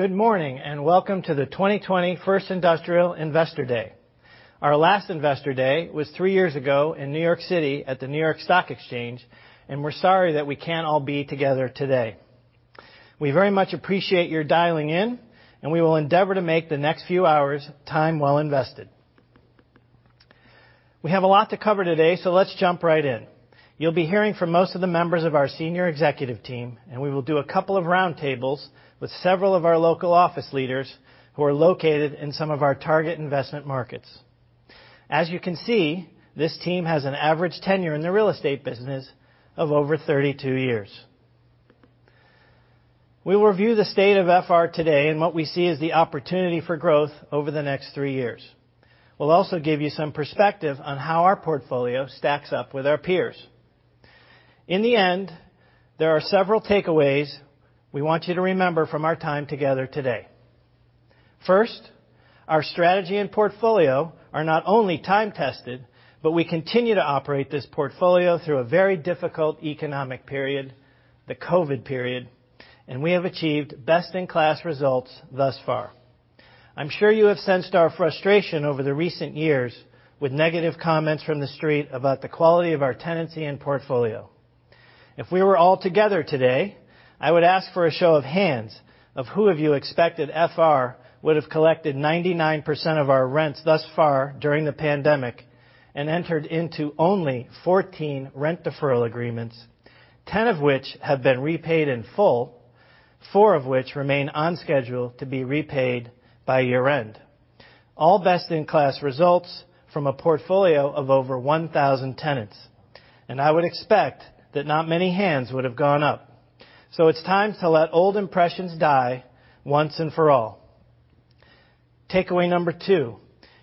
Good morning, and welcome to the 2020 First Industrial Investor Day. Our last Investor Day was three years ago in New York City at the New York Stock Exchange, and we're sorry that we can't all be together today. We very much appreciate your dialing in, and we will endeavor to make the next few hours time well invested. We have a lot to cover today, so let's jump right in. You'll be hearing from most of the members of our senior executive team, and we will do a couple of round tables with several of our local office leaders who are located in some of our target investment markets. As you can see, this team has an average tenure in the real estate business of over 32 years. We will review the state of FR today and what we see as the opportunity for growth over the next three years. We'll also give you some perspective on how our portfolio stacks up with our peers. In the end, there are several takeaways we want you to remember from our time together today. First, our strategy and portfolio are not only time-tested, but we continue to operate this portfolio through a very difficult economic period, the COVID period, and we have achieved best-in-class results thus far. I'm sure you have sensed our frustration over the recent years with negative comments from the Street about the quality of our tenancy and portfolio. If we were all together today, I would ask for a show of hands of who of you expected FR would've collected 99% of our rents thus far during the pandemic and entered into only 14 rent deferral agreements, 10 of which have been repaid in full, four of which remain on schedule to be repaid by year-end. All best-in-class results from a portfolio of over 1,000 tenants. I would expect that not many hands would have gone up. It's time to let old impressions die once and for all. Takeaway number two.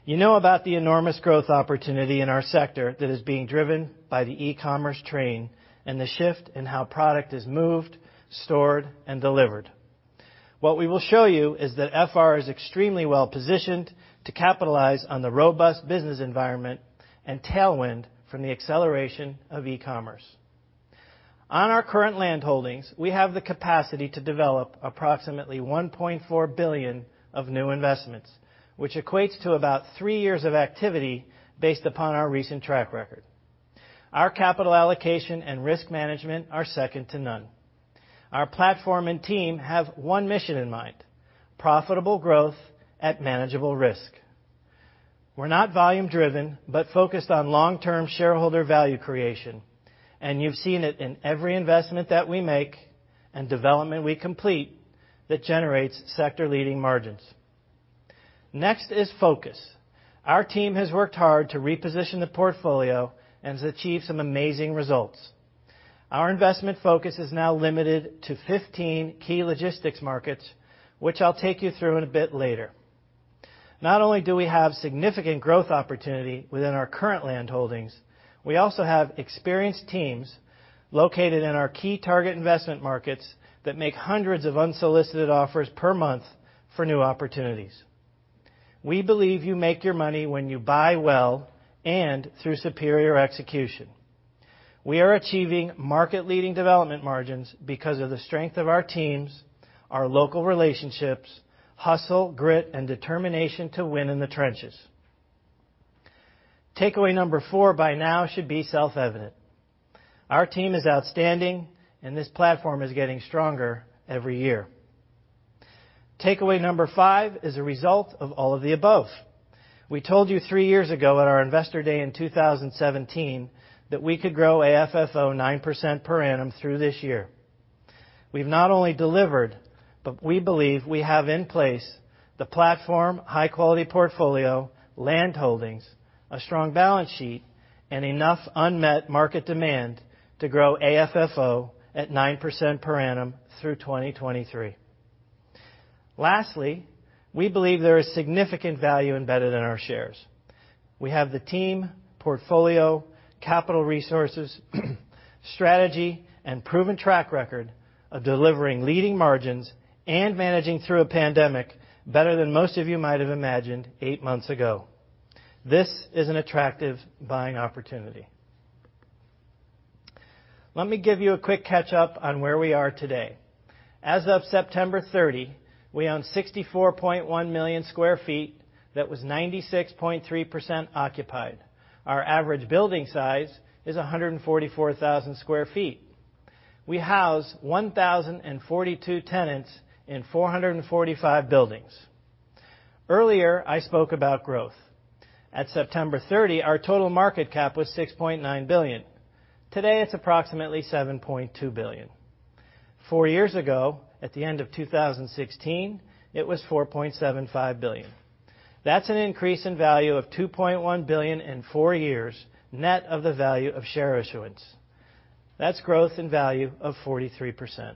You know about the enormous growth opportunity in our sector that is being driven by the e-commerce train and the shift in how product is moved, stored, and delivered. What we will show you is that FR is extremely well-positioned to capitalize on the robust business environment and tailwind from the acceleration of e-commerce. On our current land holdings, we have the capacity to develop approximately $1.4 billion of new investments, which equates to about three years of activity based upon our recent track record. Our capital allocation and risk management are second to none. Our platform and team have one mission in mind, profitable growth at manageable risk. We're not volume driven, but focused on long-term shareholder value creation, and you've seen it in every investment that we make and development we complete that generates sector-leading margins. Next is focus. Our team has worked hard to reposition the portfolio and has achieved some amazing results. Our investment focus is now limited to 15 key logistics markets, which I'll take you through in a bit later. Not only do we have significant growth opportunity within our current land holdings, we also have experienced teams located in our key target investment markets that make hundreds of unsolicited offers per month for new opportunities. We believe you make your money when you buy well and through superior execution. We are achieving market-leading development margins because of the strength of our teams, our local relationships, hustle, grit, and determination to win in the trenches. Takeaway number four by now should be self-evident. Our team is outstanding, and this platform is getting stronger every year. Takeaway number five is a result of all of the above. We told you three years ago at our Investor Day in 2017 that we could grow AFFO 9% per annum through this year. We've not only delivered, but we believe we have in place the platform, high-quality portfolio, land holdings, a strong balance sheet, and enough unmet market demand to grow AFFO at 9% per annum through 2023. We believe there is significant value embedded in our shares. We have the team, portfolio, capital resources, strategy, and proven track record of delivering leading margins and managing through a pandemic better than most of you might have imagined eight months ago. This is an attractive buying opportunity. Let me give you a quick catch-up on where we are today. As of September 30, we own 64.1 million square feet that was 96.3% occupied. Our average building size is 144,000 sq ft. We house 1,042 tenants in 445 buildings. Earlier, I spoke about growth. At September 30, our total market cap was $6.9 billion. Today, it's approximately $7.2 billion. Four years ago, at the end of 2016, it was $4.75 billion. That's an increase in value of $2.1 billion in four years, net of the value of share issuance. That's growth in value of 43%.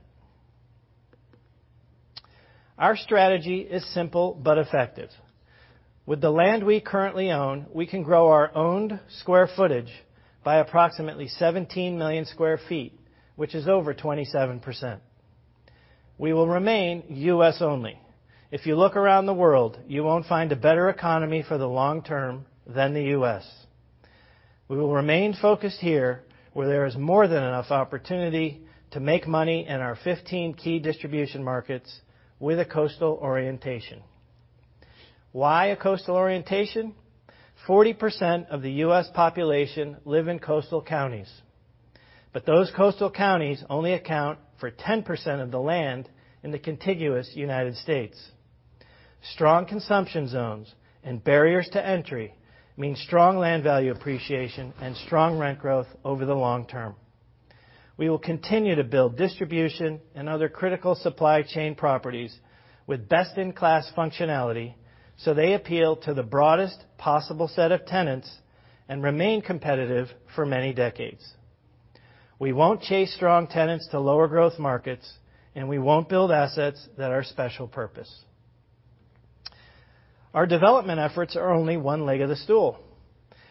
Our strategy is simple but effective. With the land we currently own, we can grow our owned square footage by approximately 17 million square feet, which is over 27%. We will remain U.S. only. If you look around the world, you won't find a better economy for the long term than the U.S. We will remain focused here where there is more than enough opportunity to make money in our 15 key distribution markets with a coastal orientation. Why a coastal orientation? 40% of the U.S. population live in coastal counties, but those coastal counties only account for 10% of the land in the contiguous United States. Strong consumption zones and barriers to entry mean strong land value appreciation and strong rent growth over the long term. We will continue to build distribution and other critical supply chain properties with best-in-class functionality, so they appeal to the broadest possible set of tenants and remain competitive for many decades. We won't chase strong tenants to lower growth markets, and we won't build assets that are special purpose. Our development efforts are only one leg of the stool.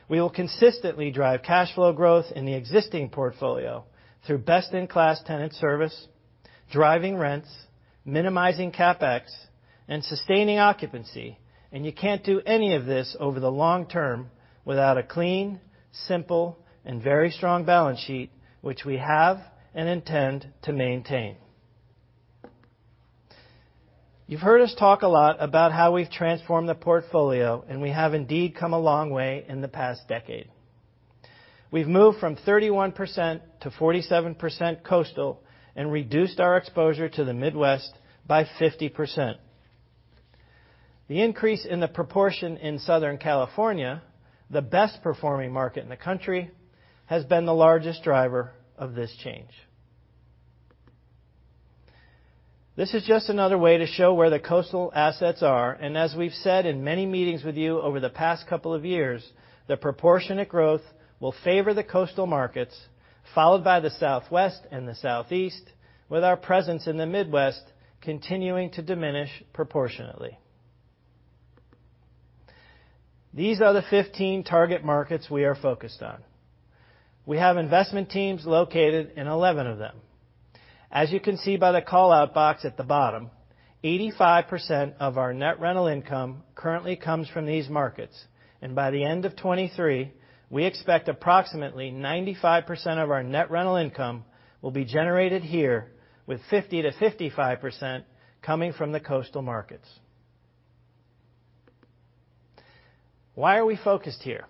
We will consistently drive cash flow growth in the existing portfolio through best-in-class tenant service, driving rents, minimizing CapEx, and sustaining occupancy. You can't do any of this over the long term without a clean, simple, and very strong balance sheet, which we have and intend to maintain. You've heard us talk a lot about how we've transformed the portfolio. We have indeed come a long way in the past decade. We've moved from 31% to 47% coastal and reduced our exposure to the Midwest by 50%. The increase in the proportion in Southern California, the best performing market in the country, has been the largest driver of this change. This is just another way to show where the coastal assets are. As we've said in many meetings with you over the past couple of years, the proportionate growth will favor the coastal markets, followed by the Southwest and the Southeast, with our presence in the Midwest continuing to diminish proportionately. These are the 15 target markets we are focused on. We have investment teams located in 11 of them. As you can see by the call-out box at the bottom, 85% of our net rental income currently comes from these markets. By the end of 2023, we expect approximately 95% of our net rental income will be generated here, with 50%-55% coming from the coastal markets. Why are we focused here?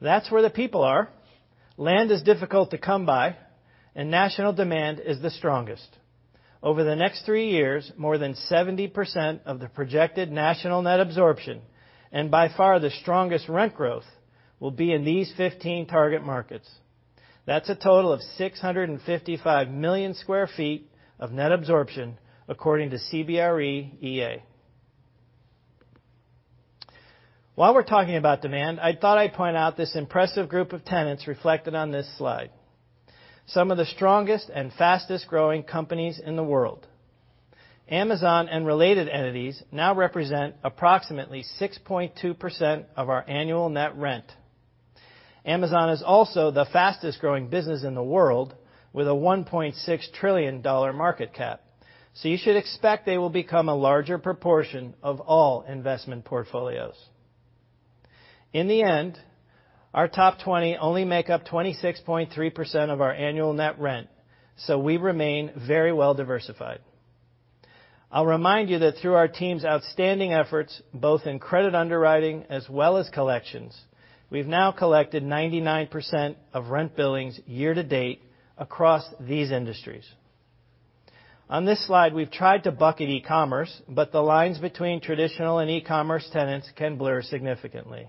That's where the people are. Land is difficult to come by, and national demand is the strongest. Over the next three years, more than 70% of the projected national net absorption, and by far the strongest rent growth, will be in these 15 target markets. That's a total of 655 million square feet of net absorption, according to CBRE EA. While we're talking about demand, I thought I'd point out this impressive group of tenants reflected on this slide. Some of the strongest and fastest-growing companies in the world. Amazon and related entities now represent approximately 6.2% of our annual net rent. Amazon is also the fastest-growing business in the world, with a $1.6 trillion market cap. You should expect they will become a larger proportion of all investment portfolios. In the end, our top 20 only make up 26.3% of our annual net rent, so we remain very well diversified. I'll remind you that through our team's outstanding efforts, both in credit underwriting as well as collections, we've now collected 99% of rent billings year-to-date across these industries. On this slide, we've tried to bucket e-commerce, but the lines between traditional and e-commerce tenants can blur significantly.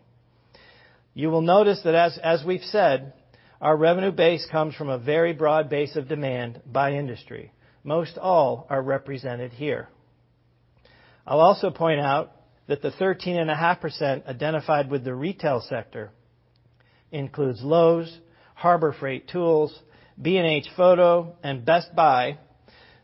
You will notice that as we've said, our revenue base comes from a very broad base of demand by industry. Most all are represented here. I'll also point out that the 13.5% identified with the retail sector includes Lowe's, Harbor Freight Tools, B&H Photo, and Best Buy,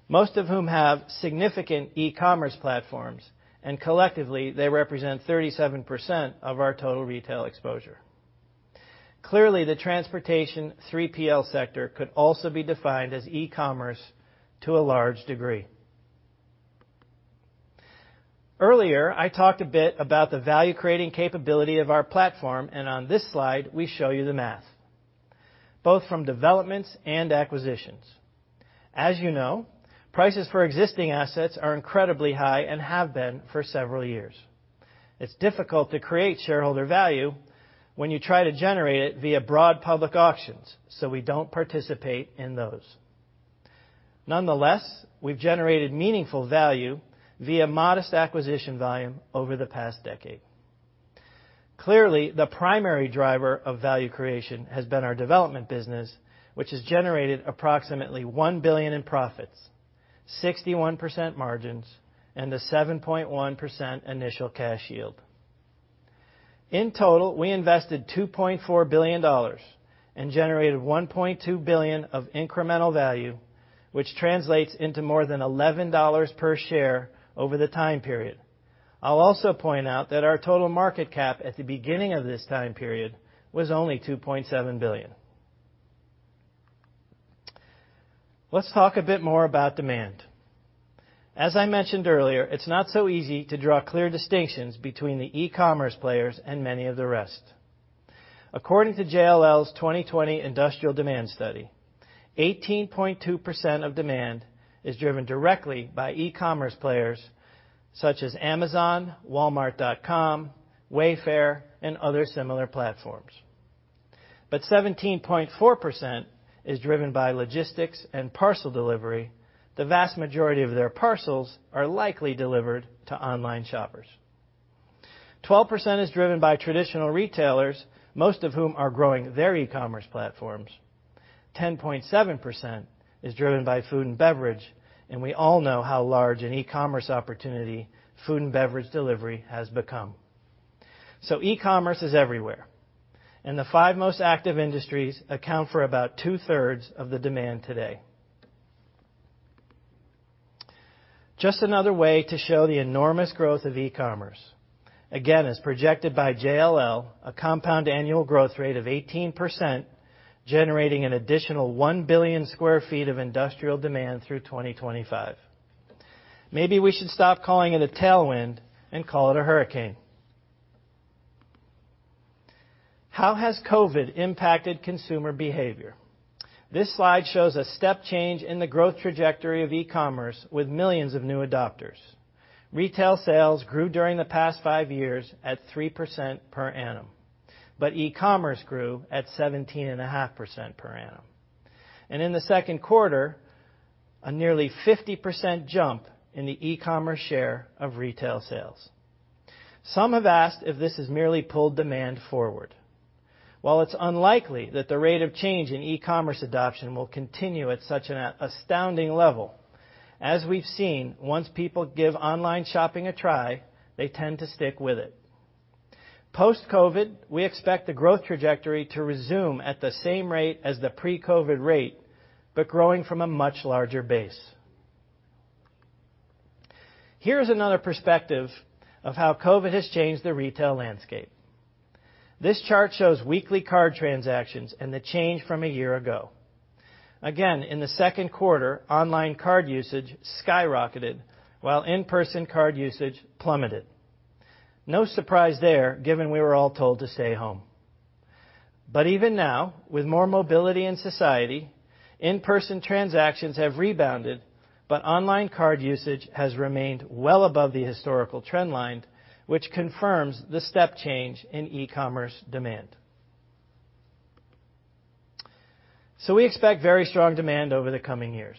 most of whom have significant e-commerce platforms, and collectively, they represent 37% of our total retail exposure. Clearly, the transportation 3PL sector could also be defined as e-commerce to a large degree. Earlier, I talked a bit about the value-creating capability of our platform, and on this slide, we show you the math, both from developments and acquisitions. As you know, prices for existing assets are incredibly high and have been for several years. It's difficult to create shareholder value when you try to generate it via broad public auctions, so we don't participate in those. Nonetheless, we've generated meaningful value via modest acquisition volume over the past decade. Clearly, the primary driver of value creation has been our development business, which has generated approximately $1 billion in profits, 61% margins, and a 7.1% initial cash yield. In total, we invested $2.4 billion and generated $1.2 billion of incremental value, which translates into more than $11 per share over the time period. I'll also point out that our total market cap at the beginning of this time period was only $2.7 billion. Let's talk a bit more about demand. As I mentioned earlier, it's not so easy to draw clear distinctions between the e-commerce players and many of the rest. According to JLL's 2020 Industrial Demand Study, 18.2% of demand is driven directly by e-commerce players such as Amazon, Walmart.com, Wayfair, and other similar platforms. 17.4% is driven by logistics and parcel delivery. The vast majority of their parcels are likely delivered to online shoppers. 12% is driven by traditional retailers, most of whom are growing their e-commerce platforms. 10.7% is driven by food and beverage, and we all know how large an e-commerce opportunity food and beverage delivery has become. E-commerce is everywhere, and the five most active industries account for about two-thirds of the demand today. Just another way to show the enormous growth of e-commerce. Again, as projected by JLL, a compound annual growth rate of 18%, generating an additional 1 billion square feet of industrial demand through 2025. Maybe we should stop calling it a tailwind and call it a hurricane. How has COVID impacted consumer behavior? This slide shows a step change in the growth trajectory of e-commerce with millions of new adopters. Retail sales grew during the past five years at 3% per annum, but e-commerce grew at 17.5% per annum. In the second quarter, a nearly 50% jump in the e-commerce share of retail sales. Some have asked if this has merely pulled demand forward. While it's unlikely that the rate of change in e-commerce adoption will continue at such an astounding level, as we've seen, once people give online shopping a try, they tend to stick with it. Post-COVID, we expect the growth trajectory to resume at the same rate as the pre-COVID rate, but growing from a much larger base. Here's another perspective of how COVID has changed the retail landscape. This chart shows weekly card transactions and the change from a year ago. Again, in the second quarter, online card usage skyrocketed while in-person card usage plummeted. No surprise there, given we were all told to stay home. Even now, with more mobility in society, in-person transactions have rebounded, but online card usage has remained well above the historical trend line, which confirms the step change in e-commerce demand. We expect very strong demand over the coming years.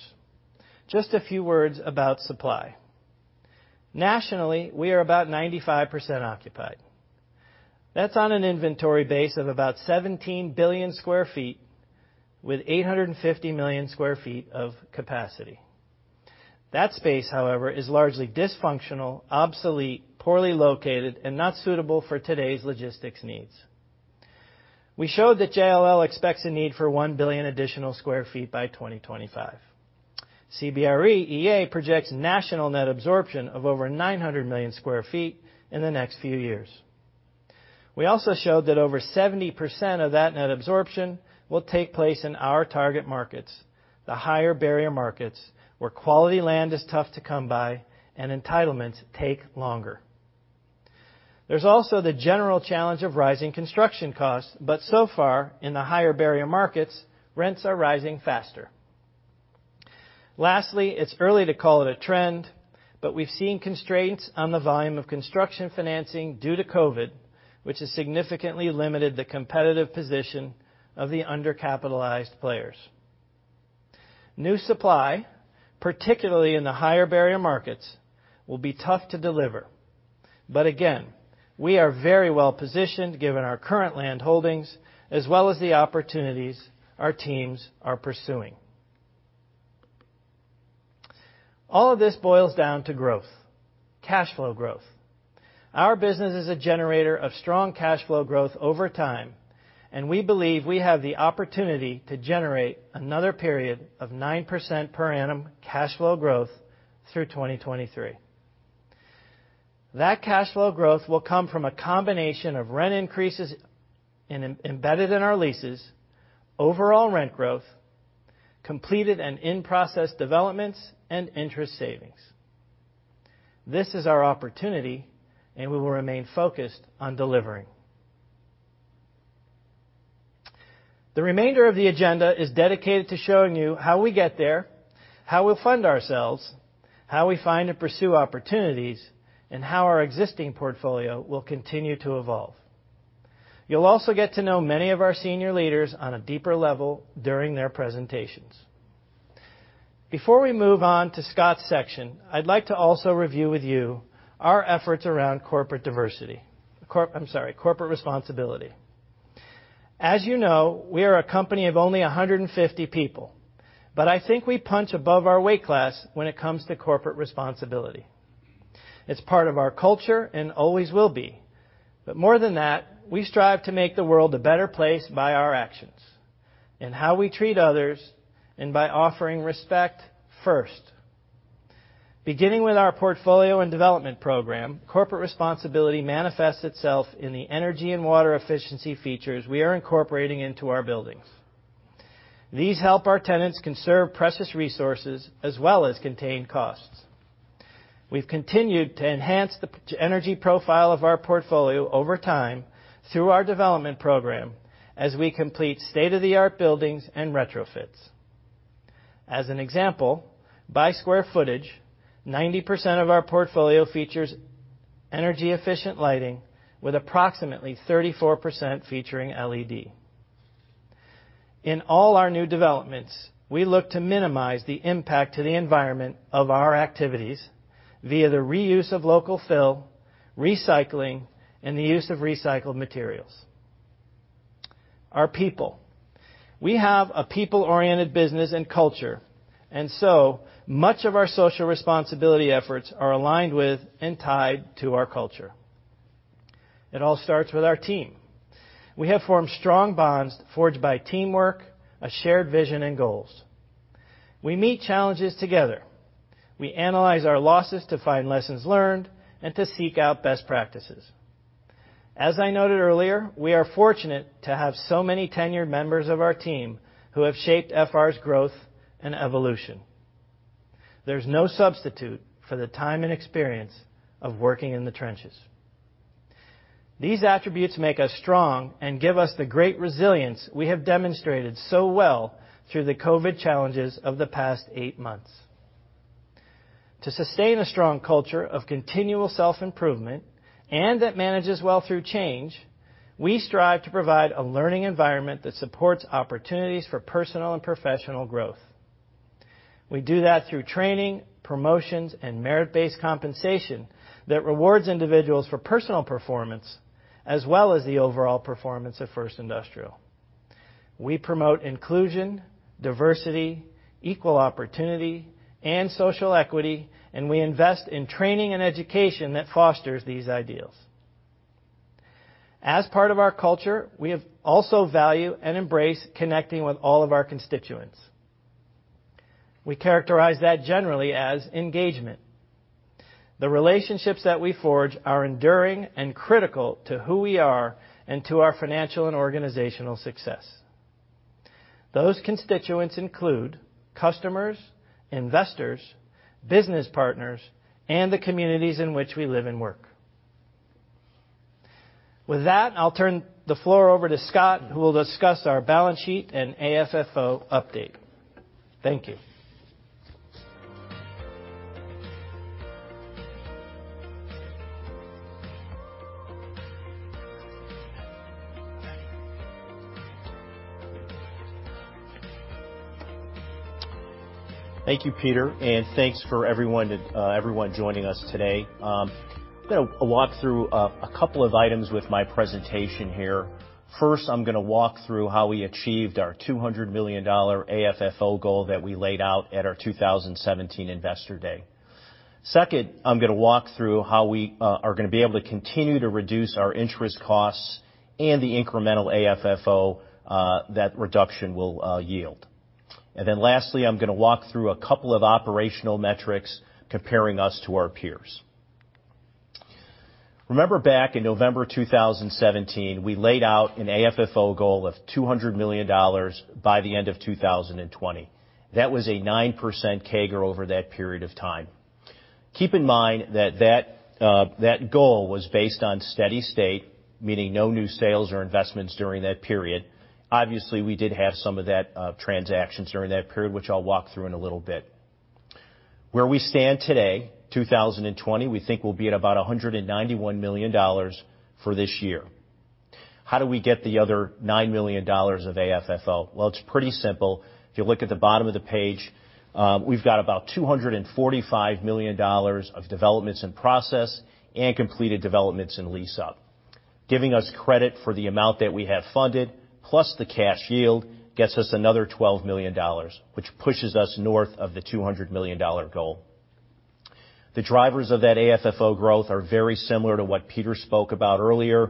Just a few words about supply. Nationally, we are about 95% occupied. That's on an inventory base of about 17 billion square feet with 850 million square feet of capacity. That space, however, is largely dysfunctional, obsolete, poorly located, and not suitable for today's logistics needs. We showed that JLL expects a need for 1 billion additional square feet by 2025. CBRE EA projects national net absorption of over 900 million square feet in the next few years. We also showed that over 70% of that net absorption will take place in our target markets, the higher barrier markets, where quality land is tough to come by and entitlements take longer. There's also the general challenge of rising construction costs, but so far, in the higher barrier markets, rents are rising faster. Lastly, it's early to call it a trend, but we've seen constraints on the volume of construction financing due to COVID, which has significantly limited the competitive position of the undercapitalized players. New supply, particularly in the higher barrier markets, will be tough to deliver. Again, we are very well positioned given our current land holdings as well as the opportunities our teams are pursuing. All of this boils down to growth, cash flow growth. Our business is a generator of strong cash flow growth over time, and we believe we have the opportunity to generate another period of 9% per annum cash flow growth through 2023. That cash flow growth will come from a combination of rent increases embedded in our leases, overall rent growth, completed and in-process developments, and interest savings. This is our opportunity, and we will remain focused on delivering. The remainder of the agenda is dedicated to showing you how we get there, how we'll fund ourselves, how we find and pursue opportunities, and how our existing portfolio will continue to evolve. You'll also get to know many of our senior leaders on a deeper level during their presentations. Before we move on to Scott's section, I'd like to also review with you our efforts around corporate diversity. I'm sorry, corporate responsibility. As you know, we are a company of only 150 people, but I think we punch above our weight class when it comes to corporate responsibility. It's part of our culture and always will be. More than that, we strive to make the world a better place by our actions and how we treat others and by offering respect first. Beginning with our portfolio and development program, corporate responsibility manifests itself in the energy and water efficiency features we are incorporating into our buildings. These help our tenants conserve precious resources as well as contain costs. We've continued to enhance the energy profile of our portfolio over time through our development program as we complete state-of-the-art buildings and retrofits. As an example, by square footage, 90% of our portfolio features energy-efficient lighting, with approximately 34% featuring LED. In all our new developments, we look to minimize the impact to the environment of our activities via the reuse of local fill, recycling, and the use of recycled materials. Our people. We have a people-oriented business and culture, and so much of our social responsibility efforts are aligned with and tied to our culture. It all starts with our team. We have formed strong bonds forged by teamwork, a shared vision, and goals. We meet challenges together. We analyze our losses to find lessons learned and to seek out best practices. As I noted earlier, we are fortunate to have so many tenured members of our team who have shaped FR's growth and evolution. There's no substitute for the time and experience of working in the trenches. These attributes make us strong and give us the great resilience we have demonstrated so well through the COVID challenges of the past eight months. To sustain a strong culture of continual self-improvement and that manages well through change, we strive to provide a learning environment that supports opportunities for personal and professional growth. We do that through training, promotions, and merit-based compensation that rewards individuals for personal performance, as well as the overall performance of First Industrial. We promote inclusion, diversity, equal opportunity, and social equity, and we invest in training and education that fosters these ideals. As part of our culture, we also value and embrace connecting with all of our constituents. We characterize that generally as engagement. The relationships that we forge are enduring and critical to who we are and to our financial and organizational success. Those constituents include customers, investors, business partners, and the communities in which we live and work. With that, I'll turn the floor over to Scott, who will discuss our balance sheet and AFFO update. Thank you. Thank you, Peter. Thanks for everyone joining us today. I'm going to walk through a couple of items with my presentation here. First, I'm going to walk through how we achieved our $200 million AFFO goal that we laid out at our 2017 Investor Day. Second, I'm going to walk through how we are going to be able to continue to reduce our interest costs and the incremental AFFO that reduction will yield. Lastly, I'm going to walk through a couple of operational metrics comparing us to our peers. Remember back in November 2017, we laid out an AFFO goal of $200 million by the end of 2020. That was a 9% CAGR over that period of time. Keep in mind that goal was based on steady state, meaning no new sales or investments during that period. Obviously, we did have some of that transactions during that period, which I'll walk through in a little bit. Where we stand today, 2020, we think we'll be at about $191 million for this year. How do we get the other $9 million of AFFO? Well, it's pretty simple. If you look at the bottom of the page, we've got about $245 million of developments in process and completed developments in lease up. Giving us credit for the amount that we have funded, plus the cash yield, gets us another $12 million, which pushes us north of the $200 million goal. The drivers of that AFFO growth are very similar to what Peter spoke about earlier.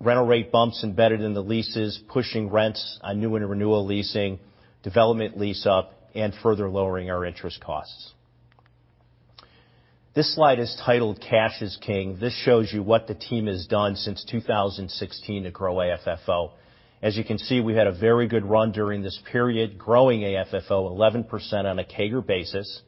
Rental rate bumps embedded in the leases, pushing rents on new and renewal leasing, development lease up, and further lowering our interest costs. This slide is titled Cash is King. This shows you what the team has done since 2016 to grow AFFO. As you can see, we've had a very good run during this period, growing AFFO 11% on a CAGR basis.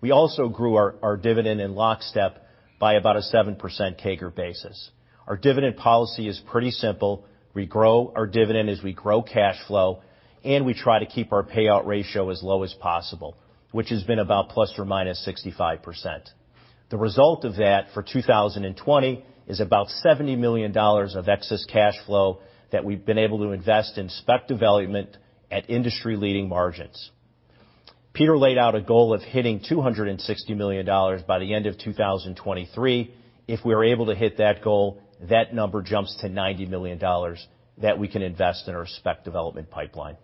We also grew our dividend in lockstep by about a 7% CAGR basis. Our dividend policy is pretty simple. We grow our dividend as we grow cash flow, and we try to keep our payout ratio as low as possible, which has been about ±65%. The result of that for 2020 is about $70 million of excess cash flow that we've been able to invest in spec development at industry leading margins. Peter laid out a goal of hitting $260 million by the end of 2023. If we are able to hit that goal, that number jumps to $90 million that we can invest in our spec development pipeline.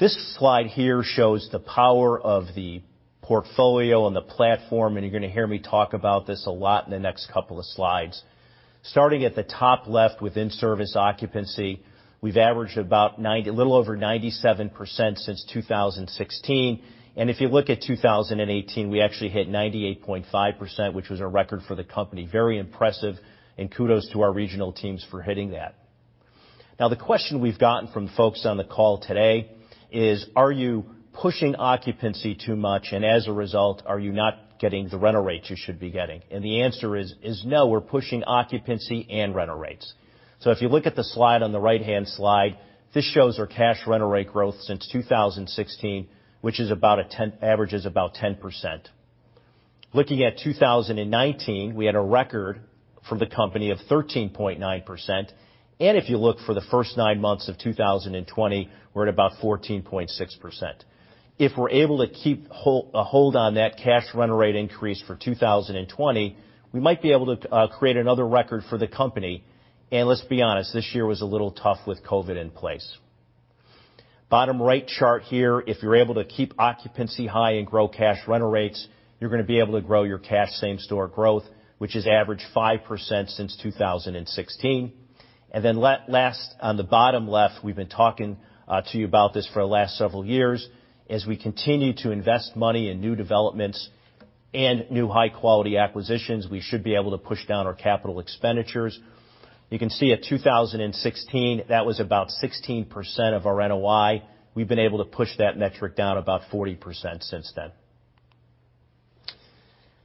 This slide here shows the power of the portfolio and the platform, and you're going to hear me talk about this a lot in the next couple of slides. Starting at the top left with in-service occupancy, we've averaged a little over 97% since 2016. If you look at 2018, we actually hit 98.5%, which was a record for the company. Very impressive, and kudos to our regional teams for hitting that. Now, the question we've gotten from folks on the call today is, are you pushing occupancy too much, and as a result, are you not getting the rental rates you should be getting? The answer is no, we're pushing occupancy and rental rates. If you look at the slide on the right-hand slide, this shows our cash rental rate growth since 2016, which averages about 10%. Looking at 2019, we had a record for the company of 13.9%, and if you look for the first nine months of 2020, we're at about 14.6%. If we're able to keep a hold on that cash rental rate increase for 2020, we might be able to create another record for the company. Let's be honest, this year was a little tough with COVID in place. Bottom right chart here, if you're able to keep occupancy high and grow cash rental rates, you're going to be able to grow your cash same-store growth, which has averaged 5% since 2016. Then last, on the bottom left, we've been talking to you about this for the last several years. As we continue to invest money in new developments and new high-quality acquisitions, we should be able to push down our capital expenditures. You can see at 2016, that was about 16% of our NOI. We've been able to push that metric down about 40% since then.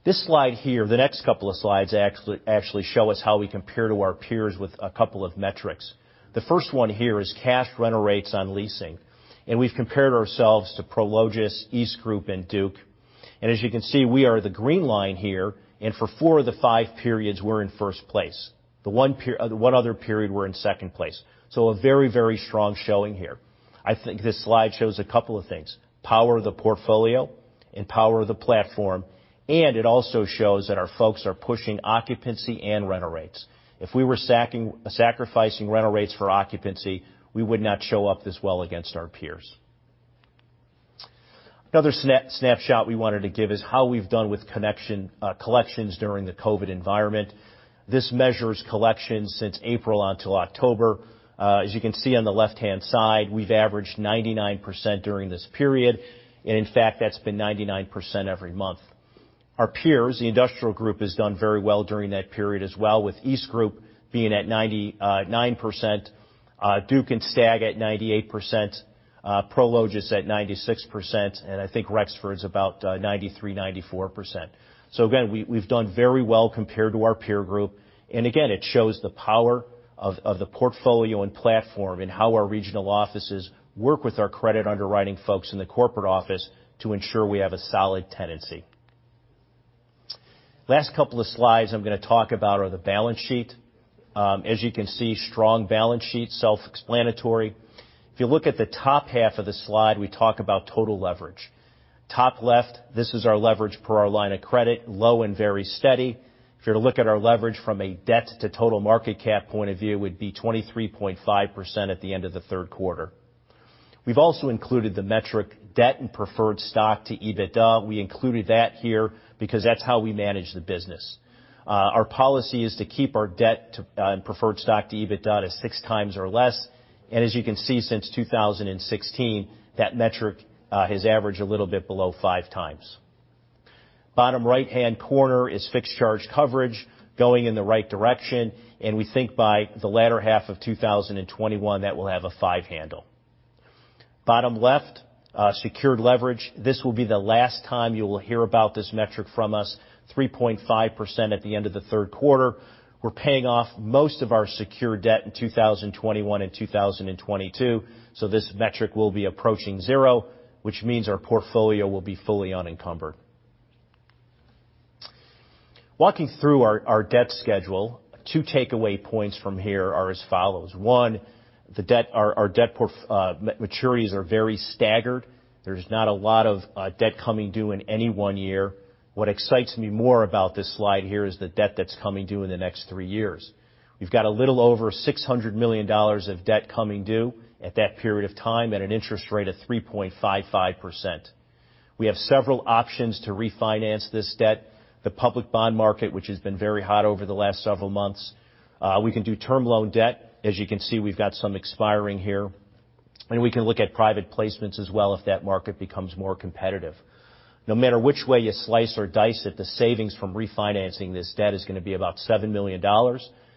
This slide here, the next couple of slides actually show us how we compare to our peers with a couple of metrics. The first one here is cash rental rates on leasing, and we've compared ourselves to Prologis, EastGroup, and Duke. As you can see, we are the green line here, and for four of the five periods, we're in first place. The one other period, we're in second place. A very strong showing here. I think this slide shows a couple of things, power of the portfolio and power of the platform, and it also shows that our folks are pushing occupancy and rental rates. If we were sacrificing rental rates for occupancy, we would not show up this well against our peers. Another snapshot we wanted to give is how we've done with collections during the COVID environment. This measures collections since April until October. As you can see on the left-hand side, we've averaged 99% during this period, and in fact, that's been 99% every month. Our peers, the industrial group, has done very well during that period as well, with EastGroup being at 99%, Duke and STAG at 98%, Prologis at 96%, and I think Rexford's about 93%, 94%. Again, we've done very well compared to our peer group. Again, it shows the power of the portfolio and platform and how our regional offices work with our credit underwriting folks in the corporate office to ensure we have a solid tenancy. Last couple of slides I'm going to talk about are the balance sheet. As you can see, strong balance sheet, self-explanatory. If you look at the top half of the slide, we talk about total leverage. Top left, this is our leverage per our line of credit, low and very steady. If you were to look at our leverage from a debt to total market cap point of view, it would be 23.5% at the end of the third quarter. We've also included the metric debt and preferred stock to EBITDA. We included that here because that's how we manage the business. Our policy is to keep our debt and preferred stock to EBITDA to 6x or less. As you can see since 2016, that metric has averaged a little bit below five times. Bottom right-hand corner is fixed charge coverage going in the right direction. We think by the latter half of 2021, that will have a five handle. Bottom left, secured leverage. This will be the last time you will hear about this metric from us, 3.5% at the end of the third quarter. We're paying off most of our secured debt in 2021 and 2022, so this metric will be approaching zero, which means our portfolio will be fully unencumbered. Walking through our debt schedule, two takeaway points from here are as follows. One, our debt maturities are very staggered. There's not a lot of debt coming due in any one year. What excites me more about this slide here is the debt that's coming due in the next three years. We've got a little over $600 million of debt coming due at that period of time at an interest rate of 3.55%. We have several options to refinance this debt. The public bond market, which has been very hot over the last several months. We can do term loan debt. As you can see, we've got some expiring here. We can look at private placements as well if that market becomes more competitive. No matter which way you slice or dice it, the savings from refinancing this debt is going to be about $7 million,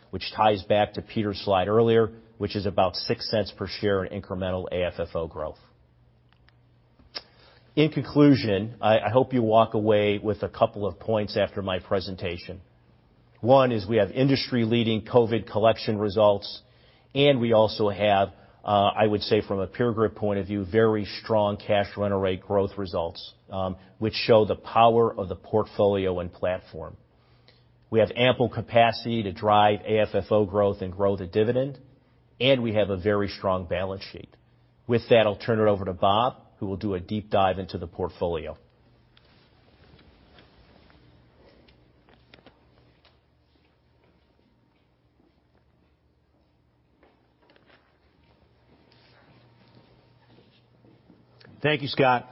which ties back to Peter's slide earlier, which is about $0.06 per share in incremental AFFO growth. In conclusion, I hope you walk away with a couple of points after my presentation. One is we have industry-leading COVID collection results, and we also have, I would say from a peer group point of view, very strong cash rental rate growth results, which show the power of the portfolio and platform. We have ample capacity to drive AFFO growth and grow the dividend. We have a very strong balance sheet. With that, I'll turn it over to Bob, who will do a deep dive into the portfolio. Thank you, Scott.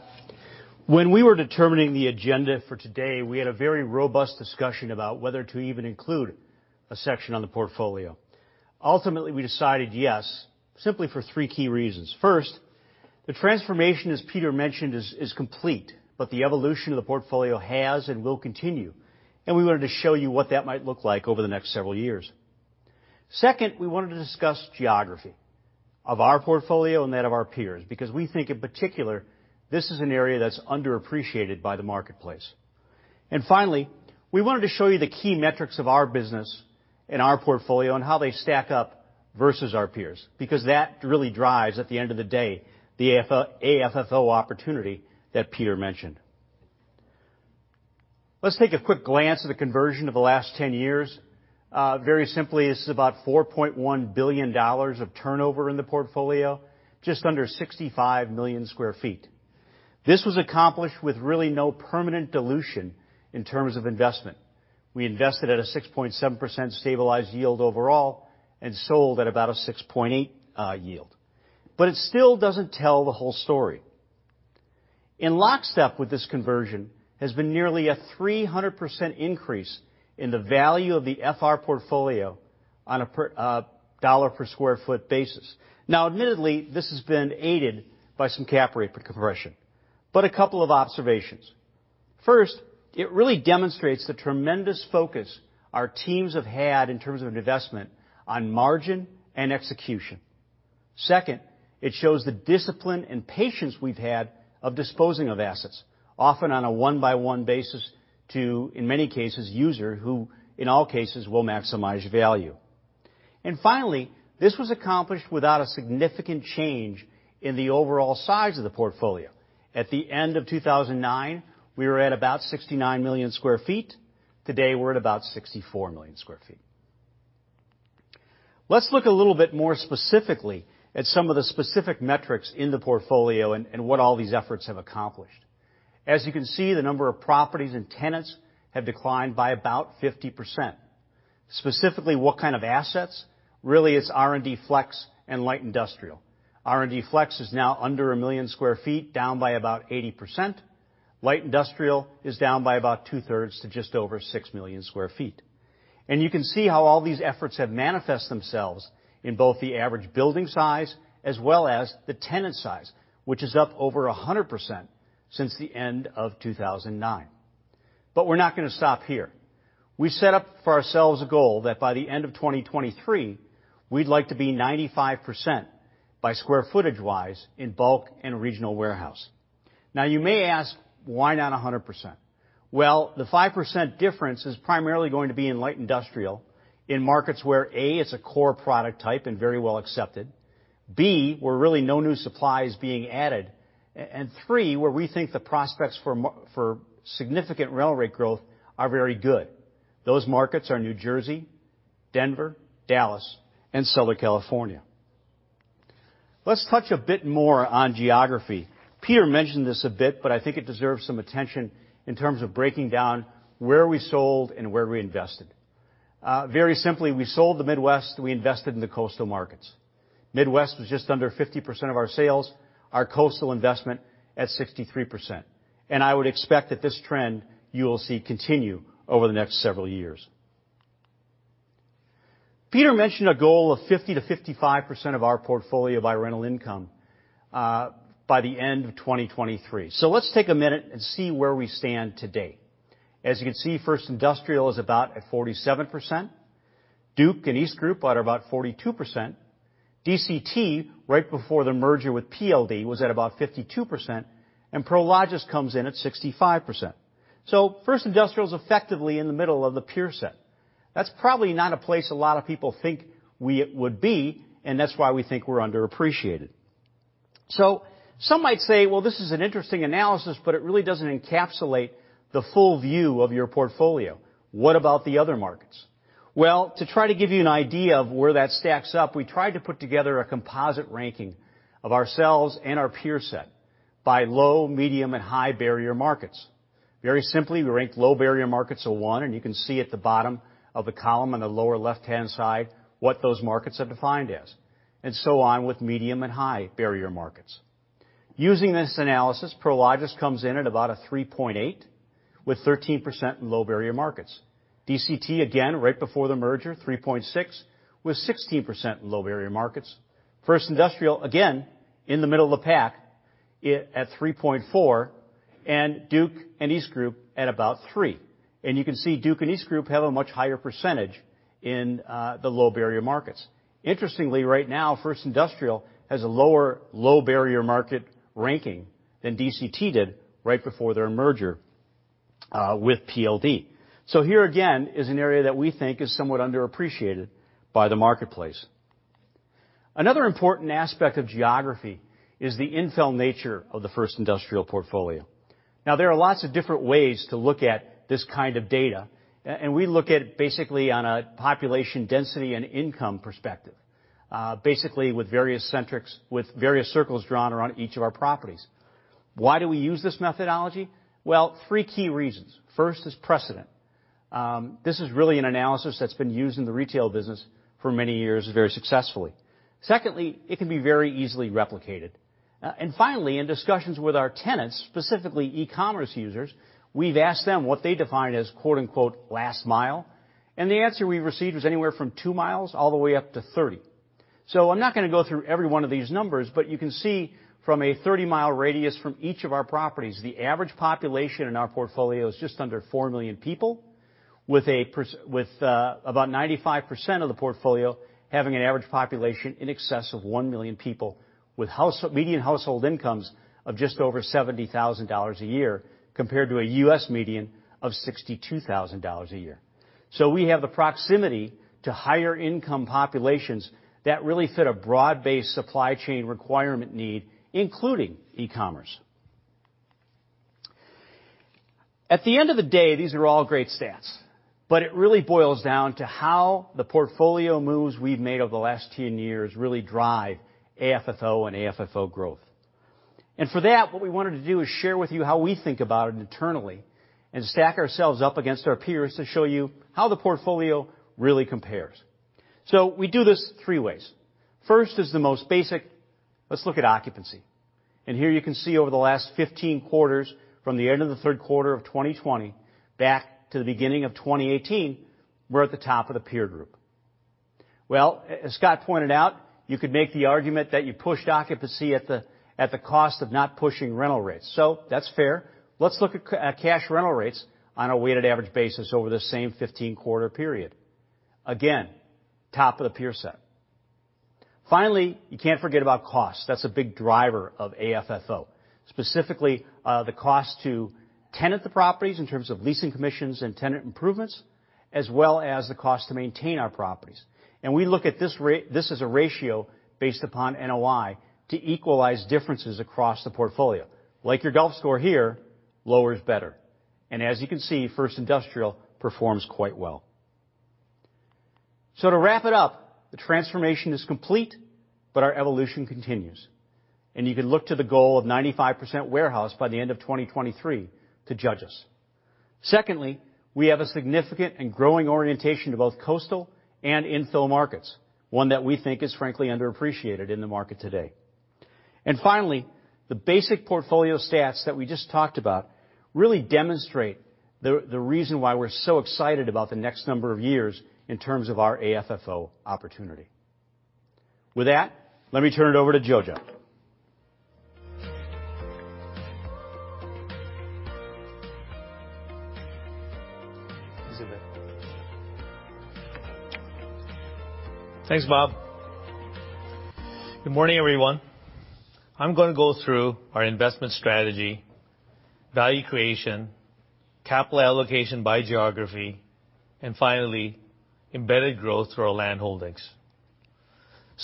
When we were determining the agenda for today, we had a very robust discussion about whether to even include a section on the portfolio. Ultimately, we decided yes, simply for three key reasons. First, the transformation, as Peter mentioned, is complete, but the evolution of the portfolio has and will continue, and we wanted to show you what that might look like over the next several years. Second, we wanted to discuss geography of our portfolio and that of our peers, because we think, in particular, this is an area that's underappreciated by the marketplace. Finally, we wanted to show you the key metrics of our business and our portfolio and how they stack up versus our peers, because that really drives, at the end of the day, the AFFO opportunity that Peter mentioned. Let's take a quick glance at the conversion of the last 10 years. Very simply, this is about $4.1 billion of turnover in the portfolio, just under 65 million square feet. This was accomplished with really no permanent dilution in terms of investment. We invested at a 6.7% stabilized yield overall and sold at about a 6.8% yield. It still doesn't tell the whole story. In lockstep with this conversion has been nearly a 300% increase in the value of the FR portfolio on a dollar per square foot basis. Admittedly, this has been aided by some cap rate compression, but a couple of observations. First, it really demonstrates the tremendous focus our teams have had in terms of investment on margin and execution. It shows the discipline and patience we've had of disposing of assets, often on a one-by-one basis to, in many cases, user who, in all cases, will maximize value. Finally, this was accomplished without a significant change in the overall size of the portfolio. At the end of 2009, we were at about 69 million square feet. Today, we're at about 64 million square feet. Let's look a little bit more specifically at some of the specific metrics in the portfolio and what all these efforts have accomplished. As you can see, the number of properties and tenants have declined by about 50%. Specifically, what kind of assets? Really, it's R&D/Flex and light industrial. R&D/Flex is now under 1 million square feet, down by about 80%. Light industrial is down by about two-thirds to just over 6 million square feet. You can see how all these efforts have manifest themselves in both the average building size as well as the tenant size, which is up over 100% since the end of 2009. We're not going to stop here. We set up for ourselves a goal that by the end of 2023, we'd like to be 95% by square footage-wise in bulk and regional warehouse. You may ask, why not 100%? The 5% difference is primarily going to be in light industrial in markets where, A, it's a core product type and very well accepted, B, where really no new supply is being added, and three, where we think the prospects for significant rail rate growth are very good. Those markets are New Jersey, Denver, Dallas, and Southern California. Let's touch a bit more on geography. Peter mentioned this a bit. I think it deserves some attention in terms of breaking down where we sold and where we invested. Very simply, we sold the Midwest, we invested in the coastal markets. Midwest was just under 50% of our sales, our coastal investment at 63%. I would expect that this trend you will see continue over the next several years. Peter mentioned a goal of 50%-55% of our portfolio by rental income, by the end of 2023. Let's take a minute and see where we stand today. As you can see, First Industrial is about at 47%, Duke & EastGroup are about 42%, DCT, right before the merger with PLD, was at about 52%, and Prologis comes in at 65%. First Industrial is effectively in the middle of the peer set. That's probably not a place a lot of people think we would be, and that's why we think we're underappreciated. Some might say, "Well, this is an interesting analysis, but it really doesn't encapsulate the full view of your portfolio." What about the other markets? To try to give you an idea of where that stacks up, we tried to put together a composite ranking of ourselves and our peer set by low, medium, and high barrier markets. Very simply, we ranked low barrier markets a one, and you can see at the bottom of the column on the lower left-hand side what those markets are defined as, and so on with medium and high barrier markets. Using this analysis, Prologis comes in at about a 3.8x with 13% in low barrier markets. DCT, again, right before the merger, 3.6x with 16% in low barrier markets. First Industrial, again, in the middle of the pack at 3.4x, and Duke & EastGroup at about 3x. You can see Duke & EastGroup have a much higher percentage in the low barrier markets. Interestingly, right now, First Industrial has a lower low barrier market ranking than DCT did right before their merger with PLD. Here, again, is an area that we think is somewhat underappreciated by the marketplace. Another important aspect of geography is the infill nature of the First Industrial portfolio. Now, there are lots of different ways to look at this kind of data, and we look at basically on a population density and income perspective, basically with various centrics, with various circles drawn around each of our properties. Why do we use this methodology? Well, three key reasons. First is precedent. This is really an analysis that's been used in the retail business for many years very successfully. Secondly, it can be very easily replicated. Finally, in discussions with our tenants, specifically e-commerce users, we've asked them what they define as, quote-unquote, last mile. The answer we received was anywhere from 2 mi all the way up to 30 mi. I'm not going to go through every one of these numbers, but you can see from a 30 mi radius from each of our properties, the average population in our portfolio is just under 4 million people, with about 95% of the portfolio having an average population in excess of 1 million people, with median household incomes of just over $70,000 a year, compared to a U.S. median of $62,000 a year. We have the proximity to higher income populations that really fit a broad-based supply chain requirement need, including e-commerce. At the end of the day, these are all great stats, but it really boils down to how the portfolio moves we've made over the last 10 years really drive AFFO and AFFO growth. For that, what we wanted to do is share with you how we think about it internally and stack ourselves up against our peers to show you how the portfolio really compares. We do this three ways. First is the most basic. Let's look at occupancy. Here you can see over the last 15 quarters, from the end of the third quarter of 2020 back to the beginning of 2018, we're at the top of the peer group. Well, as Scott pointed out, you could make the argument that you pushed occupancy at the cost of not pushing rental rates. That's fair. Let's look at cash rental rates on a weighted average basis over the same 15-quarter period. Again, top of the peer set. Finally, you can't forget about cost. That's a big driver of AFFO. Specifically, the cost to tenant the properties in terms of leasing commissions and tenant improvements, as well as the cost to maintain our properties. We look at this as a ratio based upon NOI to equalize differences across the portfolio. Like your golf score here, lower is better. As you can see, First Industrial performs quite well. To wrap it up, the transformation is complete, but our evolution continues. You can look to the goal of 95% warehouse by the end of 2023 to judge us. Secondly, we have a significant and growing orientation to both coastal and infill markets, one that we think is frankly underappreciated in the market today. Finally, the basic portfolio stats that we just talked about really demonstrate the reason why we're so excited about the next number of years in terms of our AFFO opportunity. With that, let me turn it over to Jojo. Thanks, Bob. Good morning, everyone. I'm going to go through our investment strategy, value creation, capital allocation by geography, and finally, embedded growth through our land holdings.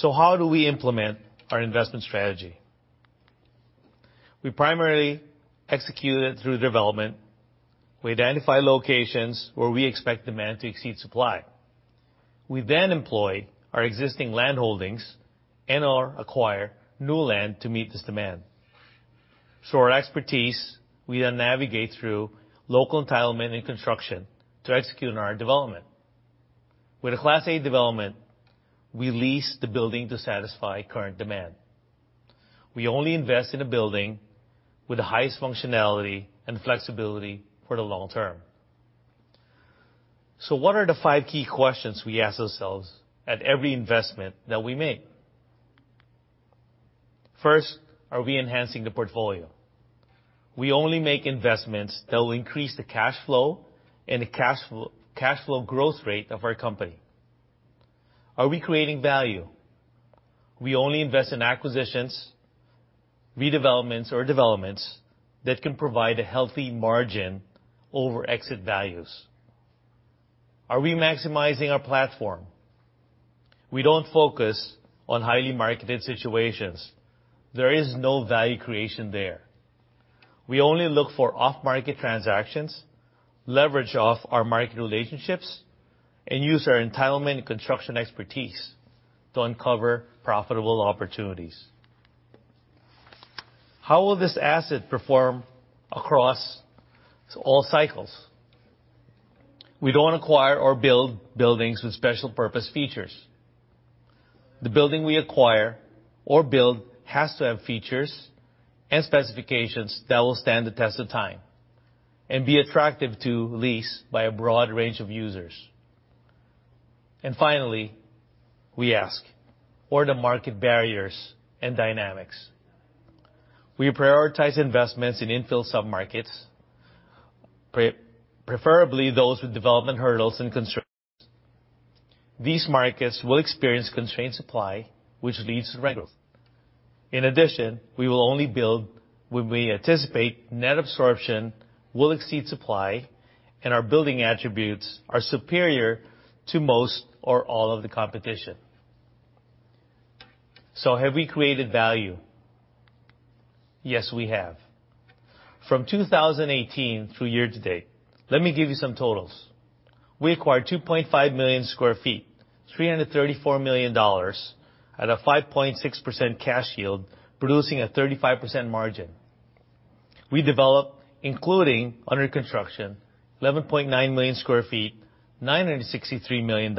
How do we implement our investment strategy? We primarily execute it through development. We identify locations where we expect demand to exceed supply. We then employ our existing land holdings and/or acquire new land to meet this demand. Through our expertise, we then navigate through local entitlement and construction to execute on our development. With a Class A development, we lease the building to satisfy current demand. We only invest in a building with the highest functionality and flexibility for the long term. What are the five key questions we ask ourselves at every investment that we make? First, are we enhancing the portfolio? We only make investments that will increase the cash flow and the cash flow growth rate of our company. Are we creating value? We only invest in acquisitions, redevelopments, or developments that can provide a healthy margin over exit values. Are we maximizing our platform? We don't focus on highly marketed situations. There is no value creation there. We only look for off-market transactions, leverage off our market relationships, and use our entitlement and construction expertise to uncover profitable opportunities. How will this asset perform across all cycles? We don't acquire or build buildings with special purpose features. The building we acquire or build has to have features and specifications that will stand the test of time and be attractive to lease by a broad range of users. Finally, we ask, what are the market barriers and dynamics? We prioritize investments in infill submarkets, preferably those with development hurdles and constraints. These markets will experience constrained supply, which leads to growth. We will only build when we anticipate net absorption will exceed supply and our building attributes are superior to most or all of the competition. Have we created value? Yes, we have. From 2018 through year-to-date, let me give you some totals. We acquired 2.5 million square feet, $334 million at a 5.6% cash yield, producing a 35% margin. We developed, including under construction, 11.9 million square feet, $963 million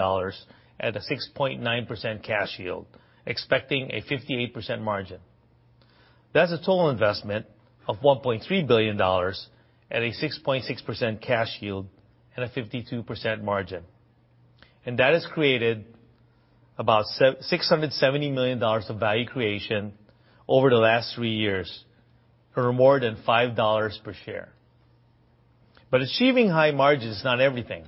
at a 6.9% cash yield, expecting a 58% margin. That's a total investment of $1.3 billion at a 6.6% cash yield and a 52% margin. That has created about $670 million of value creation over the last three years, or more than $5 per share. Achieving high margin is not everything.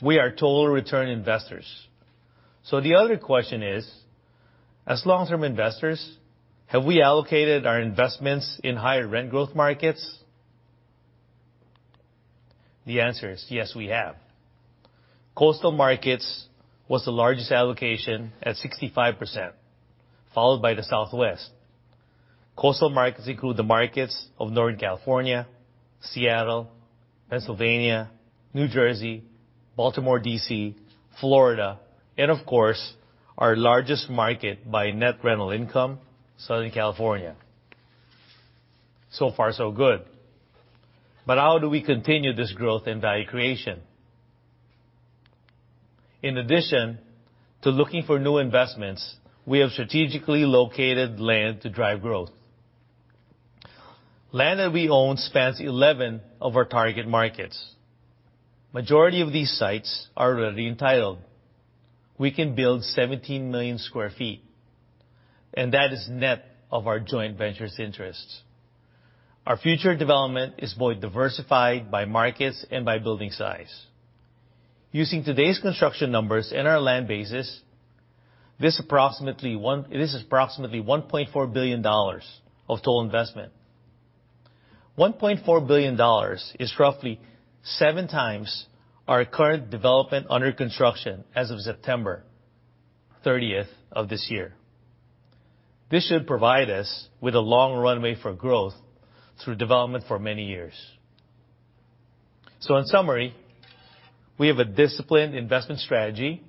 We are total return investors. The other question is, as long-term investors, have we allocated our investments in higher rent growth markets? The answer is yes, we have. Coastal markets was the largest allocation at 65%, followed by the Southwest. Coastal markets include the markets of Northern California, Seattle, Pennsylvania, New Jersey, Baltimore, D.C., Florida, and of course, our largest market by net rental income, Southern California. Far, so good. How do we continue this growth in value creation? In addition to looking for new investments, we have strategically located land to drive growth. Land that we own spans 11 of our target markets. Majority of these sites are already entitled. We can build 17 million square feet, and that is net of our joint ventures interests. Our future development is more diversified by markets and by building size. Using today's construction numbers and our land basis, this is approximately $1.4 billion of total investment. $1.4 billion is roughly 7x our current development under construction as of September 30th of this year. This should provide us with a long runway for growth through development for many years. In summary, we have a disciplined investment strategy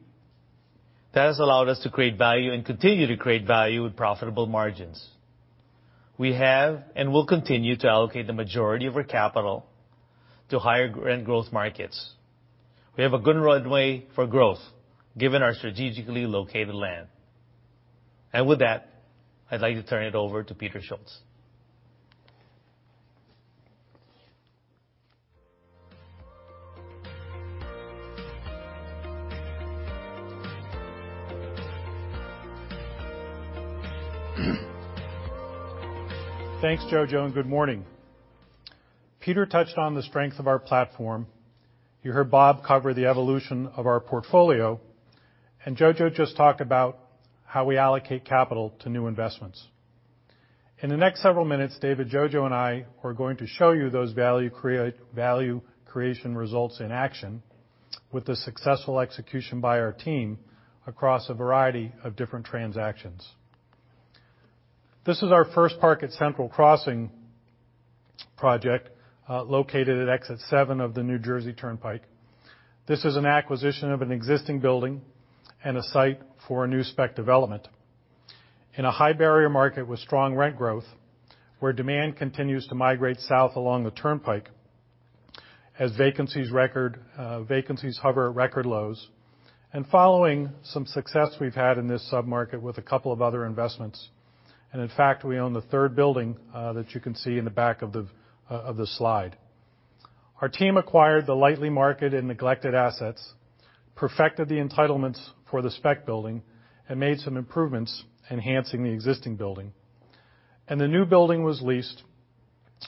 that has allowed us to create value and continue to create value with profitable margins. We have and will continue to allocate the majority of our capital to higher rent growth markets. We have a good runway for growth given our strategically located land. With that, I'd like to turn it over to Peter Schultz. Thanks, Jojo. Good morning. Peter touched on the strength of our platform. You heard Bob cover the evolution of our portfolio, and Jojo just talked about how we allocate capital to new investments. In the next several minutes, David, Jojo and I are going to show you those value creation results in action with the successful execution by our team across a variety of different transactions. This is our First Park at Central Crossing Project, located at Exit 7 of the New Jersey Turnpike. This is an acquisition of an existing building and a site for a new spec development. In a high barrier market with strong rent growth, where demand continues to migrate south along the Turnpike, as vacancies hover at record lows, and following some success we've had in this sub-market with a couple of other investments. In fact, we own the third building that you can see in the back of the slide. Our team acquired the lightly marketed and neglected assets, perfected the entitlements for the spec building, and made some improvements enhancing the existing building. The new building was leased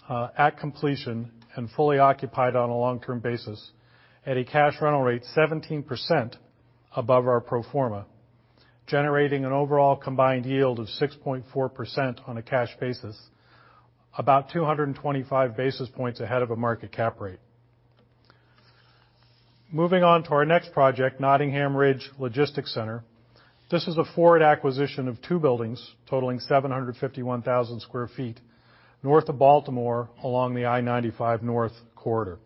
at completion and fully occupied on a long-term basis at a cash rental rate 17% above our pro forma, generating an overall combined yield of 6.4% on a cash basis, about 225 basis points ahead of a market cap rate. Moving on to our next project, Nottingham Ridge Logistics Center. This is a forward acquisition of two buildings totaling 751,000 sq ft north of Baltimore along the I-95 North corridor.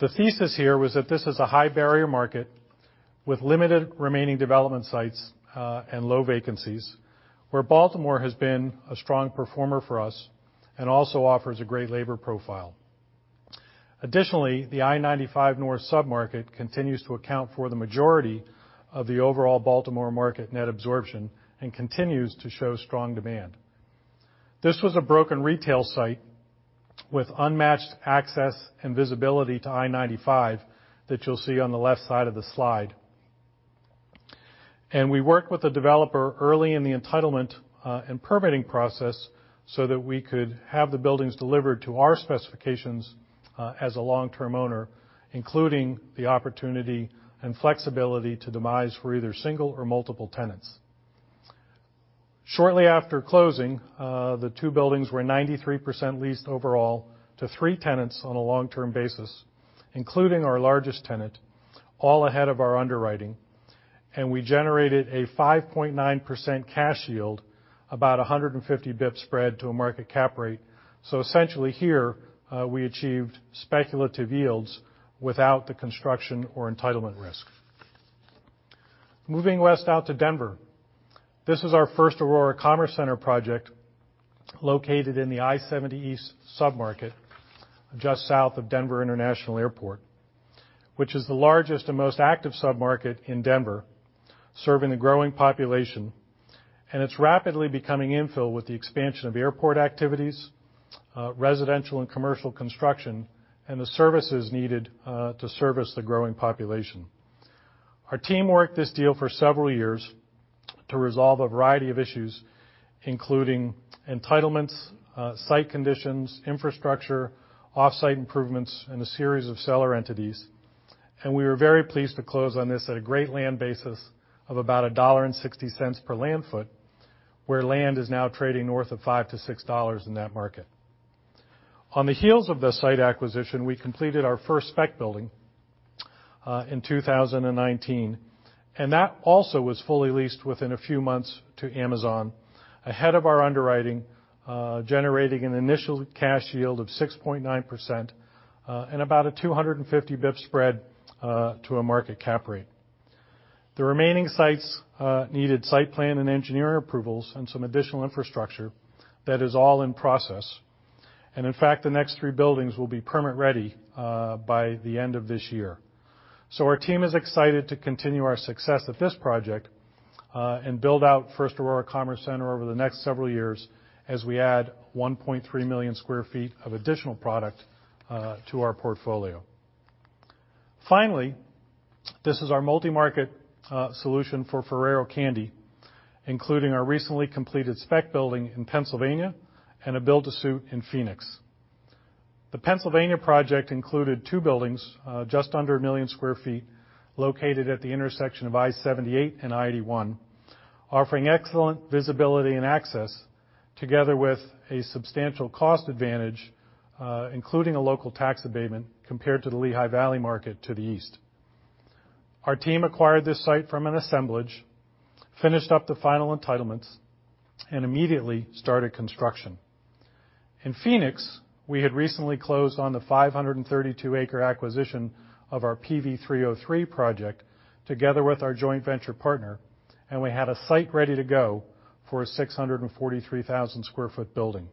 The thesis here was that this is a high barrier market with limited remaining development sites and low vacancies, where Baltimore has been a strong performer for us and also offers a great labor profile. Additionally, the I-95 North submarket continues to account for the majority of the overall Baltimore market net absorption and continues to show strong demand. This was a broken retail site with unmatched access and visibility to I-95 that you'll see on the left side of the slide. We worked with the developer early in the entitlement and permitting process so that we could have the buildings delivered to our specifications as a long-term owner, including the opportunity and flexibility to demise for either single or multiple tenants. Shortly after closing, the two buildings were 93% leased overall to three tenants on a long-term basis, including our largest tenant, all ahead of our underwriting. We generated a 5.9% cash yield, about 150 basis points spread to a market cap rate. Essentially here, we achieved speculative yields without the construction or entitlement risk. Moving west out to Denver. This is our First Aurora Commerce Center project, located in the I-70 East submarket, just south of Denver International Airport, which is the largest and most active submarket in Denver, serving the growing population. It's rapidly becoming infill with the expansion of airport activities, residential and commercial construction, and the services needed to service the growing population. Our team worked this deal for several years to resolve a variety of issues, including entitlements, site conditions, infrastructure, off-site improvements, and a series of seller entities. We were very pleased to close on this at a great land basis of about $1.60 per land foot, where land is now trading north of $5-$6 in that market. On the heels of the site acquisition, we completed our first spec building in 2019, that also was fully leased within a few months to Amazon, ahead of our underwriting, generating an initial cash yield of 6.9% and about a 250 basis points spread to a market cap rate. The remaining sites needed site plan and engineering approvals and some additional infrastructure. That is all in process. In fact, the next three buildings will be permit ready by the end of this year. Our team is excited to continue our success at this project, and build out First Aurora Commerce Center over the next several years as we add 1.3 million square feet of additional product to our portfolio. Finally, this is our multi-market solution for Ferrero Candy, including our recently completed spec building in Pennsylvania and a build to suit in Phoenix. The Pennsylvania project included two buildings, just under 1 million square feet, located at the intersection of I-78 and I-81, offering excellent visibility and access, together with a substantial cost advantage, including a local tax abatement compared to the Lehigh Valley market to the east. Our team acquired this site from an assemblage, finished up the final entitlements, and immediately started construction. In Phoenix, we had recently closed on the 532-acre acquisition of our PV 303 project together with our joint venture partner, and we had a site ready to go for a 643,000 sq ft building.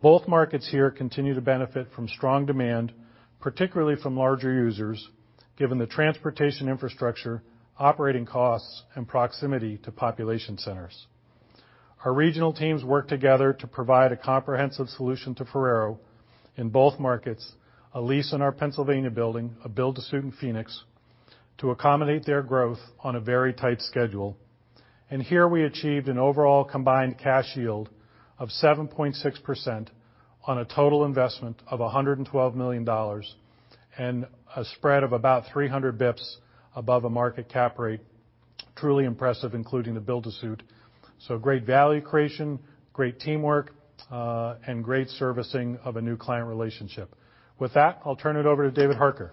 Both markets here continue to benefit from strong demand, particularly from larger users, given the transportation infrastructure, operating costs, and proximity to population centers. Our regional teams worked together to provide a comprehensive solution to Ferrero in both markets, a lease on our Pennsylvania building, a build to suit in Phoenix, to accommodate their growth on a very tight schedule. Here we achieved an overall combined cash yield of 7.6% on a total investment of $112 million, and a spread of about 300 basis points above a market cap rate. Truly impressive, including the build to suit. Great value creation, great teamwork, and great servicing of a new client relationship. With that, I'll turn it over to David Harker.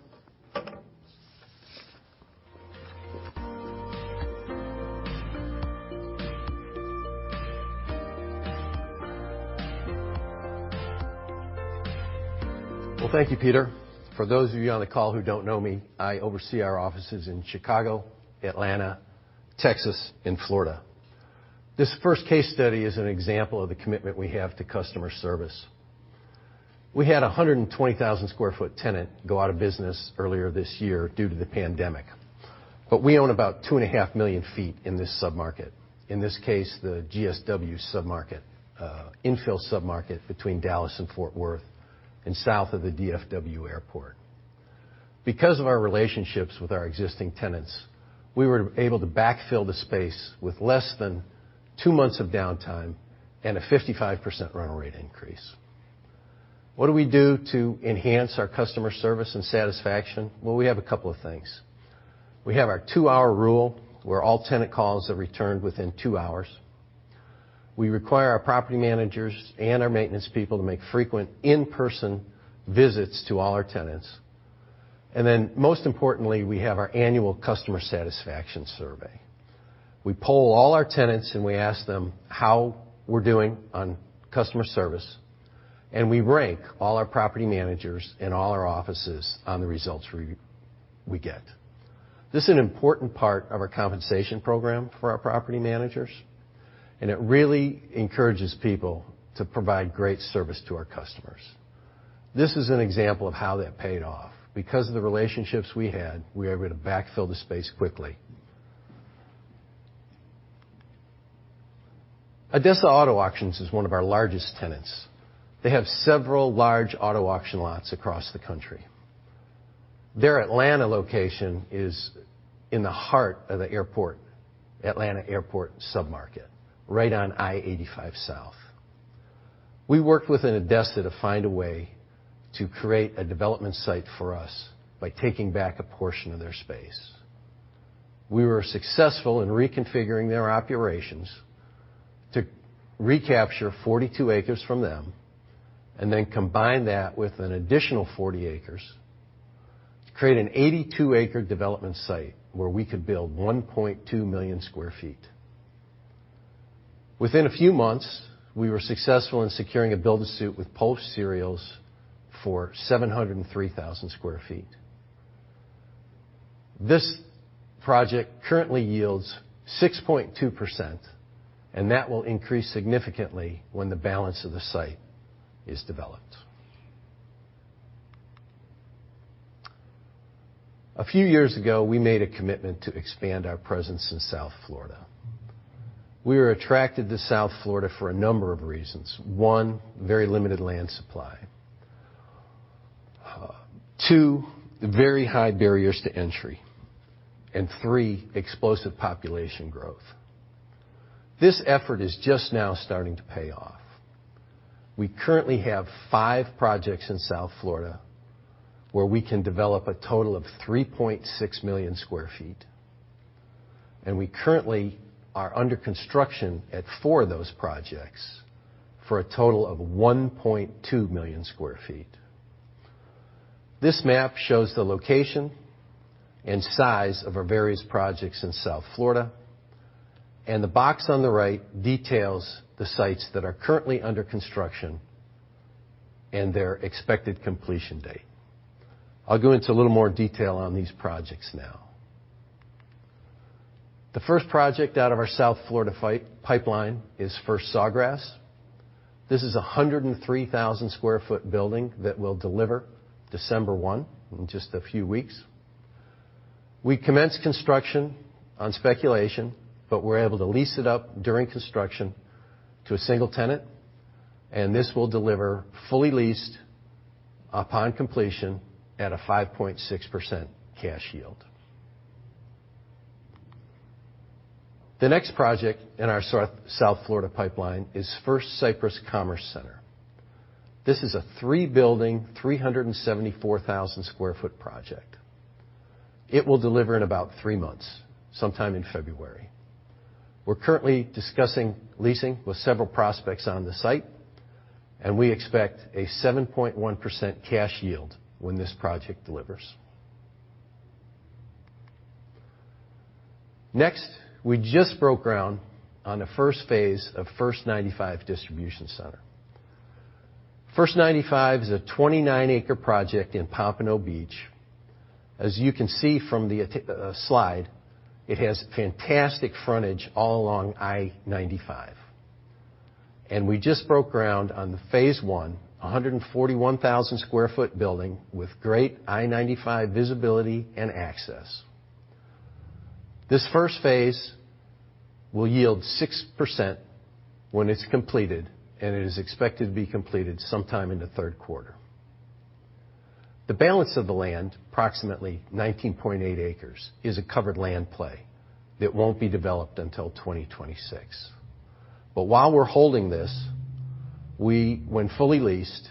Well, thank you, Peter. For those of you on the call who don't know me, I oversee our offices in Chicago, Atlanta, Texas, and Florida. This first case study is an example of the commitment we have to customer service. We had a 120,000 sq ft tenant go out of business earlier this year due to the pandemic. We own about 2.5 million feet in this submarket, in this case, the GSW submarket, infill submarket between Dallas and Fort Worth and south of the DFW Airport. Because of our relationships with our existing tenants, we were able to backfill the space with less than two months of downtime and a 55% rental rate increase. What do we do to enhance our customer service and satisfaction? Well, we have a couple of things. We have our two-hour rule, where all tenant calls are returned within two hours. We require our property managers and our maintenance people to make frequent in-person visits to all our tenants. Then most importantly, we have our annual customer satisfaction survey. We poll all our tenants, and we ask them how we're doing on customer service, and we rank all our property managers and all our offices on the results we get. This is an important part of our compensation program for our property managers, and it really encourages people to provide great service to our customers. This is an example of how that paid off. Because of the relationships we had, we were able to backfill the space quickly. ADESA is one of our largest tenants. They have several large auto auction lots across the country. Their Atlanta location is in the heart of the Atlanta Airport submarket, right on I-85 South. We worked with ADESA to find a way to create a development site for us by taking back a portion of their space. We were successful in reconfiguring their operations to recapture 42 acres from them and then combine that with an additional 40 acres to create an 82-acre development site where we could build 1.2 million square feet. Within a few months, we were successful in securing a build-to-suit with Post Consumer Brands for 703,000 sq ft. This project currently yields 6.2%, and that will increase significantly when the balance of the site is developed. A few years ago, we made a commitment to expand our presence in South Florida. We were attracted to South Florida for a number of reasons. One, very limited land supply. Two, very high barriers to entry. Three, explosive population growth. This effort is just now starting to pay off. We currently have five projects in South Florida where we can develop a total of 3.6 million square feet, and we currently are under construction at four of those projects for a total of 1.2 million square feet. This map shows the location and size of our various projects in South Florida, and the box on the right details the sites that are currently under construction and their expected completion date. I'll go into a little more detail on these projects now. The first project out of our South Florida pipeline is First Sawgrass. This is a 103,000 sq ft building that we'll deliver December 1, in just a few weeks. We commenced construction on speculation, but were able to lease it up during construction to a single tenant, and this will deliver fully leased upon completion at a 5.6% cash yield. The next project in our South Florida pipeline is First Cypress Commerce Center. This is a three-building, 374,000 sq ft project. It will deliver in about three months, sometime in February. We're currently discussing leasing with several prospects on the site, and we expect a 7.1% cash yield when this project delivers. Next, we just broke ground on the first phase of First 95 Distribution Center. First 95 is a 29-acre project in Pompano Beach. As you can see from the slide, it has fantastic frontage all along I-95, and we just broke ground on the phase one, 141,000 sq ft building with great I-95 visibility and access. This first phase will yield 6% when it's completed, and it is expected to be completed sometime in the third quarter. The balance of the land, approximately 19.8 acres, is a covered land play that won't be developed until 2026. While we're holding this, when fully leased,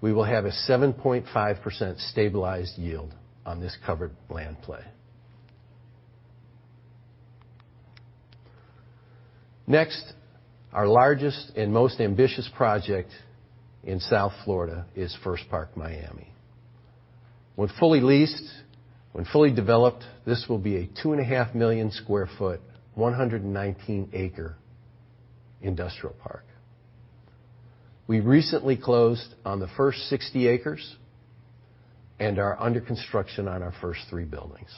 we will have a 7.5% stabilized yield on this covered land play. Next, our largest and most ambitious project in South Florida is First Park Miami. When fully leased, when fully developed, this will be a 2.5 million square foot, 119-acre industrial park. We recently closed on the first 60 acres and are under construction on our first three buildings.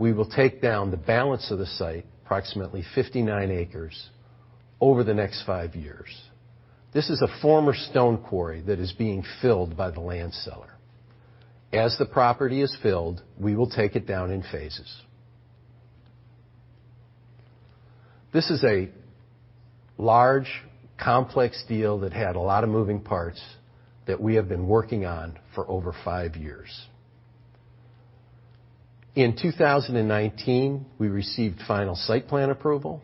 We will take down the balance of the site, approximately 59 acres, over the next five years. This is a former stone quarry that is being filled by the land seller. As the property is filled, we will take it down in phases. This is a large, complex deal that had a lot of moving parts that we have been working on for over five years. In 2019, we received final site plan approval.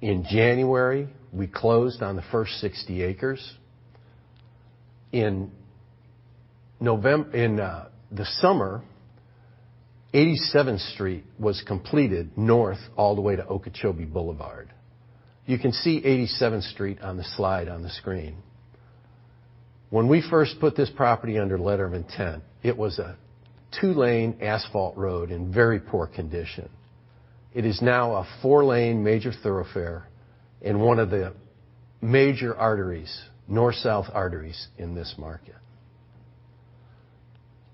In January, we closed on the first 60 acres. In the summer, 87th Street was completed north all the way to Okeechobee Boulevard. You can see 87th Street on the slide on the screen. When we first put this property under letter of intent, it was a two-lane asphalt road in very poor condition. It is now a four-lane major thoroughfare and one of the major arteries, north-south arteries, in this market.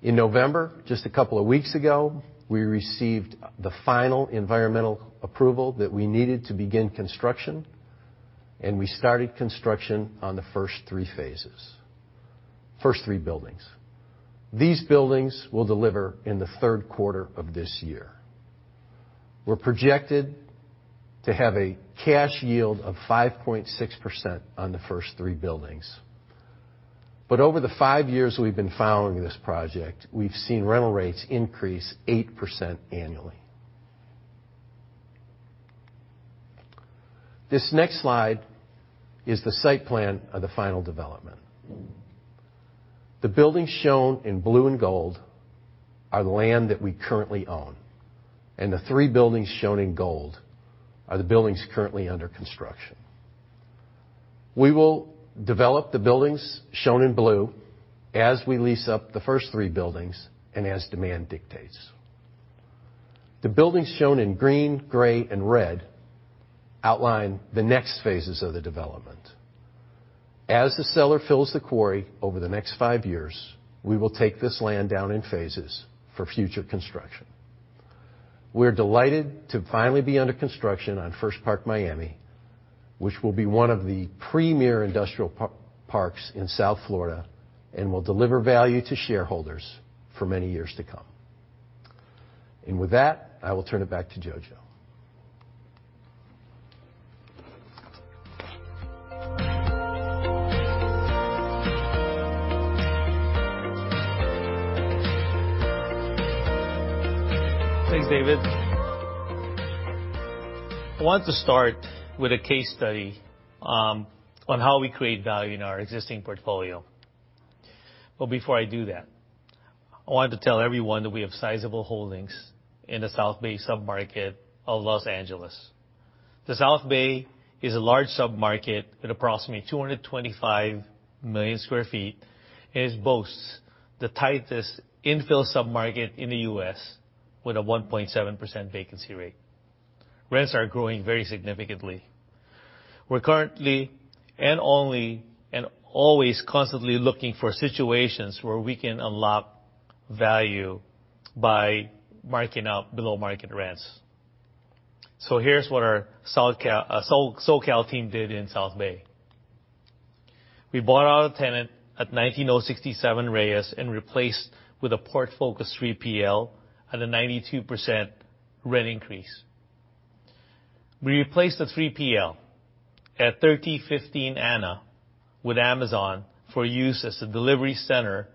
In November, just a couple of weeks ago, we received the final environmental approval that we needed to begin construction. We started construction on the first three phases. First three buildings. These buildings will deliver in the third quarter of this year. We're projected to have a cash yield of 5.6% on the first three buildings. Over the five years we've been following this project, we've seen rental rates increase 8% annually. This next slide is the site plan of the final development. The buildings shown in blue and gold are the land that we currently own, and the three buildings shown in gold are the buildings currently under construction. We will develop the buildings shown in blue as we lease up the first three buildings and as demand dictates. The buildings shown in green, gray, and red outline the next phases of the development. As the seller fills the quarry over the next five years, we will take this land down in phases for future construction. We're delighted to finally be under construction on First Park Miami, which will be one of the premier industrial parks in South Florida and will deliver value to shareholders for many years to come. With that, I will turn it back to Jojo. Thanks, David. I want to start with a case study on how we create value in our existing portfolio. Before I do that, I want to tell everyone that we have sizable holdings in the South Bay submarket of Los Angeles. The South Bay is a large submarket with approximately 225 million square feet, and it boasts the tightest infill submarket in the U.S. with a 1.7% vacancy rate. Rents are growing very significantly. We're currently and always constantly looking for situations where we can unlock value by marking up below-market rents. Here's what our SoCal team did in South Bay. We bought out a tenant at 19067 Reyes and replaced with a port-focused 3PL at a 92% rent increase. We replaced the 3PL at 1315 Ana with Amazon for use as a delivery center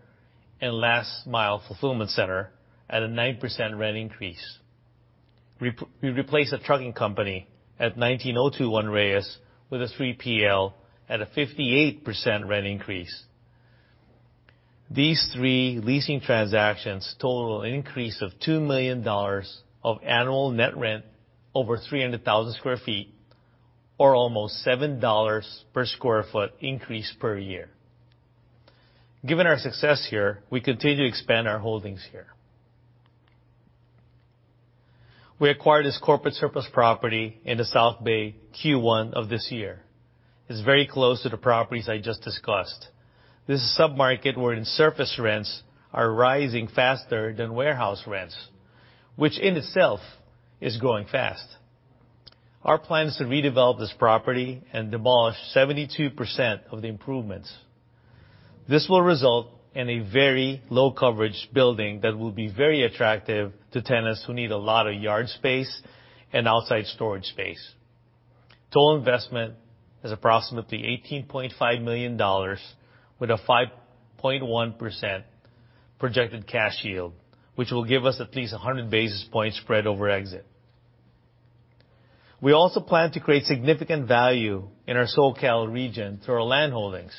and last-mile fulfillment center at a 9% rent increase. We replaced a trucking company at 19021 Reyes with a 3PL at a 58% rent increase. These three leasing transactions total an increase of $2 million of annual net rent over 300,000 sq ft, or almost $7 per square foot increase per year. Given our success here, we continue to expand our holdings here. We acquired this corporate surplus property in the South Bay Q1 of this year. It's very close to the properties I just discussed. This is a submarket where surface rents are rising faster than warehouse rents, which in itself is growing fast. Our plan is to redevelop this property and demolish 72% of the improvements. This will result in a very low-coverage building that will be very attractive to tenants who need a lot of yard space and outside storage space. Total investment is approximately $18.5 million with a 5.1% projected cash yield, which will give us at least 100 basis points spread over exit. We also plan to create significant value in our SoCal region through our land holdings.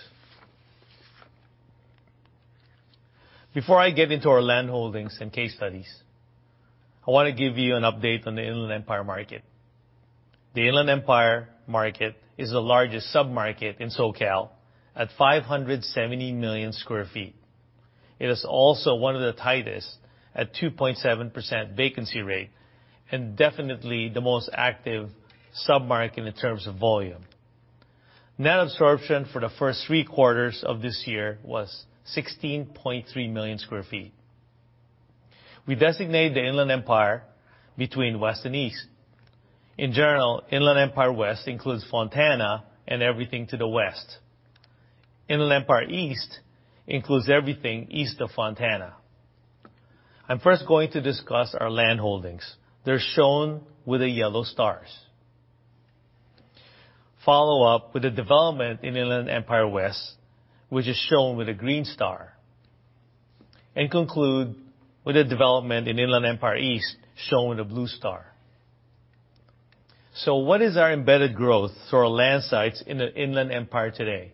Before I get into our land holdings and case studies, I want to give you an update on the Inland Empire market. The Inland Empire market is the largest submarket in SoCal at 570 million square feet. It is also one of the tightest at 2.7% vacancy rate and definitely the most active submarket in terms of volume. Net absorption for the first three quarters of this year was 16.3 million square feet. We designate the Inland Empire between west and east. In general, Inland Empire West includes Fontana and everything to the west. Inland Empire East includes everything east of Fontana. I'm first going to discuss our land holdings. They're shown with the yellow stars. Follow up with the development in Inland Empire West, which is shown with a green star. Conclude with the development in Inland Empire East, shown with a blue star. What is our embedded growth through our land sites in the Inland Empire today?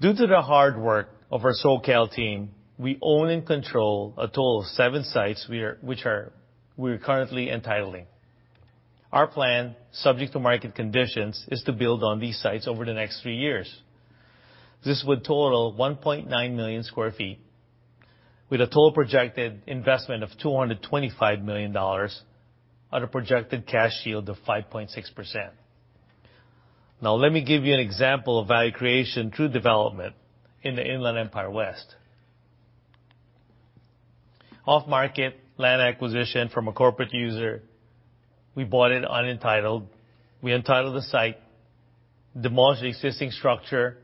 Due to the hard work of our SoCal team, we own and control a total of seven sites we are currently entitling. Our plan, subject to market conditions, is to build on these sites over the next three years. This would total 1.9 million square feet with a total projected investment of $225 million at a projected cash yield of 5.6%. Let me give you an example of value creation through development in the Inland Empire West. Off-market land acquisition from a corporate user. We bought it unentitled. We entitled the site, demolished the existing structure,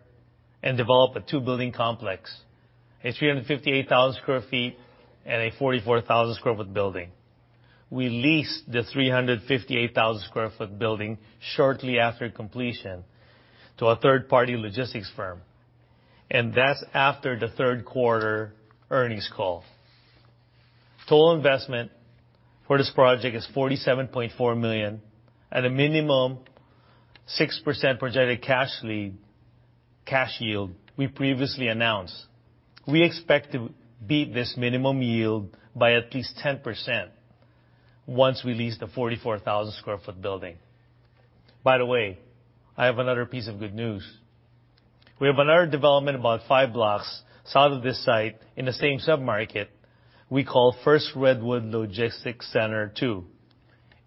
and developed a two-building complex, a 358,000 sq ft and a 44,000 sq ft building. We leased the 358,000 sq ft building shortly after completion to a third-party logistics firm. That's after the third quarter earnings call. Total investment for this project is $47.4 million at a minimum 6% projected cash yield. Cash yield we previously announced. We expect to beat this minimum yield by at least 10% once we lease the 44,000 sq ft building. By the way, I have another piece of good news. We have another development about five blocks south of this site in the same sub-market we call First Redwood Logistics Center II.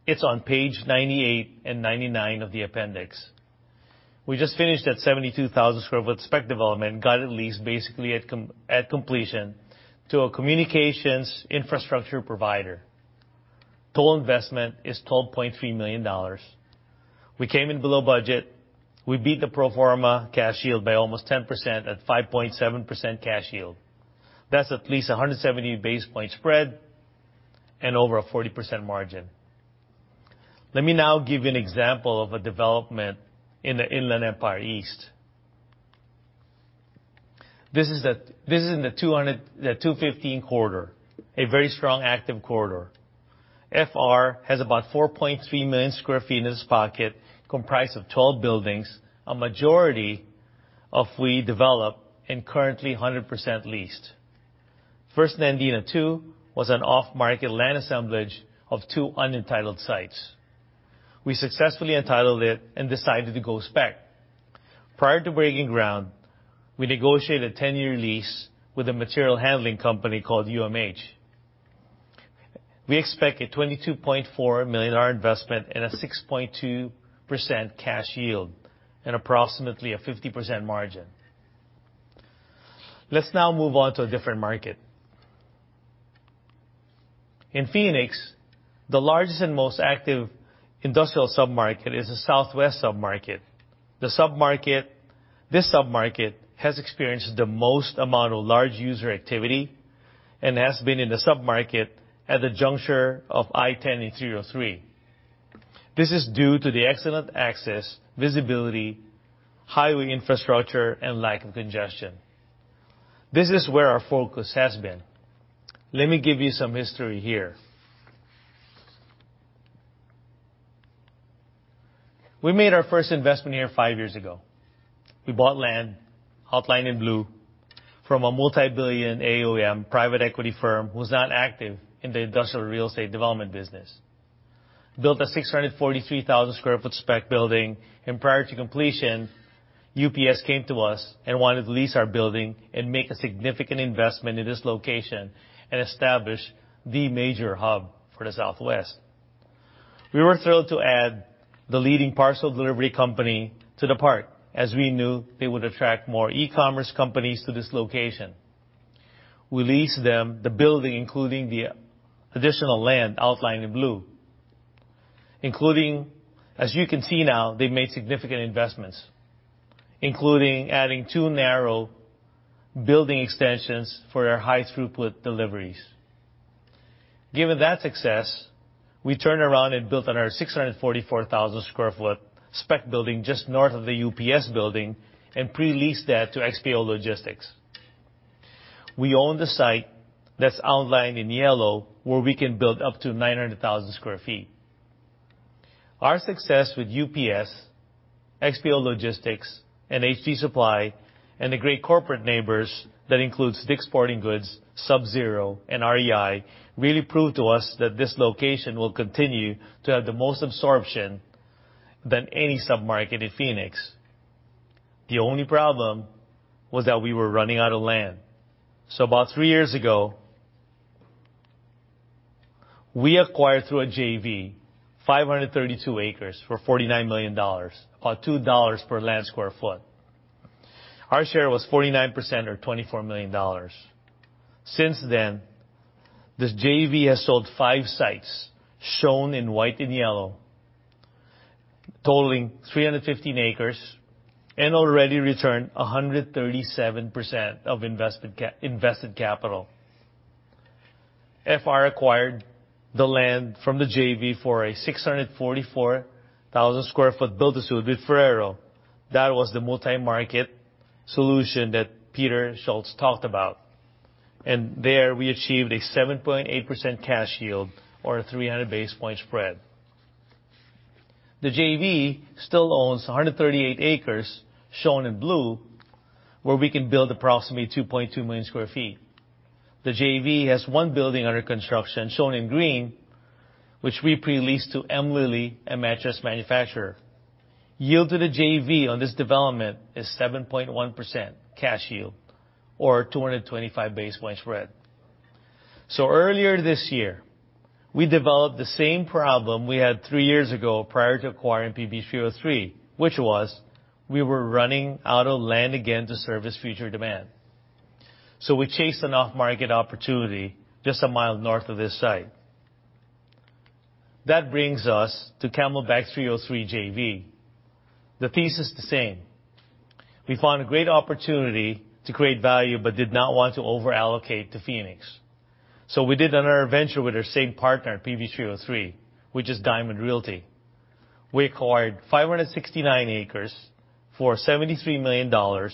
It's on page 98 and 99 of the appendix. We just finished that 72,000 sq ft spec development, got it leased basically at completion to a communications infrastructure provider. Total investment is $12.3 million. We came in below budget. We beat the pro forma cash yield by almost 10% at 5.7% cash yield. That's at least 170 basis point spread and over a 40% margin. Let me now give you an example of a development in the Inland Empire East. This is in the 215 corridor, a very strong active corridor. FR has about 4.3 million square feet in this pocket, comprised of 12 buildings, a majority of we developed and currently 100% leased. First Nandina II was an off-market land assemblage of two unentitled sites. We successfully entitled it and decided to go spec. Prior to breaking ground, we negotiated a 10-year lease with a material handling company called UMH. We expect a $22.4 million investment and a 6.2% cash yield and approximately a 50% margin. Let's now move on to a different market. In Phoenix, the largest and most active industrial sub-market is the southwest sub-market. This sub-market has experienced the most amount of large user activity and has been in the sub-market at the juncture of I-10 and 303. This is due to the excellent access, visibility, highway infrastructure, and lack of congestion. This is where our focus has been. Let me give you some history here. We made our first investment here five years ago. We bought land, outlined in blue, from a multi-billion AUM private equity firm who's not active in the industrial real estate development business. Built a 643,000 sq ft spec building, and prior to completion, UPS came to us and wanted to lease our building and make a significant investment in this location and establish the major hub for the Southwest. We were thrilled to add the leading parcel delivery company to the park, as we knew they would attract more e-commerce companies to this location. We leased them the building, including the additional land outlined in blue. As you can see now, they've made significant investments, including adding two narrow building extensions for their high throughput deliveries. Given that success, we turned around and built another 644,000 sq ft spec building just north of the UPS building and pre-leased that to XPO Logistics. We own the site that's outlined in yellow, where we can build up to 900,000 sq ft. Our success with UPS, XPO Logistics, and HD Supply, and the great corporate neighbors that includes Dick's Sporting Goods, Sub-Zero, and REI, really proved to us that this location will continue to have the most absorption than any sub-market in Phoenix. The only problem was that we were running out of land. About three years ago, we acquired through a JV 532 acres for $49 million, or $2 per land square foot. Our share was 49%, or $24 million. Since then, this JV has sold five sites, shown in white and yellow, totaling 315 acres, and already returned 137% of invested capital. FR acquired the land from the JV for a 644,000 sq ft build to suit with Ferrero. That was the multi-market solution that Peter Schultz talked about. There we achieved a 7.8% cash yield or a 300 basis point spread. The JV still owns 138 acres, shown in blue, where we can build approximately 2.2 million square feet. The JV has one building under construction, shown in green, which we pre-leased to MLILY, a mattress manufacturer. Yield to the JV on this development is 7.1% cash yield or 225 basis point spread. Earlier this year, we developed the same problem we had three years ago prior to acquiring PV 303, which was we were running out of land again to service future demand. We chased an off-market opportunity just a mile north of this site. That brings us to Camelback 303 JV. The thesis is the same. We found a great opportunity to create value but did not want to over-allocate to Phoenix. We did another venture with our same partner at PV 303, which is Diamond Realty. We acquired 569 acres for $73 million or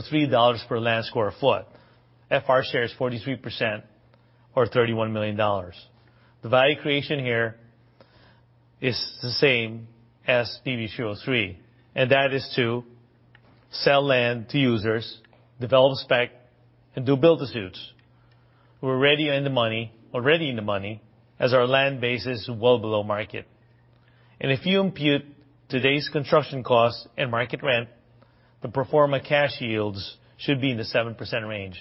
$3 per land square foot. FR share is 43% or $31 million. The value creation here is the same as PV 303, and that is to sell land to users, develop spec, and do build-to-suits. We're already in the money, as our land base is well below market. If you impute today's construction costs and market rent, the pro forma cash yields should be in the 7% range.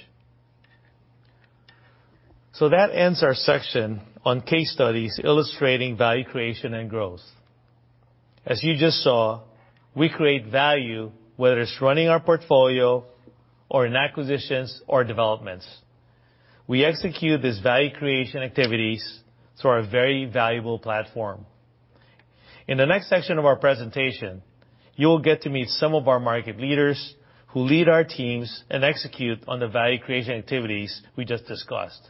That ends our section on case studies illustrating value creation and growth. As you just saw, we create value, whether it's running our portfolio or in acquisitions or developments. We execute these value creation activities through our very valuable platform. In the next section of our presentation, you'll get to meet some of our market leaders who lead our teams and execute on the value creation activities we just discussed.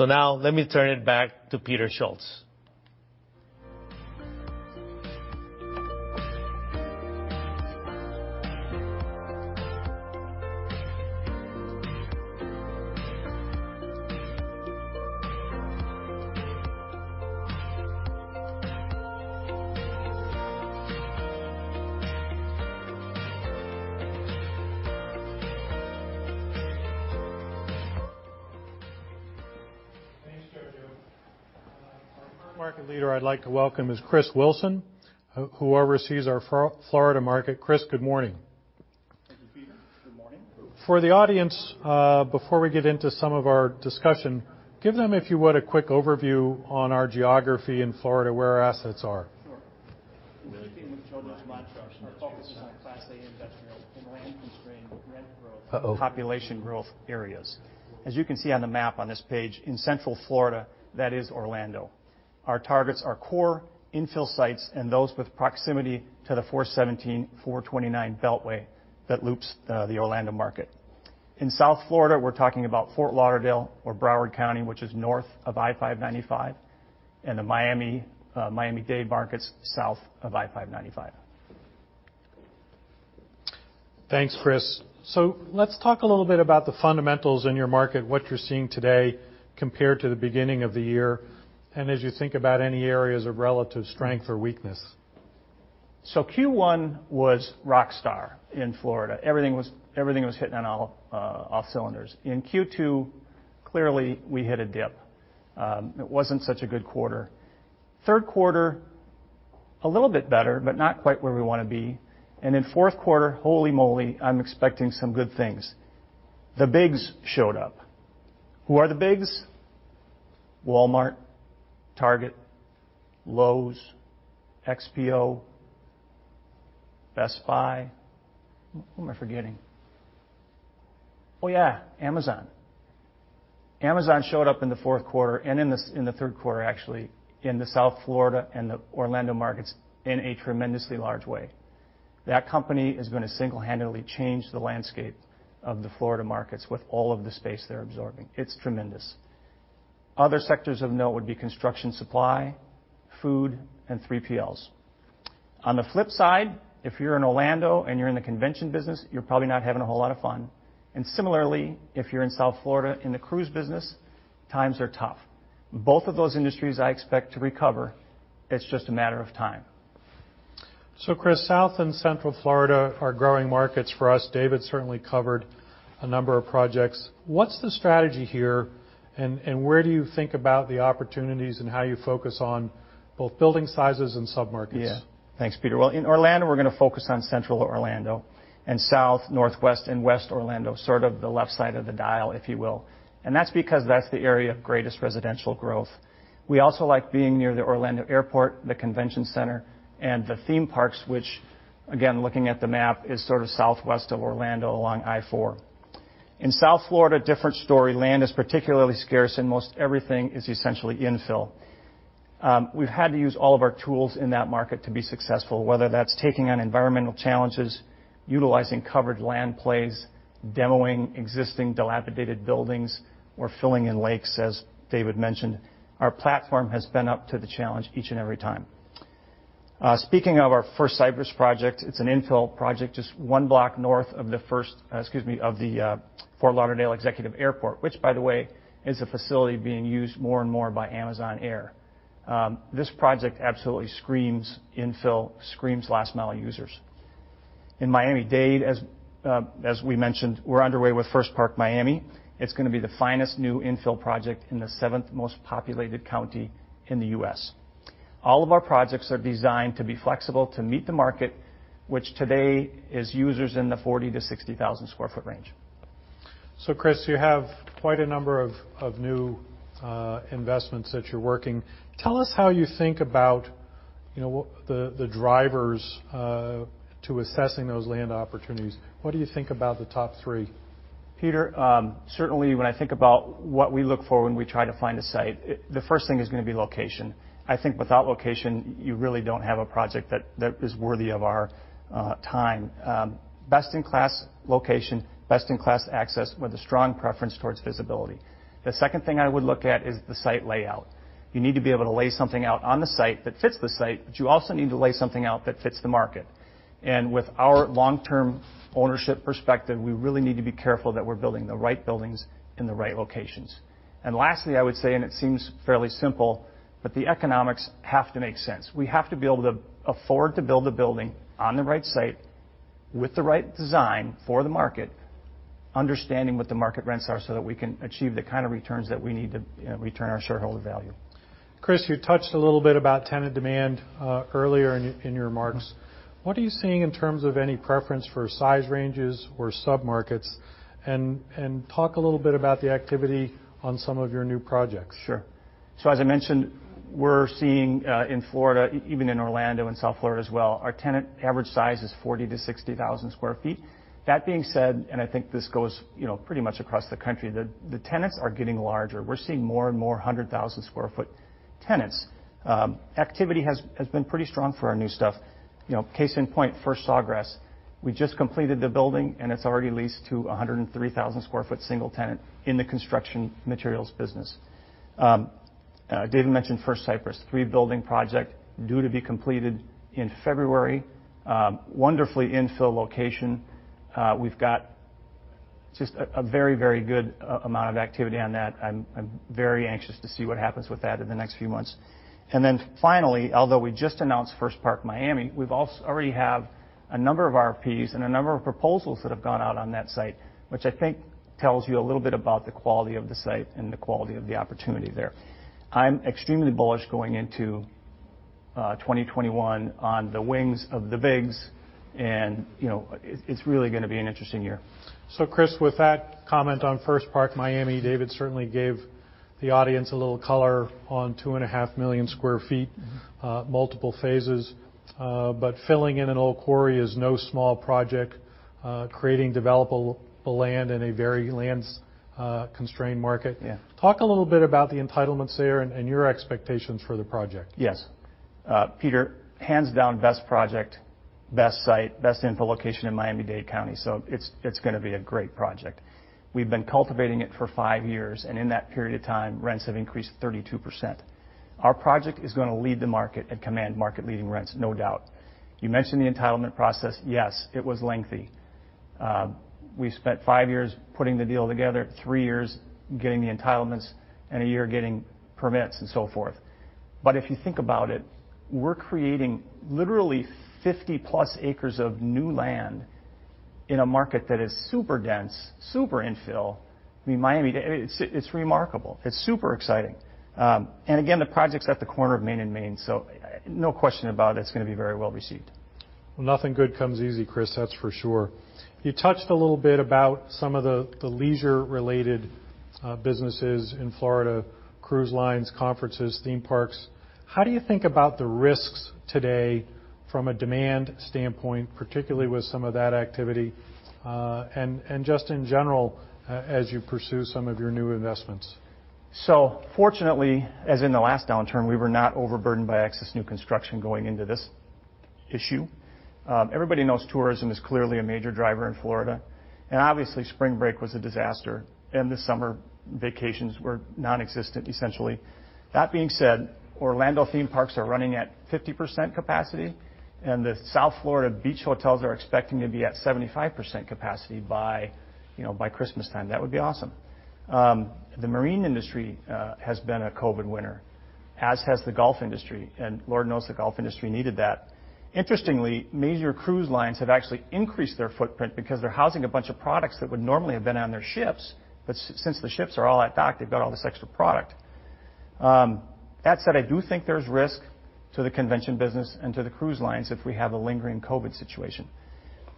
Now let me turn it back to Peter Schultz. Thanks, Jojo. Our first market leader I'd like to welcome is Chris Willson, who oversees our Florida market. Chris, good morning. Thank you, Peter. Good morning. For the audience, before we get into some of our discussion, give them, if you would, a quick overview on our geography in Florida, where our assets are. Sure. In keeping with Jojo's slide show, our focus is on Class A industrial in land-constrained, rent growth, population growth areas. As you can see on the map on this page, in Central Florida, that is Orlando. Our targets are core infill sites and those with proximity to the 417, 429 beltway that loops the Orlando market. In South Florida, we're talking about Fort Lauderdale or Broward County, which is north of I-595, and the Miami-Dade markets south of I-595. Thanks, Chris. Let's talk a little bit about the fundamentals in your market, what you're seeing today compared to the beginning of the year, and as you think about any areas of relative strength or weakness. Q1 was rockstar in Florida. Everything was hitting on all cylinders. In Q2, clearly, we hit a dip. It wasn't such a good quarter. Third quarter, a little bit better, but not quite where we want to be. In fourth quarter, holy moly, I'm expecting some good things. The bigs showed up. Who are the bigs? Walmart, Target, Lowe's, XPO, Best Buy. Who am I forgetting? Oh, yeah, Amazon. Amazon showed up in the fourth quarter and in the third quarter, actually, in the South Florida and the Orlando markets in a tremendously large way. That company is going to single-handedly change the landscape of the Florida markets with all of the space they're absorbing. It's tremendous. Other sectors of note would be construction supply, food, and 3PLs. On the flip side, if you're in Orlando and you're in the convention business, you're probably not having a whole lot of fun. Similarly, if you're in South Florida in the cruise business, times are tough. Both of those industries I expect to recover. It's just a matter of time. Chris, South and Central Florida are growing markets for us. David certainly covered a number of projects. What's the strategy here, and where do you think about the opportunities and how you focus on both building sizes and sub-markets? Yeah. Thanks, Peter. Well, in Orlando, we're going to focus on Central Orlando and South, Northwest, and West Orlando, sort of the left side of the dial, if you will. That's because that's the area of greatest residential growth. We also like being near the Orlando Airport, the convention center, and the theme parks, which, again, looking at the map, is sort of southwest of Orlando along I-4. In South Florida, different story. Land is particularly scarce, and most everything is essentially infill. We've had to use all of our tools in that market to be successful, whether that's taking on environmental challenges, utilizing covered land plays, demoing existing dilapidated buildings, or filling in lakes, as David mentioned. Our platform has been up to the challenge each and every time. Speaking of our First Cypress project, it's an infill project just one block north of the Fort Lauderdale Executive Airport, which, by the way, is a facility being used more and more by Amazon Air. This project absolutely screams infill, screams last-mile users. In Miami-Dade, as we mentioned, we're underway with First Park Miami. It's going to be the finest new infill project in the seventh most populated county in the U.S. All of our projects are designed to be flexible to meet the market, which today is users in the 40,000-60,000 sq ft range. Chris, you have quite a number of new investments that you're working. Tell us how you think about the drivers to assessing those land opportunities. What do you think about the top three? Peter, certainly, when I think about what we look for when we try to find a site, the first thing is going to be location. I think without location, you really don't have a project that is worthy of our time. Best-in-class location, best-in-class access with a strong preference towards visibility. The second thing I would look at is the site layout. You need to be able to lay something out on the site that fits the site, but you also need to lay something out that fits the market. With our long-term ownership perspective, we really need to be careful that we're building the right buildings in the right locations. Lastly, I would say, and it seems fairly simple, but the economics have to make sense. We have to be able to afford to build a building on the right site with the right design for the market, understanding what the market rents are so that we can achieve the kind of returns that we need to return our shareholder value. Chris, you touched a little bit about tenant demand earlier in your remarks. What are you seeing in terms of any preference for size ranges or sub-markets? Talk a little bit about the activity on some of your new projects? Sure. As I mentioned, we're seeing in Florida, even in Orlando and South Florida as well, our tenant average size is 40,000-60,000 sq ft. That being said, I think this goes pretty much across the country, the tenants are getting larger. We're seeing more and more 100,000 sq ft tenants. Activity has been pretty strong for our new stuff. Case in point, First Sawgrass. We just completed the building, and it's already leased to 103,000 sq ft single tenant in the construction materials business. David mentioned First Cypress, three-building project due to be completed in February. Wonderfully infill location. We've got just a very good amount of activity on that. I'm very anxious to see what happens with that in the next few months. Finally, although we just announced First Park Miami, we've also already have a number of RFPs and a number of proposals that have gone out on that site, which I think tells you a little bit about the quality of the site and the quality of the opportunity there. I'm extremely bullish going into 2021 on the wings of the bigs, it's really going to be an interesting year. Chris, with that comment on First Park Miami, David certainly gave the audience a little color on 2.5 million square feet multiple phases. Filling in an old quarry is no small project, creating developable land in a very land-constrained market. Yeah. Talk a little bit about the entitlements there and your expectations for the project. Yes. Peter, hands down, best project, best site, best infill location in Miami-Dade County. It's going to be a great project. We've been cultivating it for five years. In that period of time, rents have increased 32%. Our project is going to lead the market and command market-leading rents, no doubt. You mentioned the entitlement process. Yes, it was lengthy. We spent five years putting the deal together, three years getting the entitlements, a year getting permits and so forth. If you think about it, we're creating literally 50+ acres of new land in a market that is super dense, super infill. I mean, Miami, it's remarkable. It's super exciting. Again, the project's at the corner of Main and Main. No question about it's going to be very well received. Well, nothing good comes easy, Chris, that's for sure. You touched a little bit about some of the leisure-related businesses in Florida, cruise lines, conferences, theme parks. How do you think about the risks today from a demand standpoint, particularly with some of that activity, and just in general, as you pursue some of your new investments? Fortunately, as in the last downturn, we were not overburdened by excess new construction going into this issue. Everybody knows tourism is clearly a major driver in Florida, and obviously, spring break was a disaster, and the summer vacations were nonexistent, essentially. That being said, Orlando theme parks are running at 50% capacity, and the South Florida beach hotels are expecting to be at 75% capacity by Christmas time. That would be awesome. The marine industry has been a COVID winner, as has the golf industry, and Lord knows the golf industry needed that. Interestingly, major cruise lines have actually increased their footprint because they're housing a bunch of products that would normally have been on their ships. Since the ships are all at dock, they've got all this extra product. That said, I do think there's risk to the convention business and to the cruise lines if we have a lingering COVID situation.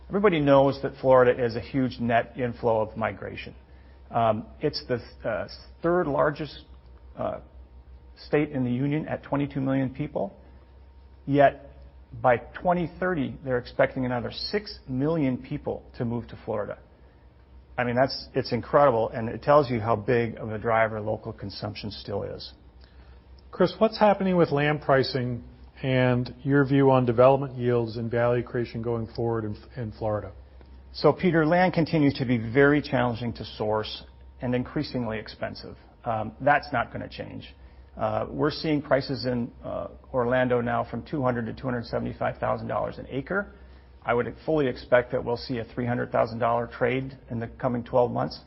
Everybody knows that Florida is a huge net inflow of migration. It's the third-largest state in the union at 22 million people. By 2030, they're expecting another 6 million people to move to Florida. I mean, it's incredible, and it tells you how big of a driver local consumption still is. Chris, what's happening with land pricing and your view on development yields and value creation going forward in Florida? Peter, land continues to be very challenging to source and increasingly expensive. That's not going to change. We're seeing prices in Orlando now from $200,000 to $275,000 an acre. I would fully expect that we'll see a $300,000 trade in the coming 12 months.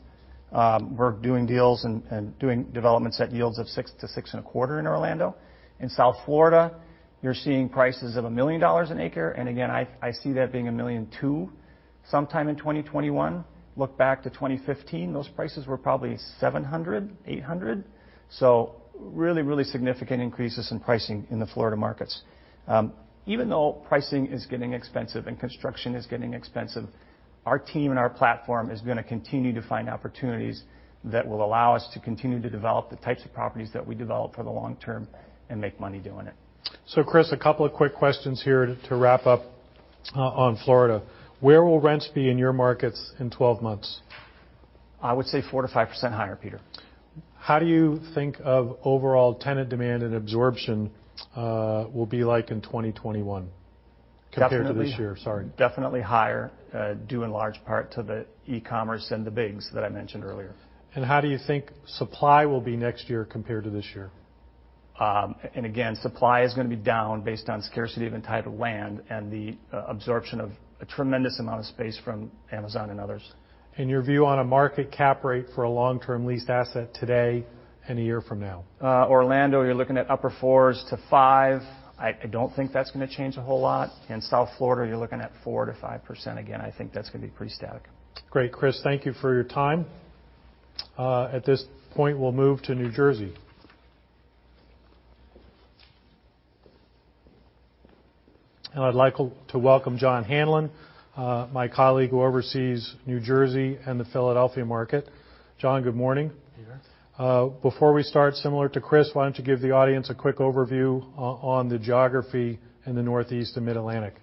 We're doing deals and doing developments at yields of 6%-6.25% in Orlando. In South Florida, you're seeing prices of $1 million an acre, and again, I see that being $1.2 million sometime in 2021. Look back to 2015, those prices were probably $700,000-$800,000. Really significant increases in pricing in the Florida markets. Even though pricing is getting expensive and construction is getting expensive, our team and our platform is going to continue to find opportunities that will allow us to continue to develop the types of properties that we develop for the long term and make money doing it. Chris, a couple of quick questions here to wrap up on Florida. Where will rents be in your markets in 12 months? I would say 4%-5% higher, Peter. How do you think of overall tenant demand and absorption will be like in 2021 compared to this year? Sorry. Definitely higher, due in large part to the e-commerce and the bigs that I mentioned earlier. How do you think supply will be next year compared to this year? Again, supply is going to be down based on scarcity of entitled land and the absorption of a tremendous amount of space from Amazon and others. Your view on a market cap rate for a long-term leased asset today and a year from now? Orlando, you're looking at upper 4%-5%. I don't think that's going to change a whole lot. In South Florida, you're looking at 4%-5% again. I think that's going to be pretty static. Great, Chris. Thank you for your time. At this point, we'll move to New Jersey. I'd like to welcome John Hanlon, my colleague who oversees New Jersey and the Philadelphia market. John, good morning. Peter. Before we start, similar to Chris, why don't you give the audience a quick overview on the geography in the Northeast and Mid-Atlantic?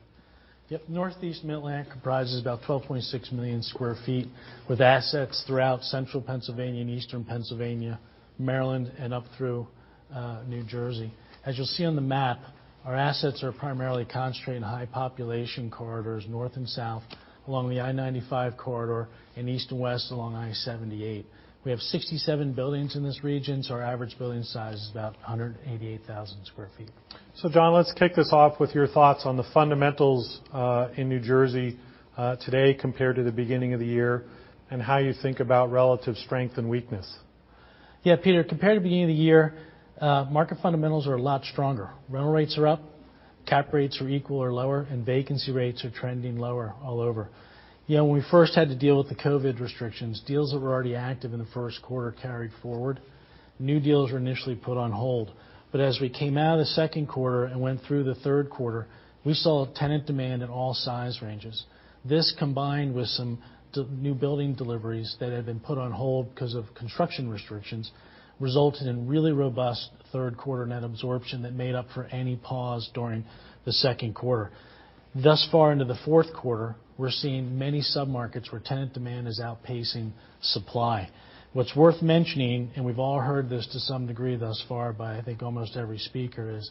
Yep. Northeast and Mid-Atlantic comprises about 12.6 million square feet, with assets throughout Central Pennsylvania and Eastern Pennsylvania, Maryland, and up through New Jersey. As you'll see on the map, our assets are primarily concentrated in high population corridors, north and south along the I-95 corridor, and east to west along I-78. We have 67 buildings in this region, our average building size is about 188,000 sq ft. John, let's kick this off with your thoughts on the fundamentals in New Jersey today compared to the beginning of the year, and how you think about relative strength and weakness. Yeah, Peter, compared to beginning of the year, market fundamentals are a lot stronger. Rental rates are up, cap rates are equal or lower, and vacancy rates are trending lower all over. When we first had to deal with the COVID restrictions, deals that were already active in the first quarter carried forward. New deals were initially put on hold. As we came out of the second quarter and went through the third quarter, we saw tenant demand in all size ranges. This combined with some new building deliveries that had been put on hold because of construction restrictions, resulted in really robust third quarter net absorption that made up for any pause during the second quarter. Thus far into the fourth quarter, we're seeing many submarkets where tenant demand is outpacing supply. What's worth mentioning, and we've all heard this to some degree thus far by, I think, almost every speaker, is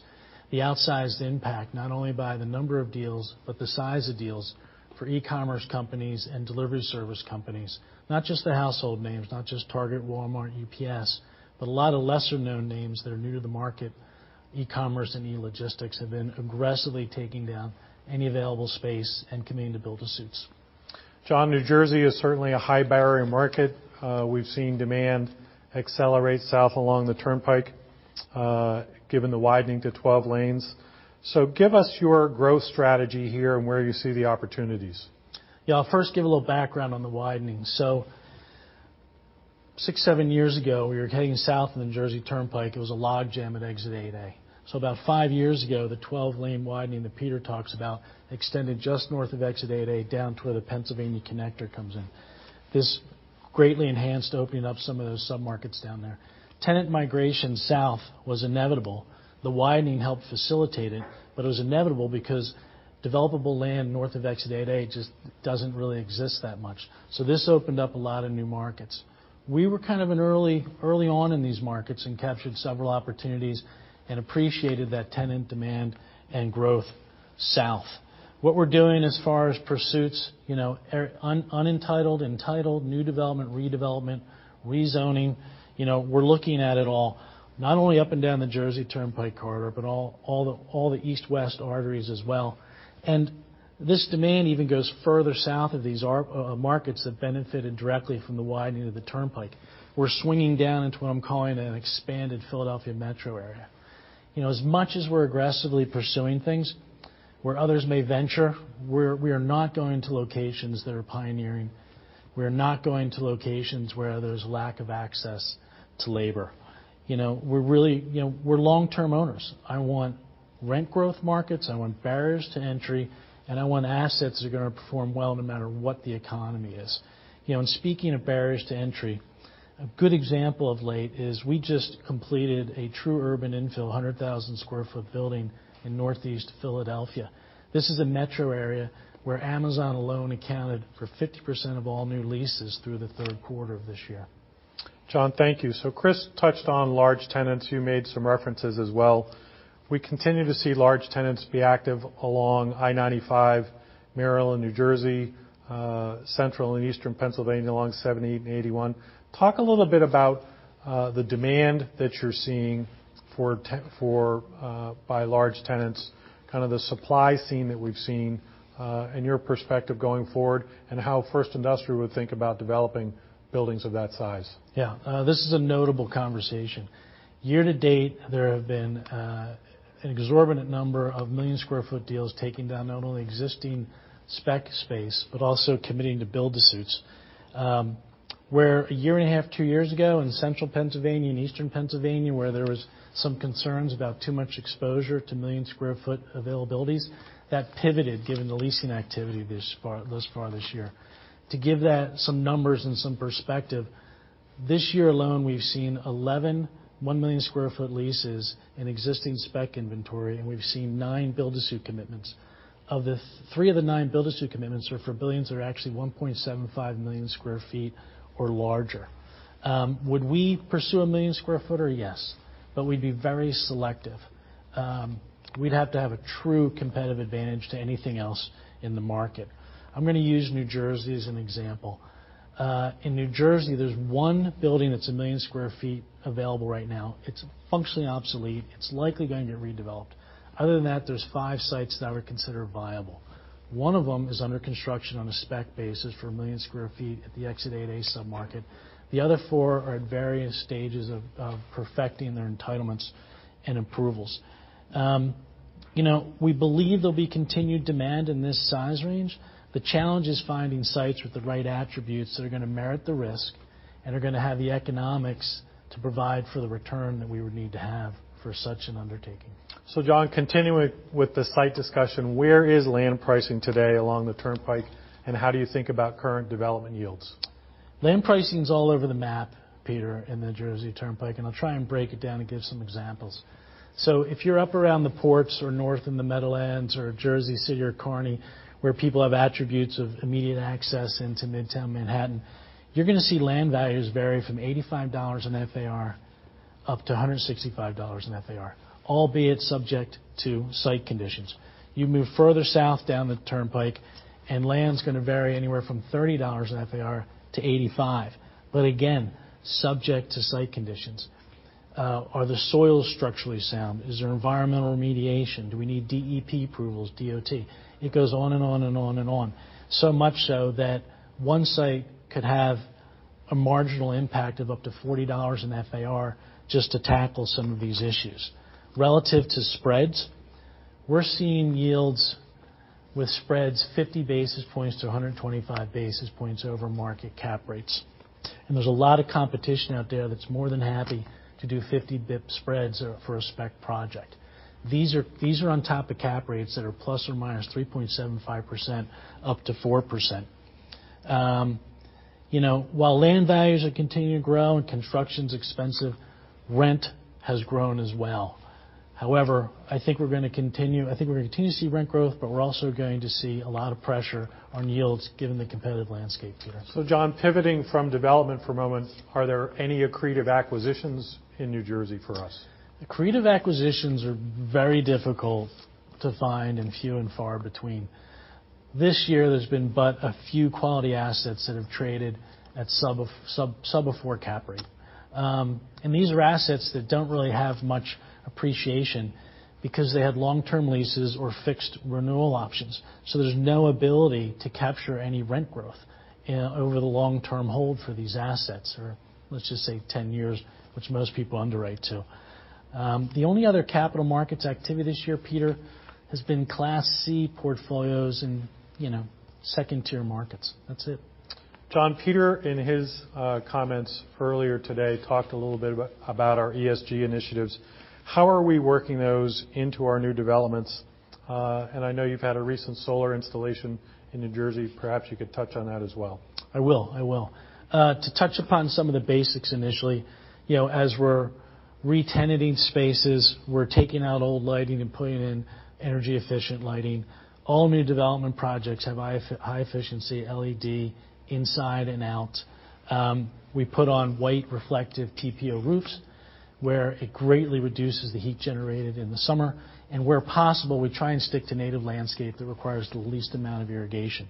the outsized impact, not only by the number of deals, but the size of deals for e-commerce companies and delivery service companies. Not just the household names, not just Target, Walmart, UPS, but a lot of lesser-known names that are new to the market. E-commerce and e-logistics have been aggressively taking down any available space and committing to build to suits. John, New Jersey is certainly a high barrier market. We've seen demand accelerate south along the Turnpike, given the widening to 12 lanes. Give us your growth strategy here and where you see the opportunities. Yeah. I'll first give a little background on the widening. Six, seven years ago, we were heading south on the Jersey Turnpike. It was a log jam at Exit 8A. About five years ago, the 12-lane widening that Peter talks about extended just north of Exit 8A down to where the Pennsylvania Connector comes in. This greatly enhanced opening up some of those submarkets down there. Tenant migration south was inevitable. The widening helped facilitate it, but it was inevitable because developable land north of Exit 8A just doesn't really exist that much. This opened up a lot of new markets. We were kind of early on in these markets and captured several opportunities and appreciated that tenant demand and growth south. What we're doing as far as pursuits, unentitled, entitled, new development, redevelopment, rezoning. We're looking at it all, not only up and down the Jersey Turnpike corridor, but all the east-west arteries as well. This demand even goes further south of these markets that benefited directly from the widening of the Turnpike. We're swinging down into what I'm calling an expanded Philadelphia metro area. As much as we're aggressively pursuing things, where others may venture, we are not going to locations that are pioneering. We are not going to locations where there's lack of access to labor. We're long-term owners. I want rent growth markets, I want barriers to entry, and I want assets that are going to perform well no matter what the economy is. Speaking of barriers to entry, a good example of late is we just completed a true urban infill, 100,000 sq ft building in northeast Philadelphia. This is a metro area where Amazon alone accounted for 50% of all new leases through the third quarter of this year. John, thank you. Chris touched on large tenants. You made some references as well. We continue to see large tenants be active along I-95, Maryland, New Jersey, Central and Eastern Pennsylvania along 78 and 81. Talk a little bit about the demand that you're seeing by large tenants, kind of the supply scene that we've seen, and your perspective going forward, and how First Industrial would think about developing buildings of that size. Yeah. This is a notable conversation. Year to date, there have been an exorbitant number of million-square-foot deals taking down not only existing spec space, but also committing to build-to-suits. Where a year and a half, two years ago in Central Pennsylvania and Eastern Pennsylvania where there was some concerns about too much exposure to million-square-foot availabilities, that pivoted given the leasing activity thus far this year. To give that some numbers and some perspective, this year alone, we've seen 11 one-million-square-foot leases in existing spec inventory, and we've seen nine build-to-suit commitments. Three of the nine build-to-suit commitments are for buildings that are actually 1.75 million square feet or larger. Would we pursue a million-square-footer? Yes, we'd be very selective. We'd have to have a true competitive advantage to anything else in the market. I'm going to use New Jersey as an example. In New Jersey, there's one building that's 1 million square feet available right now. It's functionally obsolete. It's likely going to get redeveloped. Other than that, there's five sites that I would consider viable. One of them is under construction on a spec basis for 1 million square feet at the Exit 8A submarket. The other four are at various stages of perfecting their entitlements and approvals. We believe there'll be continued demand in this size range. The challenge is finding sites with the right attributes that are going to merit the risk and are going to have the economics to provide for the return that we would need to have for such an undertaking. John, continuing with the site discussion, where is land pricing today along the Turnpike, and how do you think about current development yields? Land pricing's all over the map, Peter, in the Jersey Turnpike. I'll try and break it down and give some examples. If you're up around the ports or north in the Meadowlands or Jersey City or Kearny, where people have attributes of immediate access into Midtown Manhattan, you're going to see land values vary from $85 an FAR up to $165 an FAR, albeit subject to site conditions. You move further south down the Turnpike, land's going to vary anywhere from $30 an FAR to $85. Again, subject to site conditions. Are the soils structurally sound? Is there environmental remediation? Do we need DEP approvals, DOT? It goes on and on and on and on, so much so that one site could have a marginal impact of up to $40 an FAR just to tackle some of these issues. Relative to spreads, we're seeing yields with spreads 50 basis points to 125 basis points over market cap rates. There's a lot of competition out there that's more than happy to do 50 bps spreads for a spec project. These are on top of cap rates that are ±3.75% upto 4%. While land values are continuing to grow and construction's expensive, rent has grown as well. However, I think we're going to continue to see rent growth, but we're also going to see a lot of pressure on yields given the competitive landscape, Peter. John, pivoting from development for a moment, are there any accretive acquisitions in New Jersey for us? Accretive acquisitions are very difficult to find and few and far between. This year, there's been but a few quality assets that have traded at sub-four cap rate. These are assets that don't really have much appreciation because they had long-term leases or fixed renewal options. There's no ability to capture any rent growth over the long-term hold for these assets, or let's just say 10 years, which most people underwrite to. The only other capital markets activity this year, Peter, has been Class C portfolios in second-tier markets. That's it. John, Peter, in his comments earlier today, talked a little bit about our ESG initiatives. How are we working those into our new developments? I know you've had a recent solar installation in New Jersey. Perhaps you could touch on that as well. I will. To touch upon some of the basics initially, as we're re-tenanting spaces, we're taking out old lighting and putting in energy-efficient lighting. All new development projects have high-efficiency LED inside and out. We put on white reflective TPO roofs, where it greatly reduces the heat generated in the summer. Where possible, we try and stick to native landscape that requires the least amount of irrigation.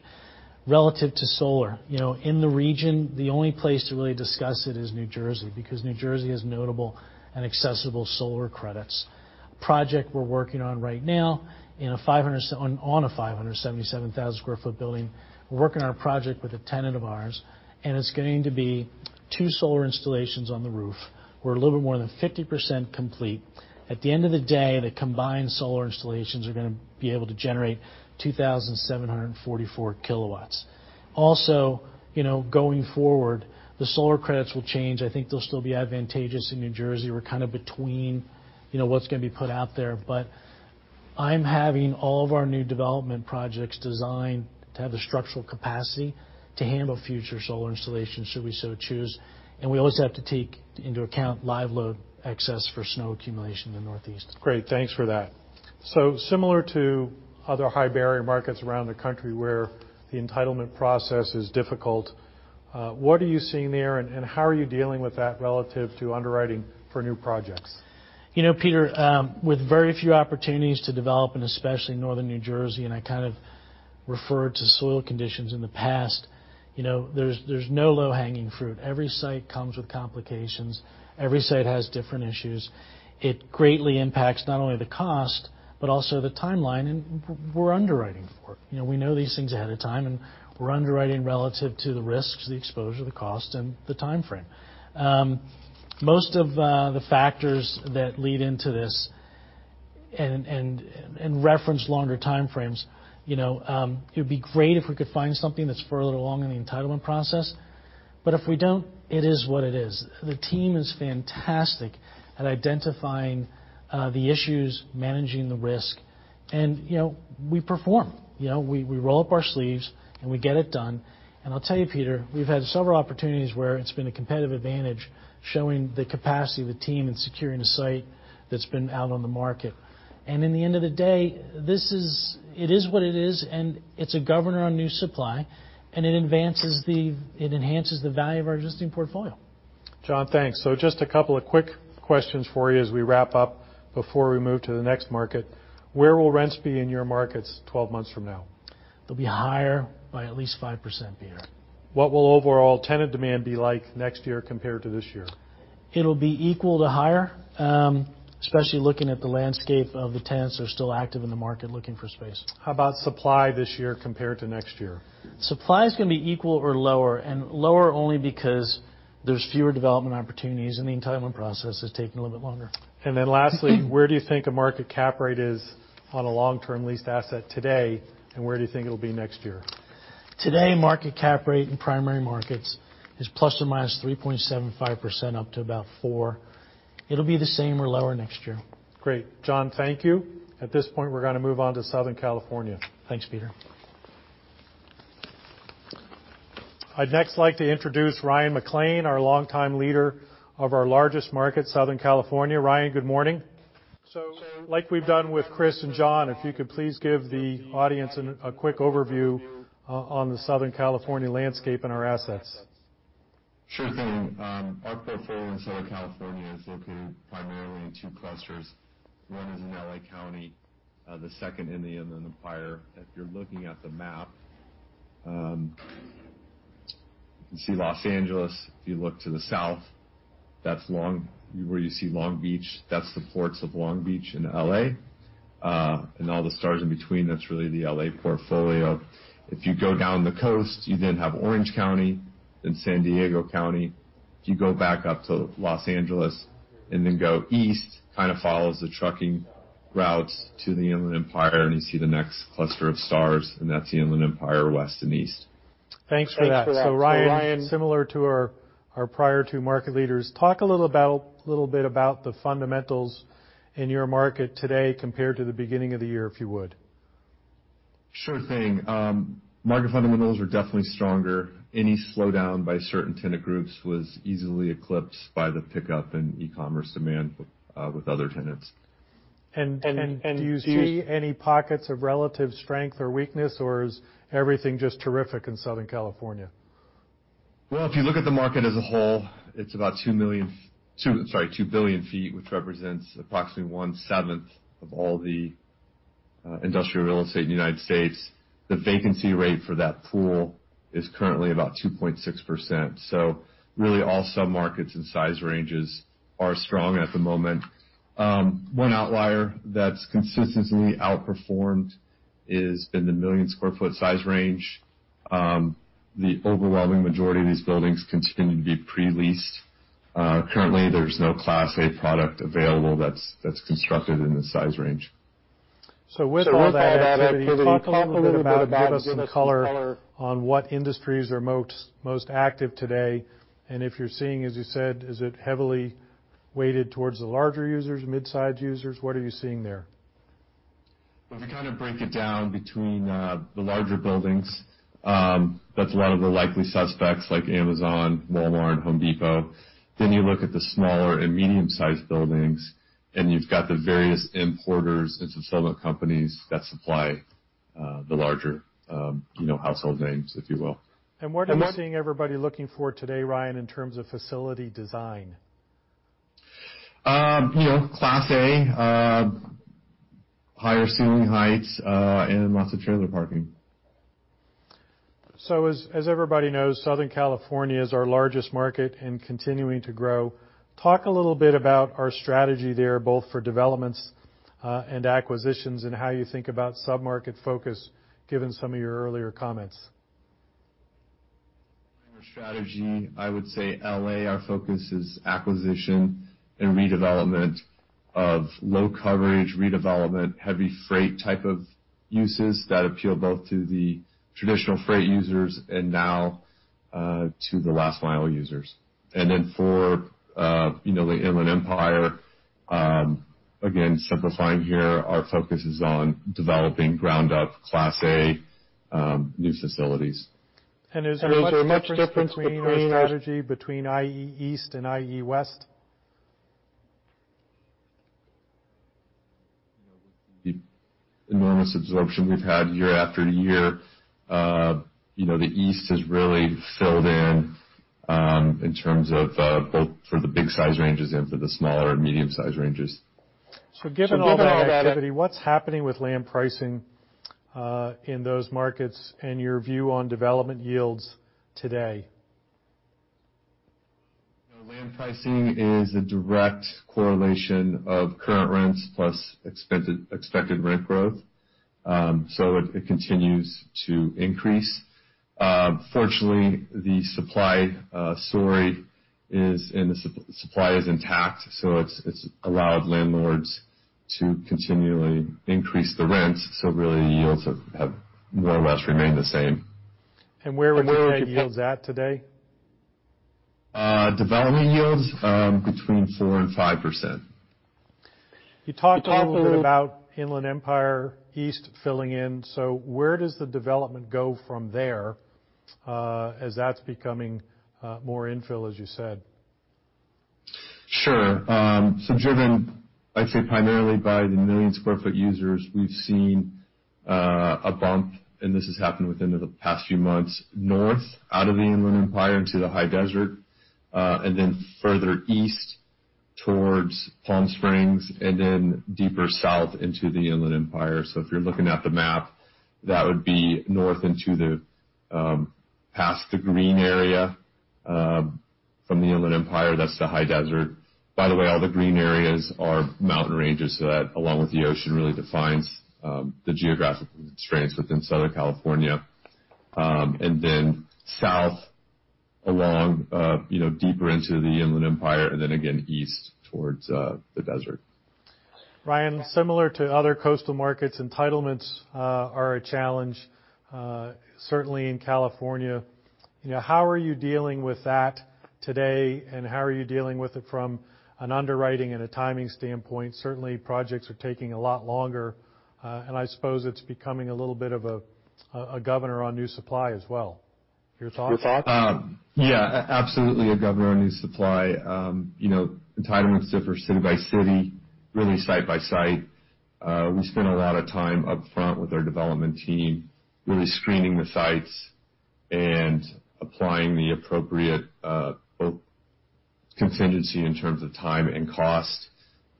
Relative to solar, in the region, the only place to really discuss it is N.J. because N.J. has notable and accessible solar credits. A project we're working on right now on a 577,000 sq ft building, we're working on a project with a tenant of ours, and it's going to be two solar installations on the roof. We're a little bit more than 50% complete. At the end of the day, the combined solar installations are going to be able to generate 2,744 kW. Going forward, the solar credits will change. I think they'll still be advantageous in New Jersey. We're kind of between what's going to be put out there. I'm having all of our new development projects designed to have the structural capacity to handle future solar installations should we so choose. We always have to take into account live load access for snow accumulation in the northeast. Great. Thanks for that. Similar to other high-barrier markets around the country where the entitlement process is difficult, what are you seeing there, and how are you dealing with that relative to underwriting for new projects? Peter, with very few opportunities to develop, and especially in northern New Jersey, and I kind of referred to soil conditions in the past, there's no low-hanging fruit. Every site comes with complications. Every site has different issues. It greatly impacts not only the cost, but also the timeline, and we're underwriting for it. We know these things ahead of time, and we're underwriting relative to the risks, the exposure, the cost, and the timeframe. Most of the factors that lead into this and reference longer timeframes, it'd be great if we could find something that's further along in the entitlement process, but if we don't, it is what it is. The team is fantastic at identifying the issues, managing the risk, and we perform. We roll up our sleeves, and we get it done. I'll tell you, Peter, we've had several opportunities where it's been a competitive advantage showing the capacity of the team in securing a site that's been out on the market. In the end of the day, it is what it is, and it's a governor on new supply, and it enhances the value of our existing portfolio. John, thanks. Just a couple of quick questions for you as we wrap up before we move to the next market. Where will rents be in your markets 12 months from now? They'll be higher by at least 5%, Peter. What will overall tenant demand be like next year compared to this year? It'll be equal to higher, especially looking at the landscape of the tenants that are still active in the market looking for space. How about supply this year compared to next year? Supply is going to be equal or lower, and lower only because there's fewer development opportunities, and the entitlement process is taking a little bit longer. Lastly, where do you think a market cap rate is on a long-term leased asset today, and where do you think it'll be next year? Today, market cap rate in primary markets is ±3.75%, up to about 4%. It'll be the same or lower next year. Great. John, thank you. At this point, we're going to move on to Southern California. Thanks, Peter. I'd next like to introduce Ryan McClean, our longtime leader of our largest market, Southern California. Ryan, good morning. Like we've done with Chris and John, if you could please give the audience a quick overview on the Southern California landscape and our assets. Sure thing. Our portfolio in Southern California is located primarily in two clusters. One is in L.A. County, the second, Inland Empire. If you're looking at the map, you can see Los Angeles. If you look to the south, where you see Long Beach, that's the Ports of Long Beach in L.A. All the stars in between, that's really the L.A. portfolio. If you go down the coast, you then have Orange County, then San Diego County. If you go back up to Los Angeles and then go east, kind of follows the trucking routes to the Inland Empire, and you see the next cluster of stars, and that's the Inland Empire, west and east. Thanks for that. Ryan, similar to our prior two market leaders, talk a little bit about the fundamentals in your market today compared to the beginning of the year, if you would. Sure thing. Market fundamentals are definitely stronger. Any slowdown by certain tenant groups was easily eclipsed by the pickup in e-commerce demand with other tenants. Do you see any pockets of relative strength or weakness, or is everything just terrific in Southern California? Well, if you look at the market as a whole, it's about 2 billion feet, which represents approximately one-seventh of all the industrial real estate in the United States. The vacancy rate for that pool is currently about 2.6%. Really all submarkets and size ranges are strong at the moment. One outlier that's consistently outperformed is in the million square foot size range. The overwhelming majority of these buildings continue to be pre-leased. Currently, there's no Class A product available that's constructed in this size range. With all that activity, talk a little bit about and give us some color on what industries are most active today, and if you're seeing, as you said, is it heavily weighted towards the larger users, mid-size users? What are you seeing there? If you kind of break it down between the larger buildings, that's a lot of the likely suspects like Amazon, Walmart, The Home Depot. You look at the smaller and medium sized buildings, and you've got the various importers and fulfillment companies that supply the larger household names, if you will. What are you seeing everybody looking for today, Ryan, in terms of facility design? Class A, higher ceiling heights, and lots of trailer parking. As everybody knows, Southern California is our largest market and continuing to grow. Talk a little bit about our strategy there, both for developments and acquisitions, and how you think about submarket focus, given some of your earlier comments. Our strategy, I would say L.A., our focus is acquisition and redevelopment of low coverage, redevelopment, heavy freight type of uses that appeal both to the traditional freight users and now to the last mile users. For the Inland Empire, again, simplifying here, our focus is on developing ground up, Class A new facilities. Is there much difference between our strategy between IE East and IE West? With the enormous absorption we've had year-after-year, the East has really filled in in terms of both for the big size ranges and for the smaller and medium size ranges. Given all that activity, what's happening with land pricing in those markets and your view on development yields today? Land pricing is a direct correlation of current rents plus expected rent growth. It continues to increase. Fortunately, the supply story is, and the supply is intact, so it's allowed landlords to continually increase the rents, so really, yields have more or less remained the same. Where would you peg yields at today? Development yields between 4% and 5%. You talked a little bit about Inland Empire East filling in. Where does the development go from there as that's becoming more infill, as you said? Sure. Driven, I'd say primarily by the 1 million square foot users, we've seen a bump, and this has happened within the past few months, north out of the Inland Empire into the High Desert, and then further east towards Palm Springs and then deeper south into the Inland Empire. If you're looking at the map, that would be north into past the green area from the Inland Empire. That's the High Desert. By the way, all the green areas are mountain ranges, so that along with the ocean, really defines the geographic constraints within Southern California. Then south along deeper into the Inland Empire and then again east towards the desert. Ryan, similar to other coastal markets, entitlements are a challenge, certainly in California. How are you dealing with that today, and how are you dealing with it from an underwriting and a timing standpoint? Certainly, projects are taking a lot longer. I suppose it's becoming a little bit of a governor on new supply as well. Your thoughts? Yeah, absolutely a governor on new supply. Entitlements differ city by city, really site by site. We spend a lot of time upfront with our development team, really screening the sites and applying the appropriate contingency in terms of time and cost.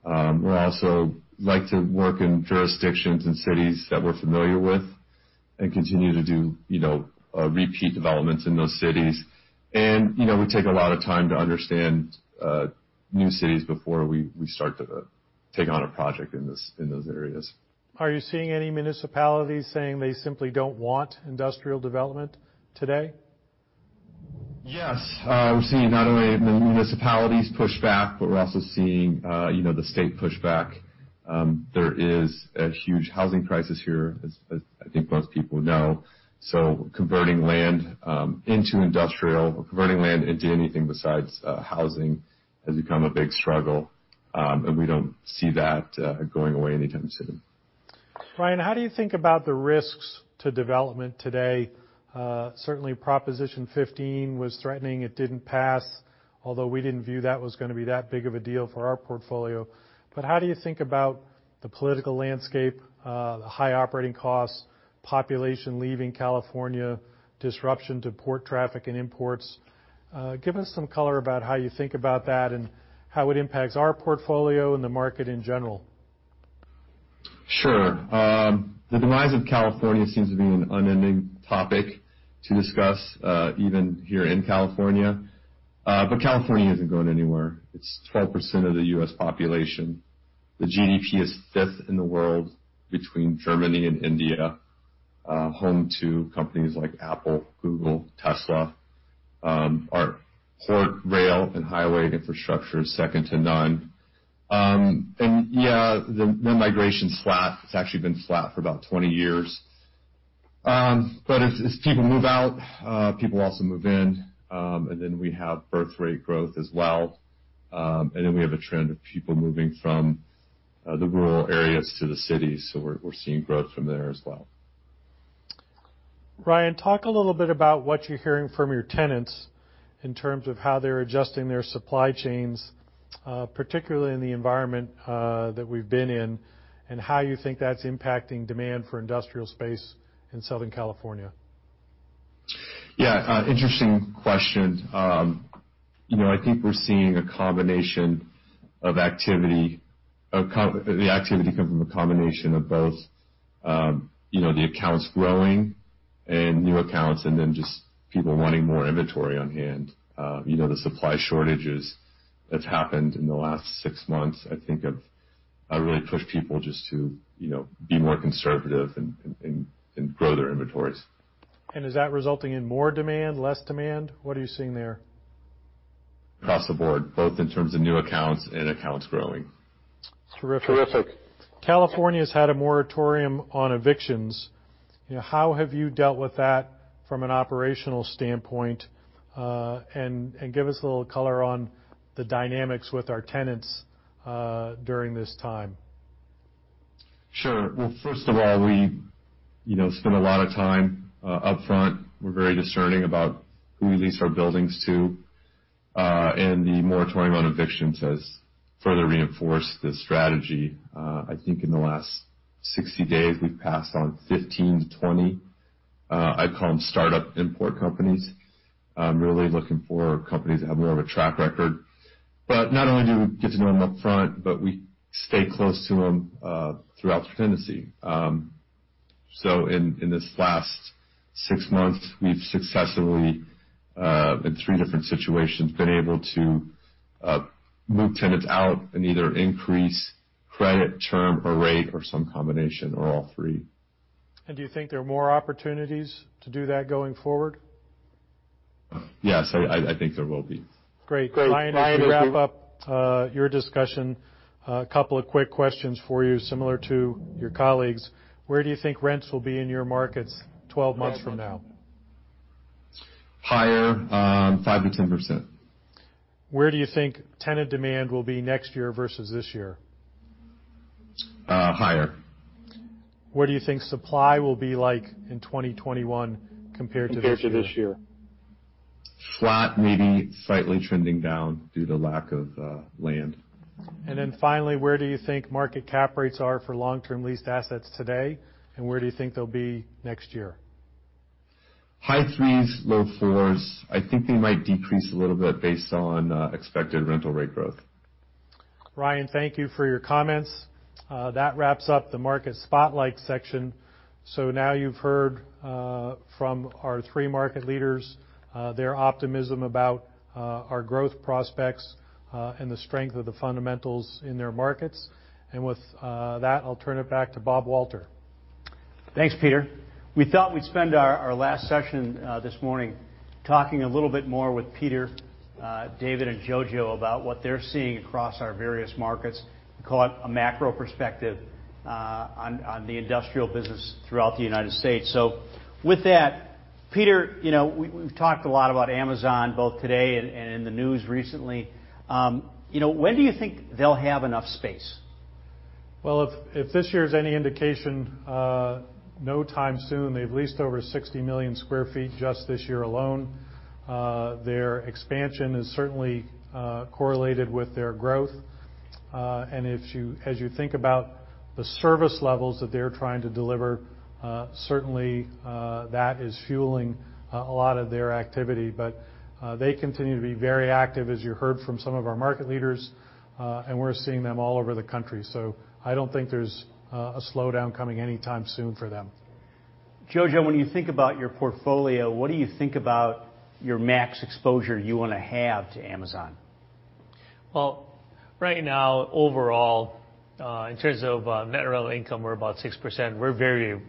We also like to work in jurisdictions and cities that we're familiar with and continue to do repeat developments in those cities. We take a lot of time to understand new cities before we start to take on a project in those areas. Are you seeing any municipalities saying they simply don't want industrial development today? Yes. We're seeing not only the municipalities push back, but we're also seeing the state push back. There is a huge housing crisis here as I think most people know. Converting land into industrial or converting land into anything besides housing has become a big struggle. We don't see that going away anytime soon. Ryan, how do you think about the risks to development today? Certainly, Proposition 15 was threatening. It didn't pass, although we didn't view that was going to be that big of a deal for our portfolio. How do you think about the political landscape, the high operating costs, population leaving California, disruption to port traffic and imports? Give us some color about how you think about that and how it impacts our portfolio and the market in general. Sure. The demise of California seems to be an unending topic to discuss, even here in California. California isn't going anywhere. It's 12% of the U.S. population. The GDP is fifth in the world between Germany and India, home to companies like Apple, Google, Tesla. Our port, rail, and highway infrastructure is second to none. Yeah, the migration's flat. It's actually been flat for about 20 years. As people move out, people also move in. We have birth rate growth as well. We have a trend of people moving from the rural areas to the cities. We're seeing growth from there as well. Ryan, talk a little bit about what you're hearing from your tenants in terms of how they're adjusting their supply chains, particularly in the environment that we've been in, and how you think that's impacting demand for industrial space in Southern California. Yeah. Interesting question. The activity comes from a combination of both the accounts growing and new accounts, and then just people wanting more inventory on hand. The supply shortages that's happened in the last six months, I think have really pushed people just to be more conservative and grow their inventories. Is that resulting in more demand, less demand? What are you seeing there? Across the board, both in terms of new accounts and accounts growing. Terrific. California's had a moratorium on evictions. How have you dealt with that from an operational standpoint? Give us a little color on the dynamics with our tenants during this time. First of all, we spend a lot of time upfront. We're very discerning about who we lease our buildings to. The moratorium on evictions has further reinforced this strategy. I think in the last 60 days, we've passed on 15-20, I call them startup import companies. I'm really looking for companies that have more of a track record. Not only do we get to know them upfront, but we stay close to them throughout the tenancy. In this last six months, we've successfully, in three different situations, been able to move tenants out and either increase credit term or rate or some combination or all three. Do you think there are more opportunities to do that going forward? Yes, I think there will be. Great. Ryan, as we wrap up your discussion, a couple of quick questions for you similar to your colleagues. Where do you think rents will be in your markets 12 months from now? Higher, 5%-10%. Where do you think tenant demand will be next year versus this year? Higher. Where do you think supply will be like in 2021 compared to this year? Flat, maybe slightly trending down due to lack of land. Finally, where do you think market cap rates are for long-term leased assets today, and where do you think they'll be next year? High threes, low fours. I think they might decrease a little bit based on expected rental rate growth. Ryan, thank you for your comments. That wraps up the Market Spotlight section. Now you've heard from our three market leaders, their optimism about our growth prospects, and the strength of the fundamentals in their markets. With that, I'll turn it back to Bob Walter. Thanks, Peter. We thought we'd spend our last session this morning talking a little bit more with Peter, David, and Jojo about what they're seeing across our various markets. We call it a macro perspective on the industrial business throughout the U.S. With that, Peter, we've talked a lot about Amazon, both today and in the news recently. When do you think they'll have enough space? Well, if this year is any indication, no time soon. They've leased over 60 million square feet just this year alone. Their expansion is certainly correlated with their growth. As you think about the service levels that they're trying to deliver, certainly, that is fueling a lot of their activity. They continue to be very active, as you heard from some of our market leaders, and we're seeing them all over the country. I don't think there's a slowdown coming anytime soon for them. Jojo, when you think about your portfolio, what do you think about your max exposure you want to have to Amazon? Well, right now, overall, in terms of net rental income, we're about 6%. We're very,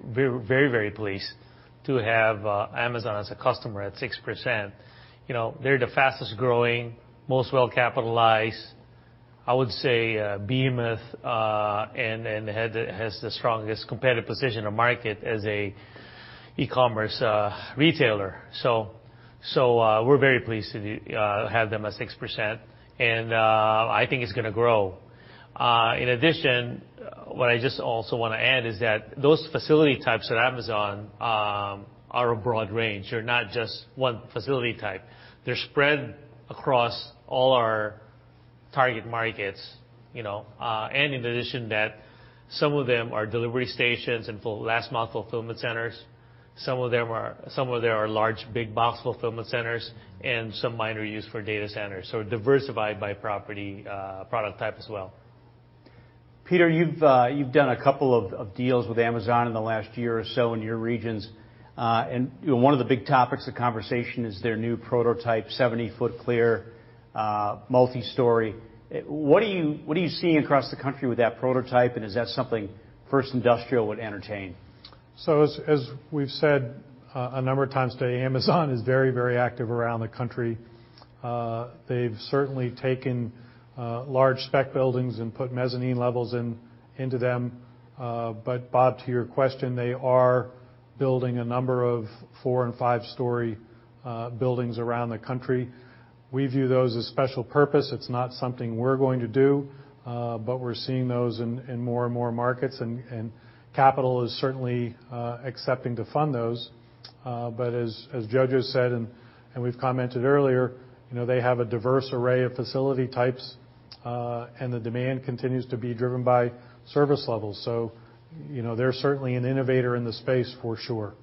very pleased to have Amazon as a customer at 6%. They're the fastest-growing, most well-capitalized, I would say, behemoth, and has the strongest competitive position in the market as an e-commerce retailer. We're very pleased to have them at 6%, and I think it's going to grow. In addition, what I just also want to add is that those facility types at Amazon are a broad range. They're not just one facility type. They're spread across all our target markets, and in addition, that some of them are delivery stations and last mile fulfillment centers. Some of them are large, big box fulfillment centers, and some minor use for data centers. Diversified by property product type as well. Peter, you've done a couple of deals with Amazon in the last year or so in your regions. One of the big topics of conversation is their new prototype, 70 ft clear multi-story. What are you seeing across the country with that prototype, and is that something First Industrial would entertain? As we've said a number of times today, Amazon is very, very active around the country. They've certainly taken large spec buildings and put mezzanine levels into them. Bob, to your question, they are building a number of four and five story buildings around the country. We view those as special purpose. It's not something we're going to do. We're seeing those in more and more markets, and capital is certainly accepting to fund those. As Jojo said, and we've commented earlier, they have a diverse array of facility types, and the demand continues to be driven by service levels. They're certainly an innovator in the space for sure.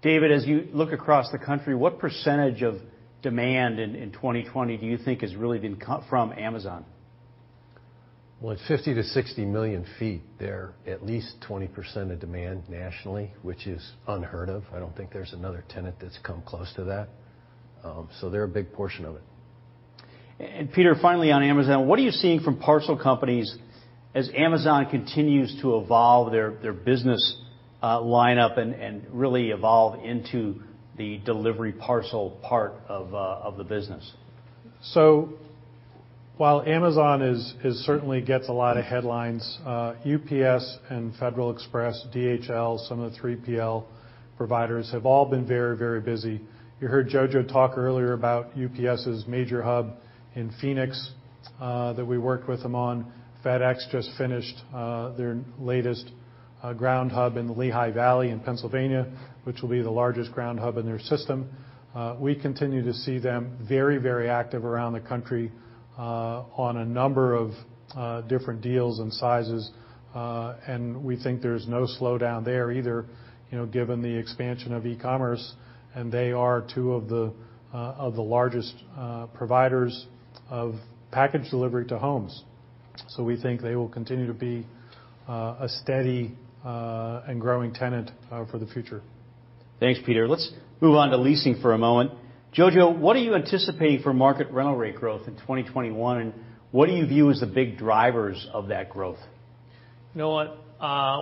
David, as you look across the country, what percentage of demand in 2020 do you think has really been from Amazon? With 50 million-60 million feet there, at least 20% of demand nationally, which is unheard of. I don't think there's another tenant that's come close to that. They're a big portion of it. Peter, finally on Amazon, what are you seeing from parcel companies as Amazon continues to evolve their business lineup and really evolve into the delivery parcel part of the business? While Amazon certainly gets a lot of headlines, UPS and Federal Express, DHL, some of the 3PL providers, have all been very, very busy. You heard Jojo talk earlier about UPS's major hub in Phoenix, that we worked with them on. FedEx just finished their latest ground hub in the Lehigh Valley in Pennsylvania, which will be the largest ground hub in their system. We continue to see them very, very active around the country on a number of different deals and sizes. We think there's no slowdown there either, given the expansion of e-commerce, and they are two of the largest providers of package delivery to homes. We think they will continue to be a steady and growing tenant for the future. Thanks, Peter. Let's move on to leasing for a moment. Jojo, what are you anticipating for market rental rate growth in 2021, and what do you view as the big drivers of that growth? You know what?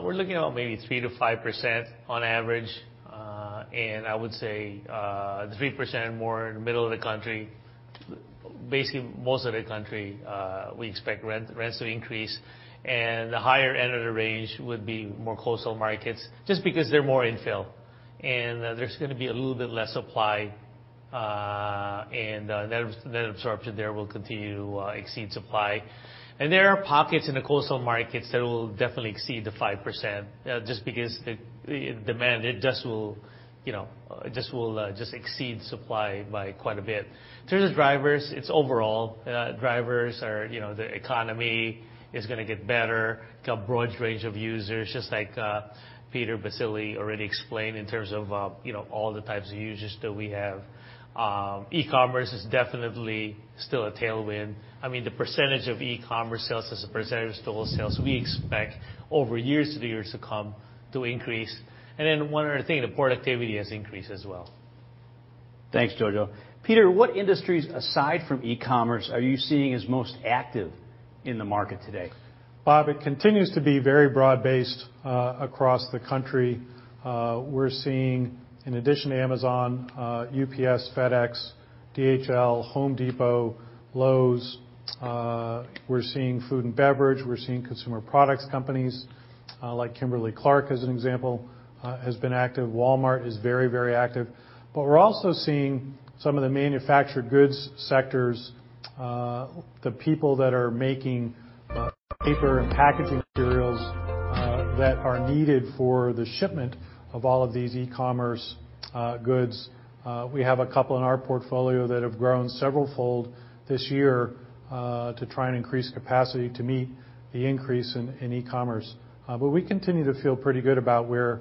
We're looking at maybe 3%-5% on average. I would say 3% more in the middle of the country. Basically, most of the country, we expect rents to increase. The higher end of the range would be more coastal markets, just because they're more infill. There's going to be a little bit less supply, and the net absorption there will continue to exceed supply. There are pockets in the coastal markets that will definitely exceed the 5%, just because the demand will just exceed supply by quite a bit. In terms of drivers, it's overall. Drivers are the economy is going to get better. It's got a broad range of users, just like Peter Baccile already explained in terms of all the types of users that we have. E-commerce is definitely still a tailwind. The percentage of e-commerce sales as a percentage of total sales, we expect over years to the years to come to increase. One other thing, the productivity has increased as well. Thanks, Jojo. Peter, what industries aside from e-commerce are you seeing as most active in the market today? Bob, it continues to be very broad-based across the country. We're seeing, in addition to Amazon, UPS, FedEx, DHL, Home Depot, Lowe's. We're seeing food and beverage. We're seeing consumer products companies, like Kimberly-Clark, as an example, has been active. Walmart is very active. We're also seeing some of the manufactured goods sectors, the people that are making paper and packaging materials that are needed for the shipment of all of these e-commerce goods. We have a couple in our portfolio that have grown several-fold this year to try and increase capacity to meet the increase in e-commerce. We continue to feel pretty good about where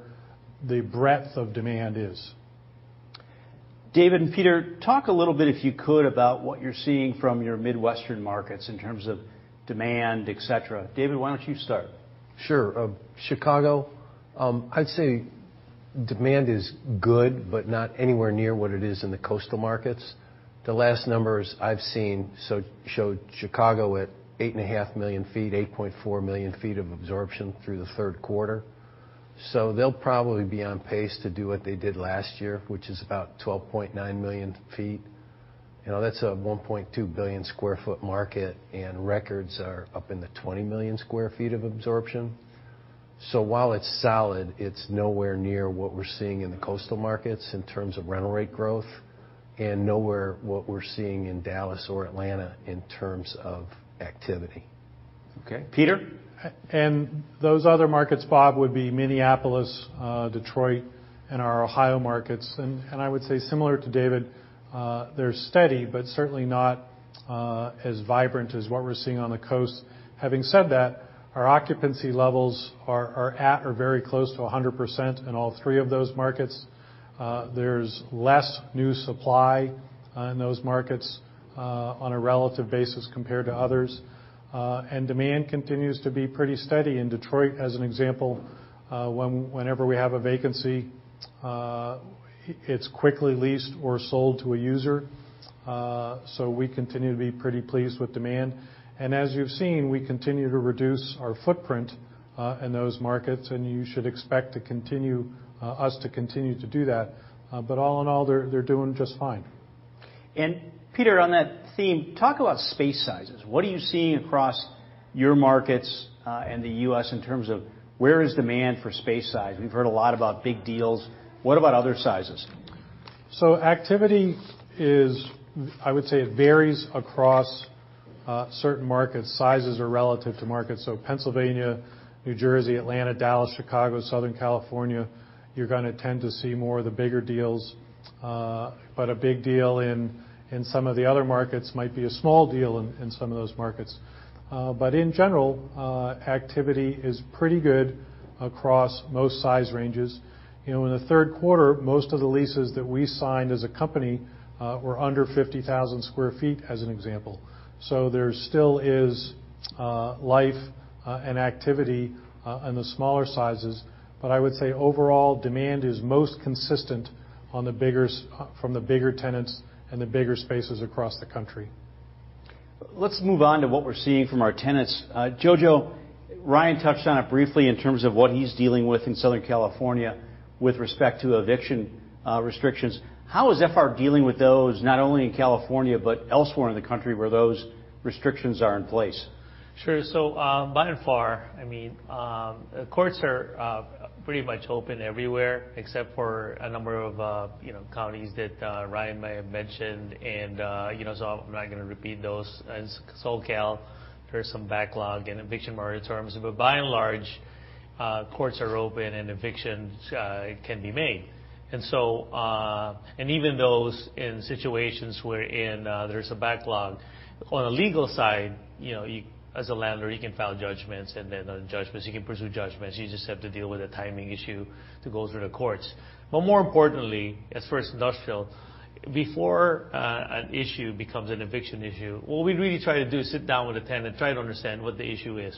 the breadth of demand is. David and Peter, talk a little bit, if you could, about what you're seeing from your Midwestern markets in terms of demand, et cetera. David, why don't you start? Sure. Chicago, I'd say demand is good, but not anywhere near what it is in the coastal markets. The last numbers I've seen showed Chicago at 8.5 million feet, 8.4 million feet of absorption through the third quarter. They'll probably be on pace to do what they did last year, which is about 12.9 million feet. That's a 1.2 billion square foot market, records are up in the 20 million square feet of absorption. While it's solid, it's nowhere near what we're seeing in the coastal markets in terms of rental rate growth, nowhere what we're seeing in Dallas or Atlanta in terms of activity. Okay. Peter? Those other markets, Bob, would be Minneapolis, Detroit, and our Ohio markets. I would say similar to David, they're steady, but certainly not as vibrant as what we're seeing on the coast. Having said that, our occupancy levels are at or very close to 100% in all three of those markets. There's less new supply in those markets on a relative basis compared to others. Demand continues to be pretty steady. In Detroit, as an example, whenever we have a vacancy, it's quickly leased or sold to a user. We continue to be pretty pleased with demand. As you've seen, we continue to reduce our footprint in those markets, and you should expect us to continue to do that. All in all, they're doing just fine. Peter, on that theme, talk about space sizes. What are you seeing across your markets and the U.S. in terms of where is demand for space size? We've heard a lot about big deals. What about other sizes? Activity, I would say, it varies across certain markets. Sizes are relative to markets. Pennsylvania, New Jersey, Atlanta, Dallas, Chicago, Southern California, you're going to tend to see more of the bigger deals. A big deal in some of the other markets might be a small deal in some of those markets. In general, activity is pretty good across most size ranges. In the third quarter, most of the leases that we signed as a company were under 50,000 sq ft, as an example. There still is life and activity in the smaller sizes. I would say overall, demand is most consistent from the bigger tenants and the bigger spaces across the country. Let's move on to what we're seeing from our tenants. Jojo, Ryan touched on it briefly in terms of what he's dealing with in Southern California with respect to eviction restrictions. How is FR dealing with those, not only in California but elsewhere in the country where those restrictions are in place? Sure. By and far, courts are pretty much open everywhere except for a number of counties that Ryan may have mentioned. I'm not going to repeat those. In SoCal, there's some backlog in eviction moratoriums. By and large, courts are open and evictions can be made. Even those in situations wherein there's a backlog. On the legal side, as a landlord, you can file judgments, and then on judgments, you can pursue judgments. You just have to deal with the timing issue to go through the courts. More importantly, as far as industrial, before an issue becomes an eviction issue, what we really try to do is sit down with the tenant, try to understand what the issue is.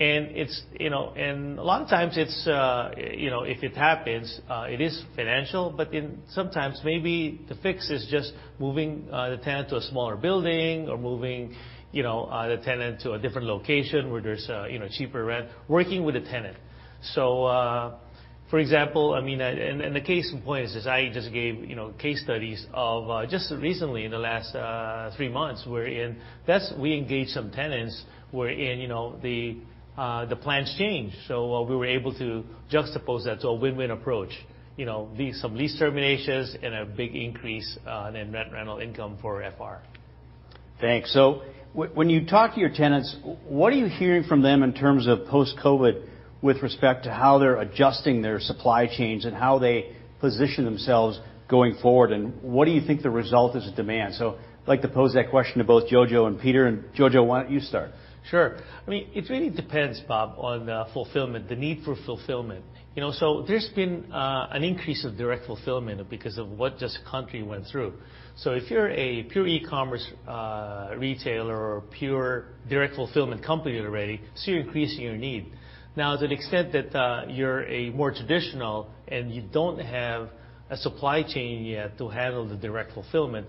A lot of times, if it happens, it is financial, but sometimes maybe the fix is just moving the tenant to a smaller building or moving the tenant to a different location where there's cheaper rent, working with the tenant. For example, and the case in point is, as I just gave case studies of just recently in the last three months wherein we engaged some tenants wherein the plans changed. We were able to juxtapose that. A win-win approach. Some lease terminations and a big increase in net rental income for FR. Thanks. When you talk to your tenants, what are you hearing from them in terms of post-COVID with respect to how they're adjusting their supply chains and how they position themselves going forward, and what do you think the result is of demand? I'd like to pose that question to both Jojo and Peter. Jojo, why don't you start? Sure. It really depends, Bob, on fulfillment, the need for fulfillment. There's been an increase of direct fulfillment because of what this country went through. If you're a pure e-commerce retailer or pure direct fulfillment company already, so you're increasing your need. Now, to the extent that you're more traditional and you don't have a supply chain yet to handle the direct fulfillment,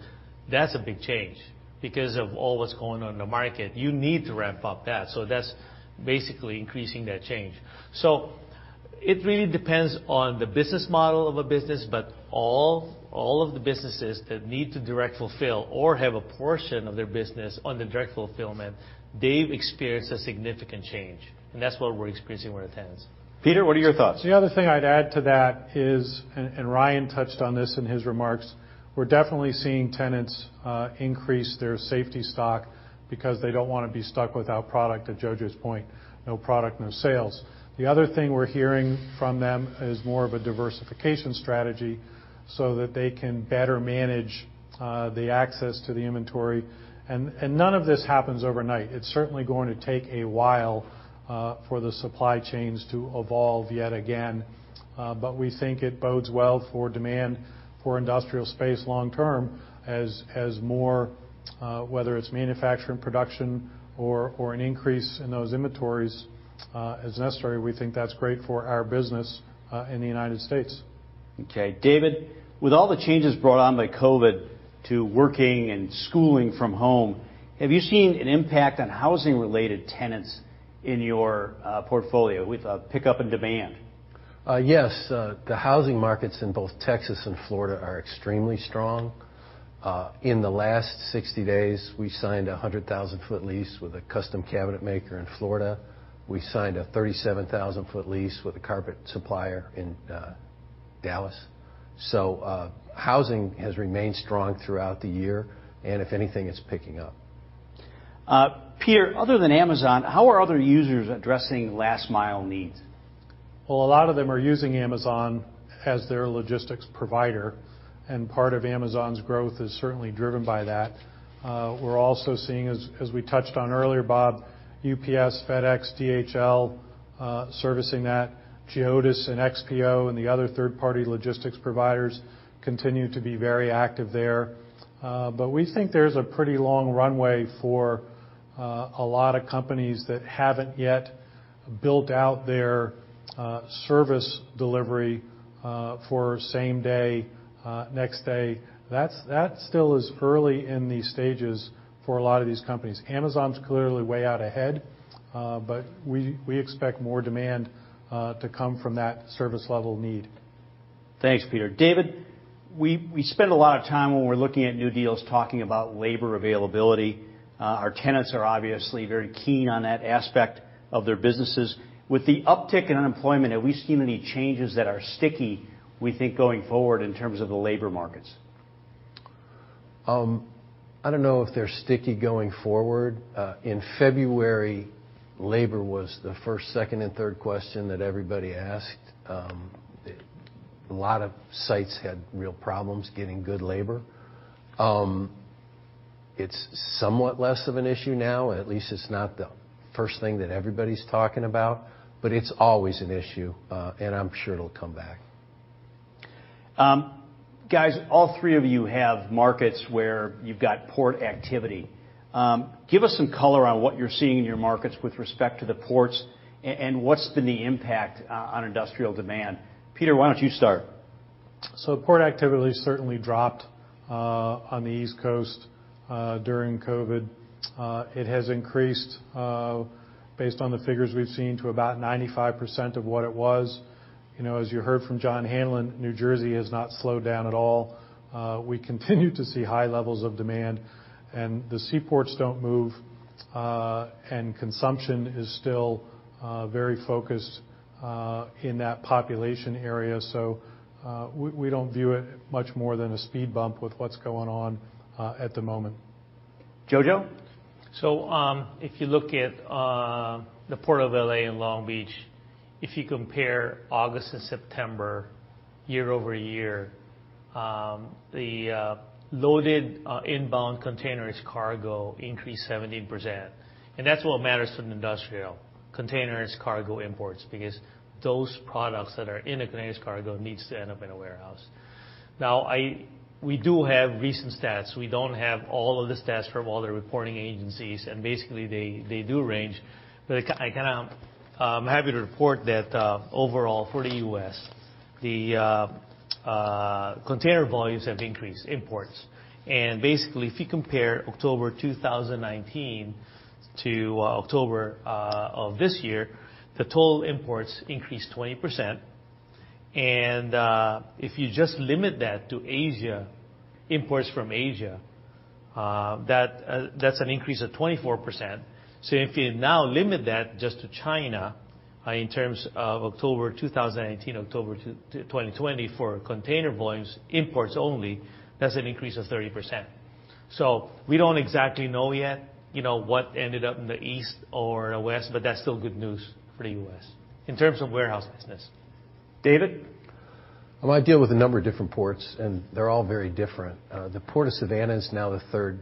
that's a big change because of all that's going on in the market. You need to ramp up that. That's basically increasing that change. It really depends on the business model of a business, but all of the businesses that need to direct fulfill or have a portion of their business on the direct fulfillment, they've experienced a significant change, and that's what we're experiencing with our tenants. Peter, what are your thoughts? The other thing I'd add to that is, and Ryan touched on this in his remarks, we're definitely seeing tenants increase their safety stock because they don't want to be stuck without product. To Jojo's point, no product, no sales. The other thing we're hearing from them is more of a diversification strategy so that they can better manage the access to the inventory. None of this happens overnight. It's certainly going to take a while for the supply chains to evolve yet again. We think it bodes well for demand for industrial space long term as more, whether it's manufacturing production or an increase in those inventories, as necessary. We think that's great for our business in the United States. Okay. David, with all the changes brought on by COVID to working and schooling from home, have you seen an impact on housing-related tenants in your portfolio with a pickup in demand? Yes. The housing markets in both Texas and Florida are extremely strong. In the last 60 days, we signed a 100,000 ft lease with a custom cabinet maker in Florida. We signed a 37,000 ft lease with a carpet supplier in Dallas. Housing has remained strong throughout the year, and if anything, it's picking up. Peter, other than Amazon, how are other users addressing last-mile needs? Well, a lot of them are using Amazon as their logistics provider. Part of Amazon's growth is certainly driven by that. We're also seeing, as we touched on earlier, Bob, UPS, FedEx, DHL servicing that. Geodis and XPO and the other third-party logistics providers continue to be very active there. We think there's a pretty long runway for a lot of companies that haven't yet built out their service delivery for same day, next day. That still is early in the stages for a lot of these companies. Amazon's clearly way out ahead. We expect more demand to come from that service level need. Thanks, Peter. David, we spend a lot of time when we're looking at new deals talking about labor availability. Our tenants are obviously very keen on that aspect of their businesses. With the uptick in unemployment, have we seen any changes that are sticky, we think, going forward in terms of the labor markets? I don't know if they're sticky going forward. In February, labor was the first, second, and third question that everybody asked. A lot of sites had real problems getting good labor. It's somewhat less of an issue now. At least it's not the first thing that everybody's talking about, but it's always an issue, and I'm sure it'll come back. Guys, all three of you have markets where you've got port activity. Give us some color on what you're seeing in your markets with respect to the ports, and what's been the impact on industrial demand. Peter, why don't you start? Port activity certainly dropped on the East Coast during COVID. It has increased based on the figures we've seen to about 95% of what it was. As you heard from John Hanlon, New Jersey has not slowed down at all. We continue to see high levels of demand, and the seaports don't move, and consumption is still very focused in that population area. We don't view it much more than a speed bump with what's going on at the moment. Jojo? If you look at the Port of L.A. and Long Beach, if you compare August and September year-over-year, the loaded inbound containers cargo increased 17%. That's what matters to industrial. Containers cargo imports, because those products that are in a containers cargo needs to end up in a warehouse. We do have recent stats. We don't have all of the stats from all the reporting agencies, basically, they do range. I'm happy to report that overall for the U.S., the container volumes have increased imports. Basically, if you compare October 2019 to October of this year, the total imports increased 20%. If you just limit that to imports from Asia, that's an increase of 24%. If you now limit that just to China in terms of October 2019, October 2020 for container volumes, imports only, that's an increase of 30%. We don't exactly know yet what ended up in the east or the west, but that's still good news for the U.S. in terms of warehouse business. David? Well, I deal with a number of different ports. They're all very different. The Port of Savannah is now the third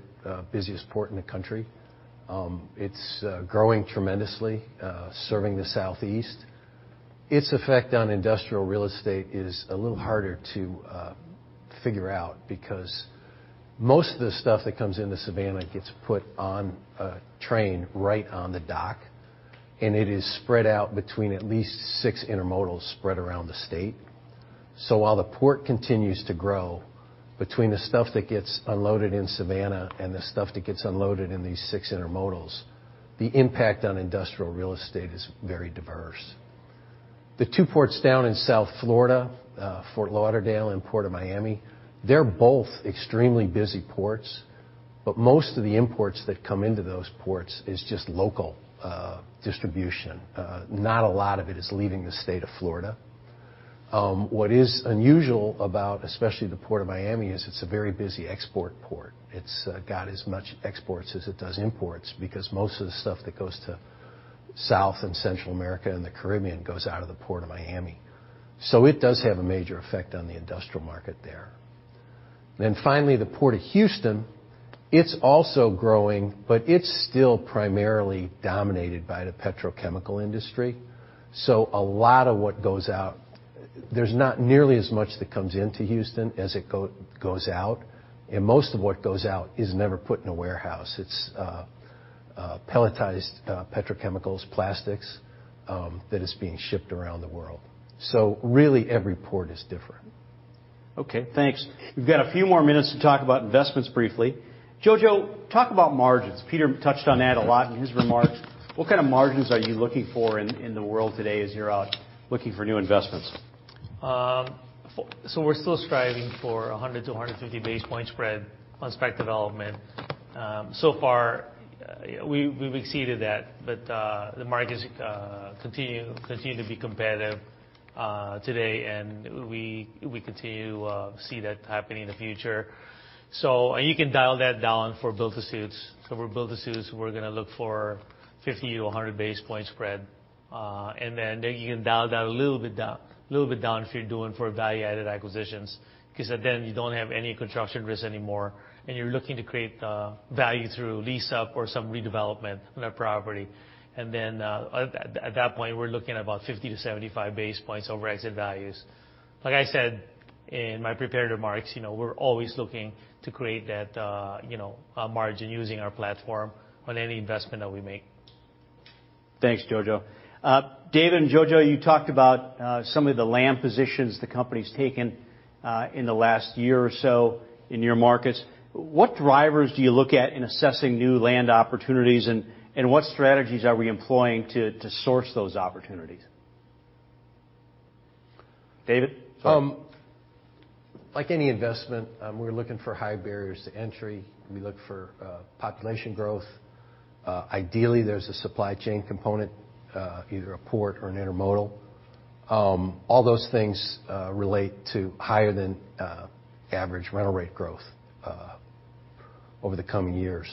busiest port in the country. It's growing tremendously, serving the Southeast. Its effect on industrial real estate is a little harder to figure out because most of the stuff that comes into Savannah gets put on a train right on the dock. It is spread out between at least six intermodals spread around the state. While the port continues to grow, between the stuff that gets unloaded in Savannah and the stuff that gets unloaded in these six intermodals, the impact on industrial real estate is very diverse. The two ports down in South Florida, Fort Lauderdale and Port of Miami, they're both extremely busy ports. Most of the imports that come into those ports is just local distribution. Not a lot of it is leaving the state of Florida. What is unusual about, especially the Port of Miami, is it's a very busy export port. It's got as much exports as it does imports because most of the stuff that goes to South and Central America and the Caribbean goes out of the Port of Miami. It does have a major effect on the industrial market there. Finally, the Port of Houston, it's also growing, but it's still primarily dominated by the petrochemical industry. A lot of what goes out, there's not nearly as much that comes into Houston as it goes out, and most of what goes out is never put in a warehouse. It's pelletized petrochemicals, plastics, that is being shipped around the world. Really, every port is different. Okay, thanks. We've got a few more minutes to talk about investments briefly. Jojo, talk about margins. Peter touched on that a lot in his remarks. What kind of margins are you looking for in the world today as you're out looking for new investments? We're still striving for 100-150 basis point spread on spec development. So far, we've exceeded that, but the markets continue to be competitive today, and we continue to see that happening in the future. You can dial that down for build to suits. For build to suits, we're going to look for 50-100 basis point spread. You can dial that a little bit down if you're doing for value-added acquisitions, because then you don't have any construction risk anymore, and you're looking to create value through lease-up or some redevelopment of that property. At that point, we're looking at about 50-75 basis points over exit values. Like I said in my prepared remarks, we're always looking to create that margin using our platform on any investment that we make. Thanks, Jojo. David and Jojo, you talked about some of the land positions the company's taken in the last year or so in your markets. What drivers do you look at in assessing new land opportunities, and what strategies are we employing to source those opportunities? David? Like any investment, we're looking for high barriers to entry. We look for population growth. Ideally, there's a supply chain component, either a port or an intermodal. All those things relate to higher than average rental rate growth over the coming years.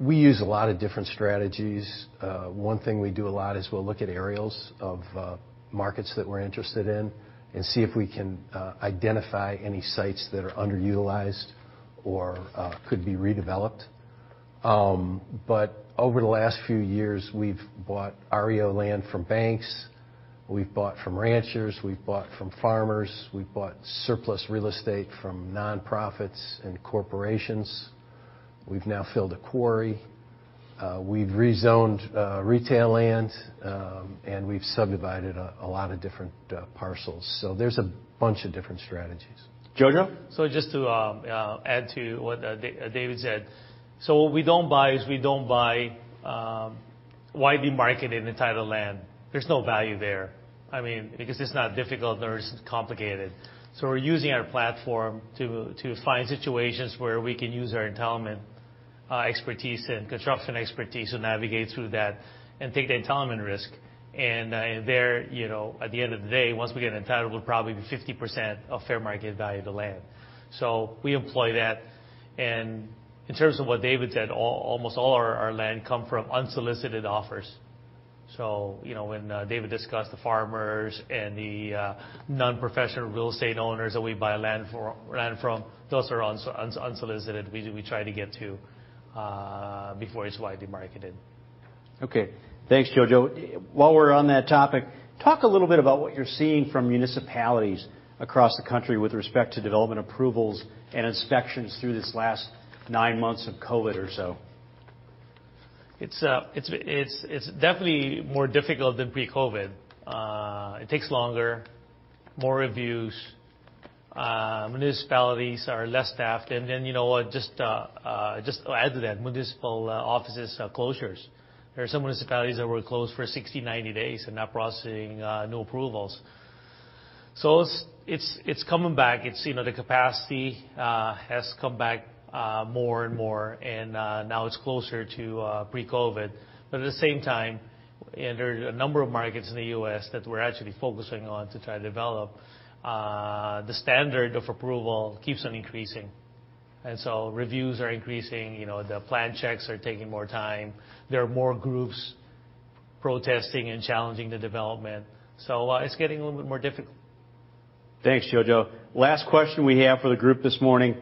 We use a lot of different strategies. One thing we do a lot is we'll look at aerials of markets that we're interested in and see if we can identify any sites that are underutilized or could be redeveloped. Over the last few years, we've bought REO land from banks, we've bought from ranchers, we've bought from farmers, we've bought surplus real estate from nonprofits and corporations. We've now filled a quarry. We've rezoned retail land, and we've subdivided a lot of different parcels. There's a bunch of different strategies. Jojo? Just to add to what David said. What we don't buy is we don't buy widely marketed entitled land. There's no value there, because it's not difficult, nor is it complicated. We're using our platform to find situations where we can use our entitlement expertise and construction expertise to navigate through that and take the entitlement risk. There, at the end of the day, once we get entitled, it will probably be 50% of fair market value of the land. We employ that. In terms of what David said, almost all our land come from unsolicited offers. When David discussed the farmers and the non-professional real estate owners that we buy land from, those are unsolicited. We try to get to before it's widely marketed. Okay. Thanks, Jojo. While we're on that topic, talk a little bit about what you're seeing from municipalities across the country with respect to development approvals and inspections through this last nine months of COVID or so. It's definitely more difficult than pre-COVID. It takes longer, more reviews. Municipalities are less staffed. Then, just to add to that, municipal offices closures. There are some municipalities that were closed for 60, 90 days and not processing new approvals. It's coming back. The capacity has come back more and more, and now it's closer to pre-COVID. At the same time, there are a number of markets in the U.S. that we're actually focusing on to try to develop. The standard of approval keeps on increasing, and so reviews are increasing. The plan checks are taking more time. There are more groups protesting and challenging the development. It's getting a little bit more difficult. Thanks, Jojo. Last question we have for the group this morning.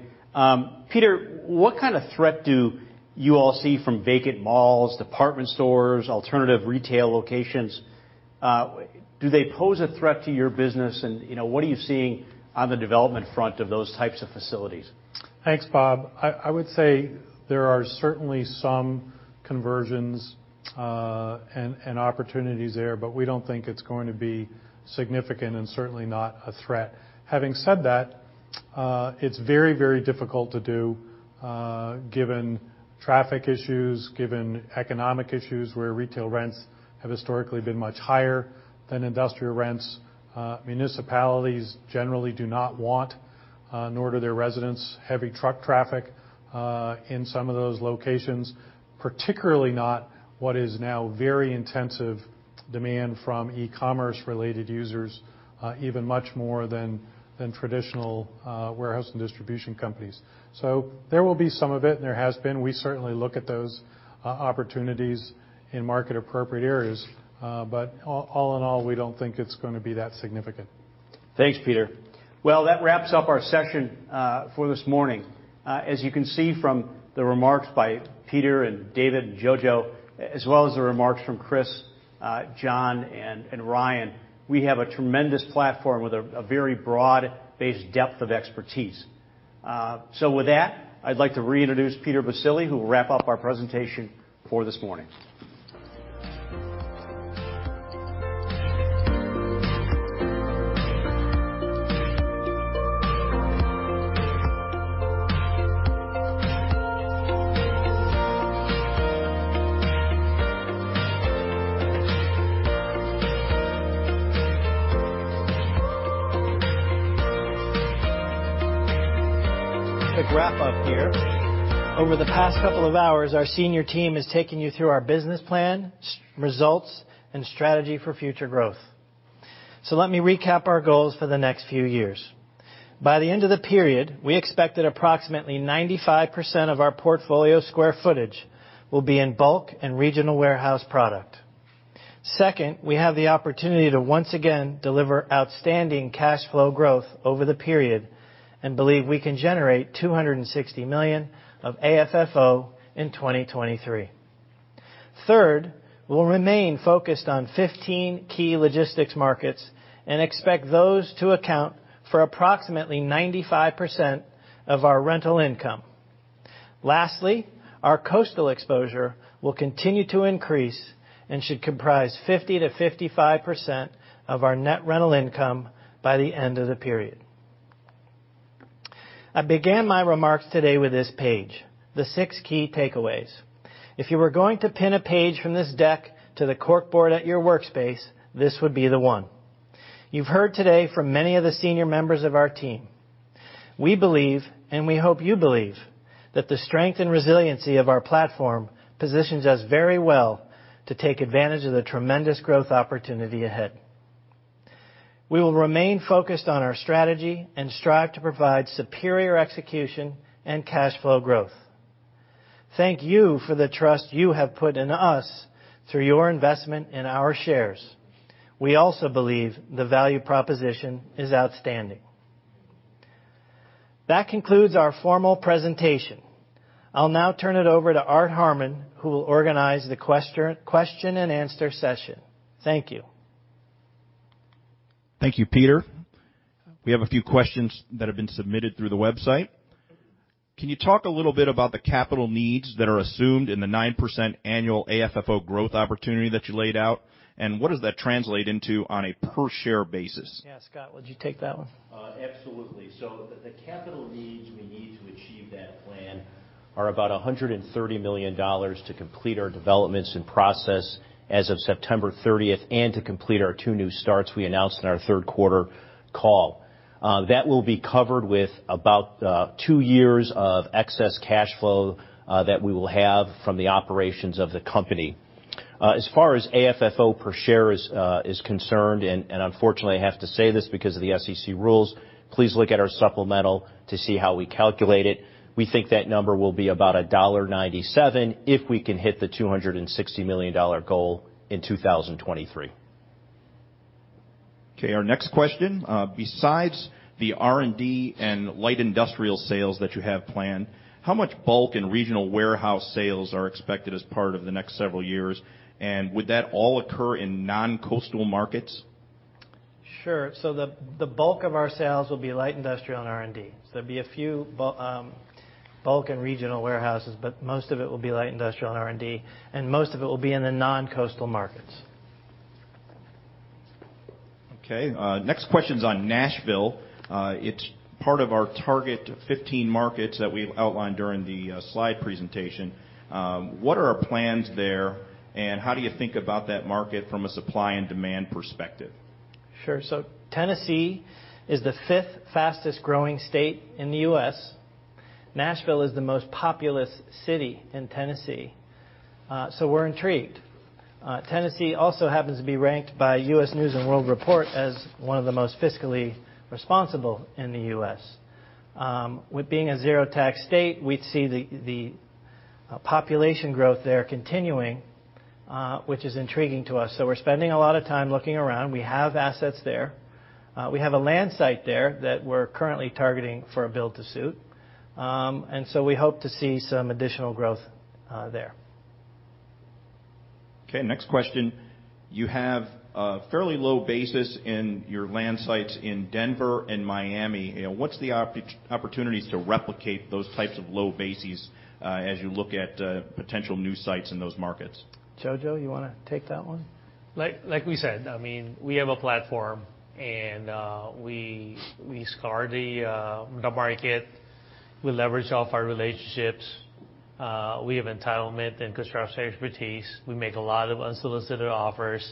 Peter, what kind of threat do you all see from vacant malls, department stores, alternative retail locations? Do they pose a threat to your business? What are you seeing on the development front of those types of facilities? Thanks, Bob. I would say there are certainly some conversions and opportunities there, but we don't think it's going to be significant and certainly not a threat. Having said that, it's very difficult to do given traffic issues, given economic issues where retail rents have historically been much higher than industrial rents. Municipalities generally do not want, nor do their residents, heavy truck traffic in some of those locations, particularly not what is now very intensive demand from e-commerce related users, even much more than traditional warehouse and distribution companies. There will be some of it, and there has been. We certainly look at those opportunities in market-appropriate areas. All in all, we don't think it's going to be that significant. Thanks, Peter. Well, that wraps up our session for this morning. As you can see from the remarks by Peter and David and Jojo, as well as the remarks from Chris, John, and Ryan, we have a tremendous platform with a very broad-based depth of expertise. With that, I'd like to reintroduce Peter Baccile, who will wrap up our presentation for this morning. A wrap up here. Over the past couple of hours, our senior team has taken you through our business plan, results, and strategy for future growth. Let me recap our goals for the next few years. By the end of the period, we expect that approximately 95% of our portfolio square footage will be in bulk and regional warehouse product. Second, we have the opportunity to once again deliver outstanding cash flow growth over the period and believe we can generate $260 million of AFFO in 2023. Third, we'll remain focused on 15 key logistics markets and expect those to account for approximately 95% of our rental income. Lastly, our coastal exposure will continue to increase and should comprise 50%-55% of our net rental income by the end of the period. I began my remarks today with this page, the six key takeaways. If you were going to pin a page from this deck to the corkboard at your workspace, this would be the one. You've heard today from many of the senior members of our team. We believe, and we hope you believe, that the strength and resiliency of our platform positions us very well to take advantage of the tremendous growth opportunity ahead. We will remain focused on our strategy and strive to provide superior execution and cash flow growth. Thank you for the trust you have put in us through your investment in our shares. We also believe the value proposition is outstanding. That concludes our formal presentation. I'll now turn it over to Art Harmon, who will organize the question-and-answer session. Thank you. Thank you, Peter. We have a few questions that have been submitted through the website. Can you talk a little bit about the capital needs that are assumed in the 9% annual AFFO growth opportunity that you laid out, and what does that translate into on a per-share basis? Yeah. Scott, would you take that one? Absolutely. The capital needs we need to achieve that plan are about $130 million to complete our developments and process as of September 30th, and to complete our two new starts we announced in our third quarter call. That will be covered with about two years of excess cash flow that we will have from the operations of the company. As far as AFFO per share is concerned, unfortunately, I have to say this because of the SEC rules, please look at our supplemental to see how we calculate it. We think that number will be about $1.97 if we can hit the $260 million goal in 2023. Okay, our next question. Besides the R&D and light industrial sales that you have planned, how much bulk and regional warehouse sales are expected as part of the next several years? Would that all occur in non-coastal markets? Sure. The bulk of our sales will be light industrial and R&D. There'll be a few bulk and regional warehouses, but most of it will be light industrial and R&D, and most of it will be in the non-coastal markets. Next question's on Nashville. It's part of our target 15 markets that we've outlined during the slide presentation. What are our plans there, and how do you think about that market from a supply and demand perspective? Sure. Tennessee is the fifth fastest growing state in the U.S. Nashville is the most populous city in Tennessee. We're intrigued. Tennessee also happens to be ranked by U.S. News & World Report as one of the most fiscally responsible in the U.S. With being a zero-tax state, we see the population growth there continuing, which is intriguing to us. We're spending a lot of time looking around. We have assets there. We have a land site there that we're currently targeting for a build to suit. We hope to see some additional growth there. Okay, next question. You have a fairly low basis in your land sites in Denver and Miami. What's the opportunities to replicate those types of low bases as you look at potential new sites in those markets? Jojo, you want to take that one? Like we said, we have a platform, and we scour the market. We leverage off our relationships. We have entitlement and construction expertise. We make a lot of unsolicited offers.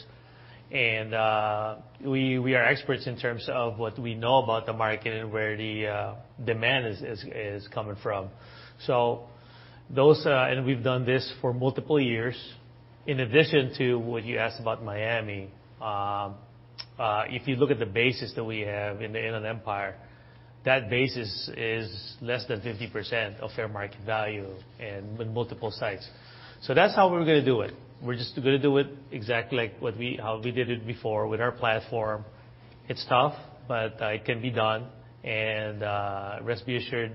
We are experts in terms of what we know about the market and where the demand is coming from. We've done this for multiple years. In addition to what you asked about Miami, if you look at the basis that we have in the Inland Empire, that basis is less than 50% of fair market value in multiple sites. That's how we're going to do it. We're just going to do it exactly like how we did it before with our platform. It's tough, but it can be done, and rest be assured,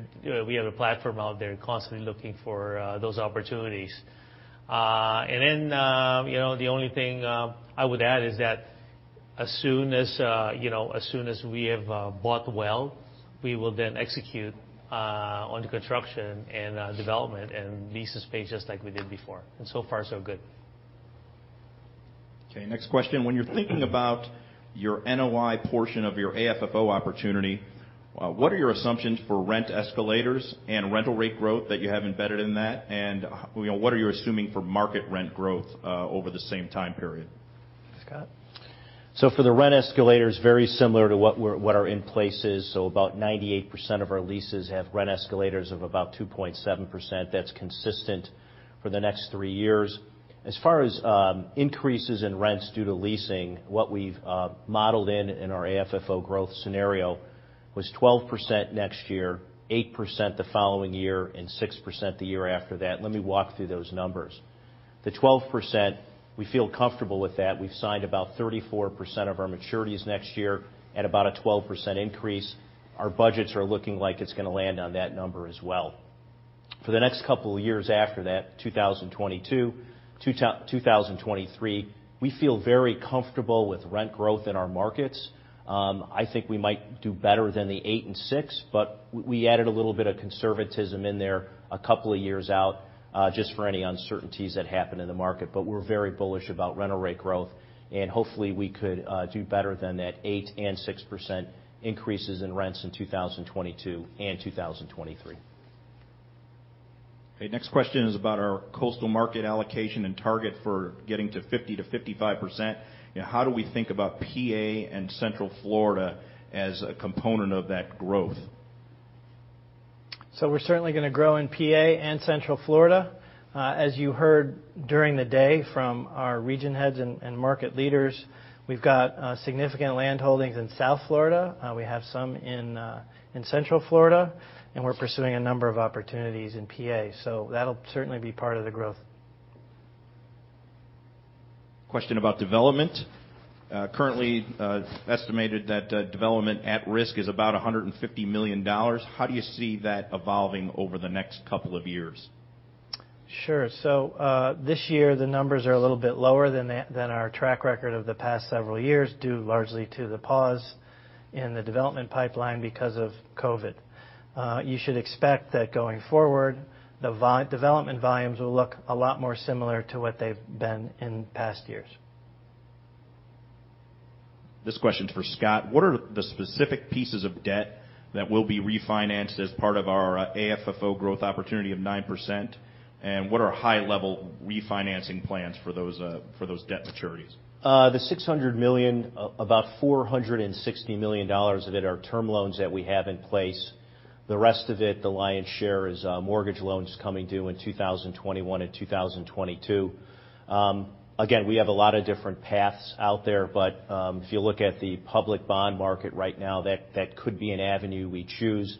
we have a platform out there constantly looking for those opportunities. The only thing I would add is that as soon as we have bought well, we will then execute on the construction and development and lease the space just like we did before. So far, so good. Okay, next question. When you're thinking about your NOI portion of your AFFO opportunity, what are your assumptions for rent escalators and rental rate growth that you have embedded in that? What are you assuming for market rent growth over the same time period? Scott? For the rent escalators, very similar to what our in place is. About 98% of our leases have rent escalators of about 2.7%. That is consistent for the next three years. As far as increases in rents due to leasing, what we've modeled in our AFFO growth scenario was 12% next year, 8% the following year, and 6% the year after that. Let me walk through those numbers. The 12%, we feel comfortable with that. We've signed about 34% of our maturities next year at about a 12% increase. Our budgets are looking like it is going to land on that number as well. For the next couple of years after that, 2022, 2023, we feel very comfortable with rent growth in our markets. I think we might do better than the eight and six. We added a little bit of conservatism in there a couple of years out, just for any uncertainties that happen in the market. We're very bullish about rental rate growth, and hopefully, we could do better than that 8% and 6% increases in rents in 2022 and 2023. Okay, next question is about our coastal market allocation and target for getting to 50%-55%. How do we think about PA and Central Florida as a component of that growth? We're certainly going to grow in PA and Central Florida. As you heard during the day from our region heads and market leaders, we've got significant land holdings in South Florida. We have some in Central Florida, and we're pursuing a number of opportunities in PA. That'll certainly be part of the growth. Question about development. Currently, it's estimated that development at risk is about $150 million. How do you see that evolving over the next couple of years? Sure. This year, the numbers are a little bit lower than our track record of the past several years, due largely to the pause in the development pipeline because of COVID. You should expect that going forward, the development volumes will look a lot more similar to what they've been in past years. This question's for Scott. What are the specific pieces of debt that will be refinanced as part of our AFFO growth opportunity of 9%? What are high-level refinancing plans for those debt maturities? The $600 million, about $460 million of it are term loans that we have in place. The rest of it, the lion's share, is mortgage loans coming due in 2021 and 2022. Again, we have a lot of different paths out there. If you look at the public bond market right now, that could be an avenue we choose.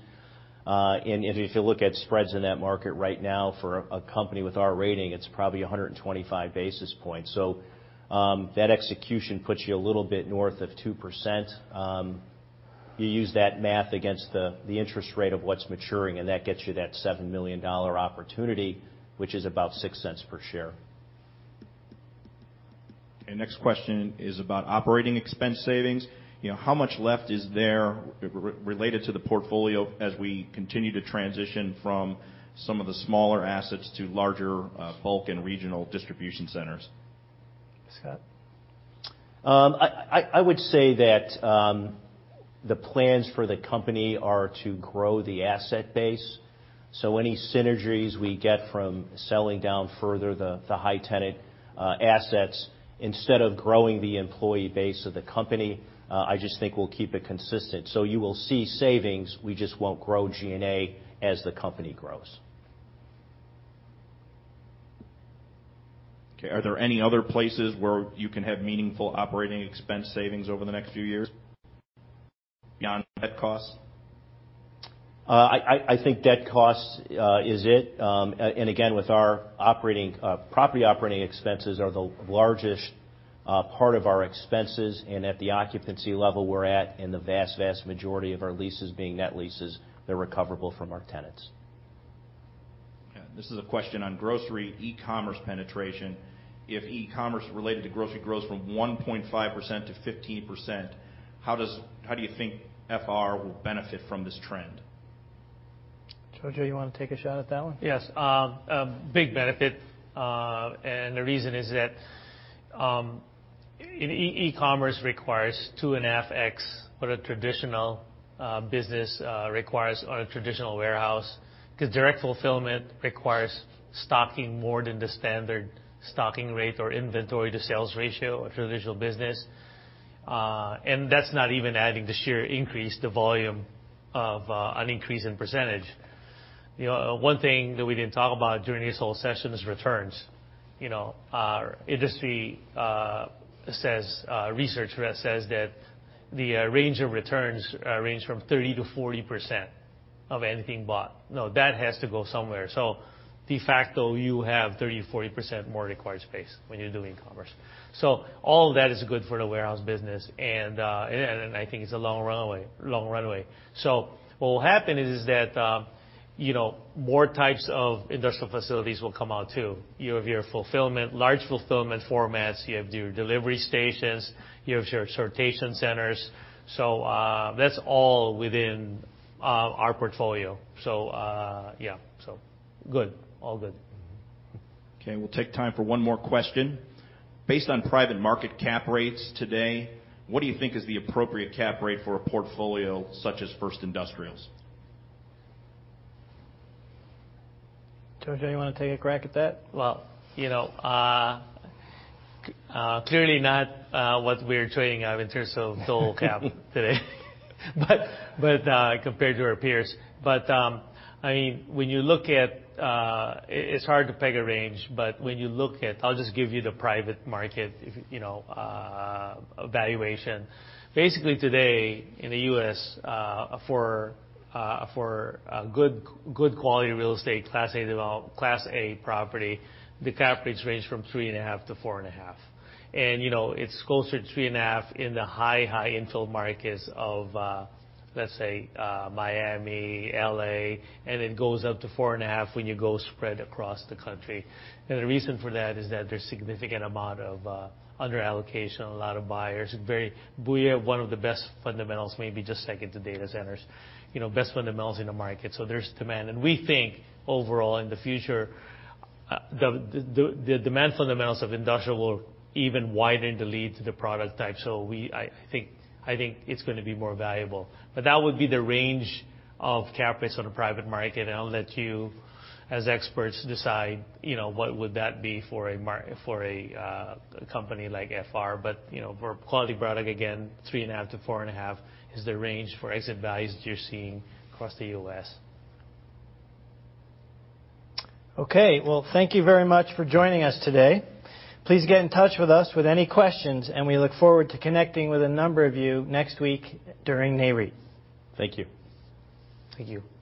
If you look at spreads in that market right now for a company with our rating, it's probably 125 basis points. That execution puts you a little bit north of 2%. You use that math against the interest rate of what's maturing, and that gets you that $7 million opportunity, which is about $0.06 per share. Next question is about operating expense savings. How much left is there related to the portfolio as we continue to transition from some of the smaller assets to larger bulk and regional distribution centers? Scott. I would say that the plans for the company are to grow the asset base. Any synergies we get from selling down further the high-tenant assets, instead of growing the employee base of the company, I just think we'll keep it consistent. You will see savings. We just won't grow G&A as the company grows. Okay. Are there any other places where you can have meaningful operating expense savings over the next few years, beyond debt costs? I think debt cost is it. With our property operating expenses are the largest part of our expenses, and at the occupancy level we're at, and the vast majority of our leases being net leases, they're recoverable from our tenants. Okay. This is a question on grocery e-commerce penetration. If e-commerce related to grocery grows from 1.5% to 15%, how do you think FR will benefit from this trend? Jojo, you want to take a shot at that one? Yes. A big benefit. The reason is that in e-commerce requires 2.5x what a traditional business requires on a traditional warehouse, because direct fulfillment requires stocking more than the standard stocking rate or inventory to sales ratio of traditional business. That's not even adding the sheer increase, the volume of an increase in percentage. One thing that we didn't talk about during this whole session is returns. Industry research says that the range of returns range from 30%-40% of anything bought. Now, that has to go somewhere. De facto, you have 30%-40% more required space when you're doing e-commerce. All that is good for the warehouse business, and I think it's a long runway. What will happen is that more types of industrial facilities will come out, too. You have your large fulfillment formats, you have your delivery stations, you have your sortation centers. That's all within our portfolio. Good. All good. Okay. We'll take time for one more question. Based on private market cap rates today, what do you think is the appropriate cap rate for a portfolio such as First Industrial's? Jojo, you want to take a crack at that? Clearly not what we're trading at in terms of total cap today, but compared to our peers. It's hard to peg a range, when you look at I'll just give you the private market valuation. Basically today in the U.S., for good quality real estate, Class A property, the cap rates range from 3.5% to 4.5%. It's closer to 3.5% in the high infill markets of, let's say, Miami, L.A., and it goes up to 4.5% when you go spread across the country. The reason for that is that there's significant amount of under-allocation, a lot of buyers. We have one of the best fundamentals, maybe just second to data centers. Best fundamentals in the market. There's demand. We think overall, in the future, the demand fundamentals of industrial will even widen the lead to the product type. I think it's going to be more valuable. That would be the range of cap rates on a private market. I'll let you, as experts, decide what would that be for a company like FR. For a quality product, again, 3.5%-4.5% is the range for exit values that you're seeing across the U.S. Okay. Well, thank you very much for joining us today. Please get in touch with us with any questions, and we look forward to connecting with a number of you next week during Nareit. Thank you. Thank you.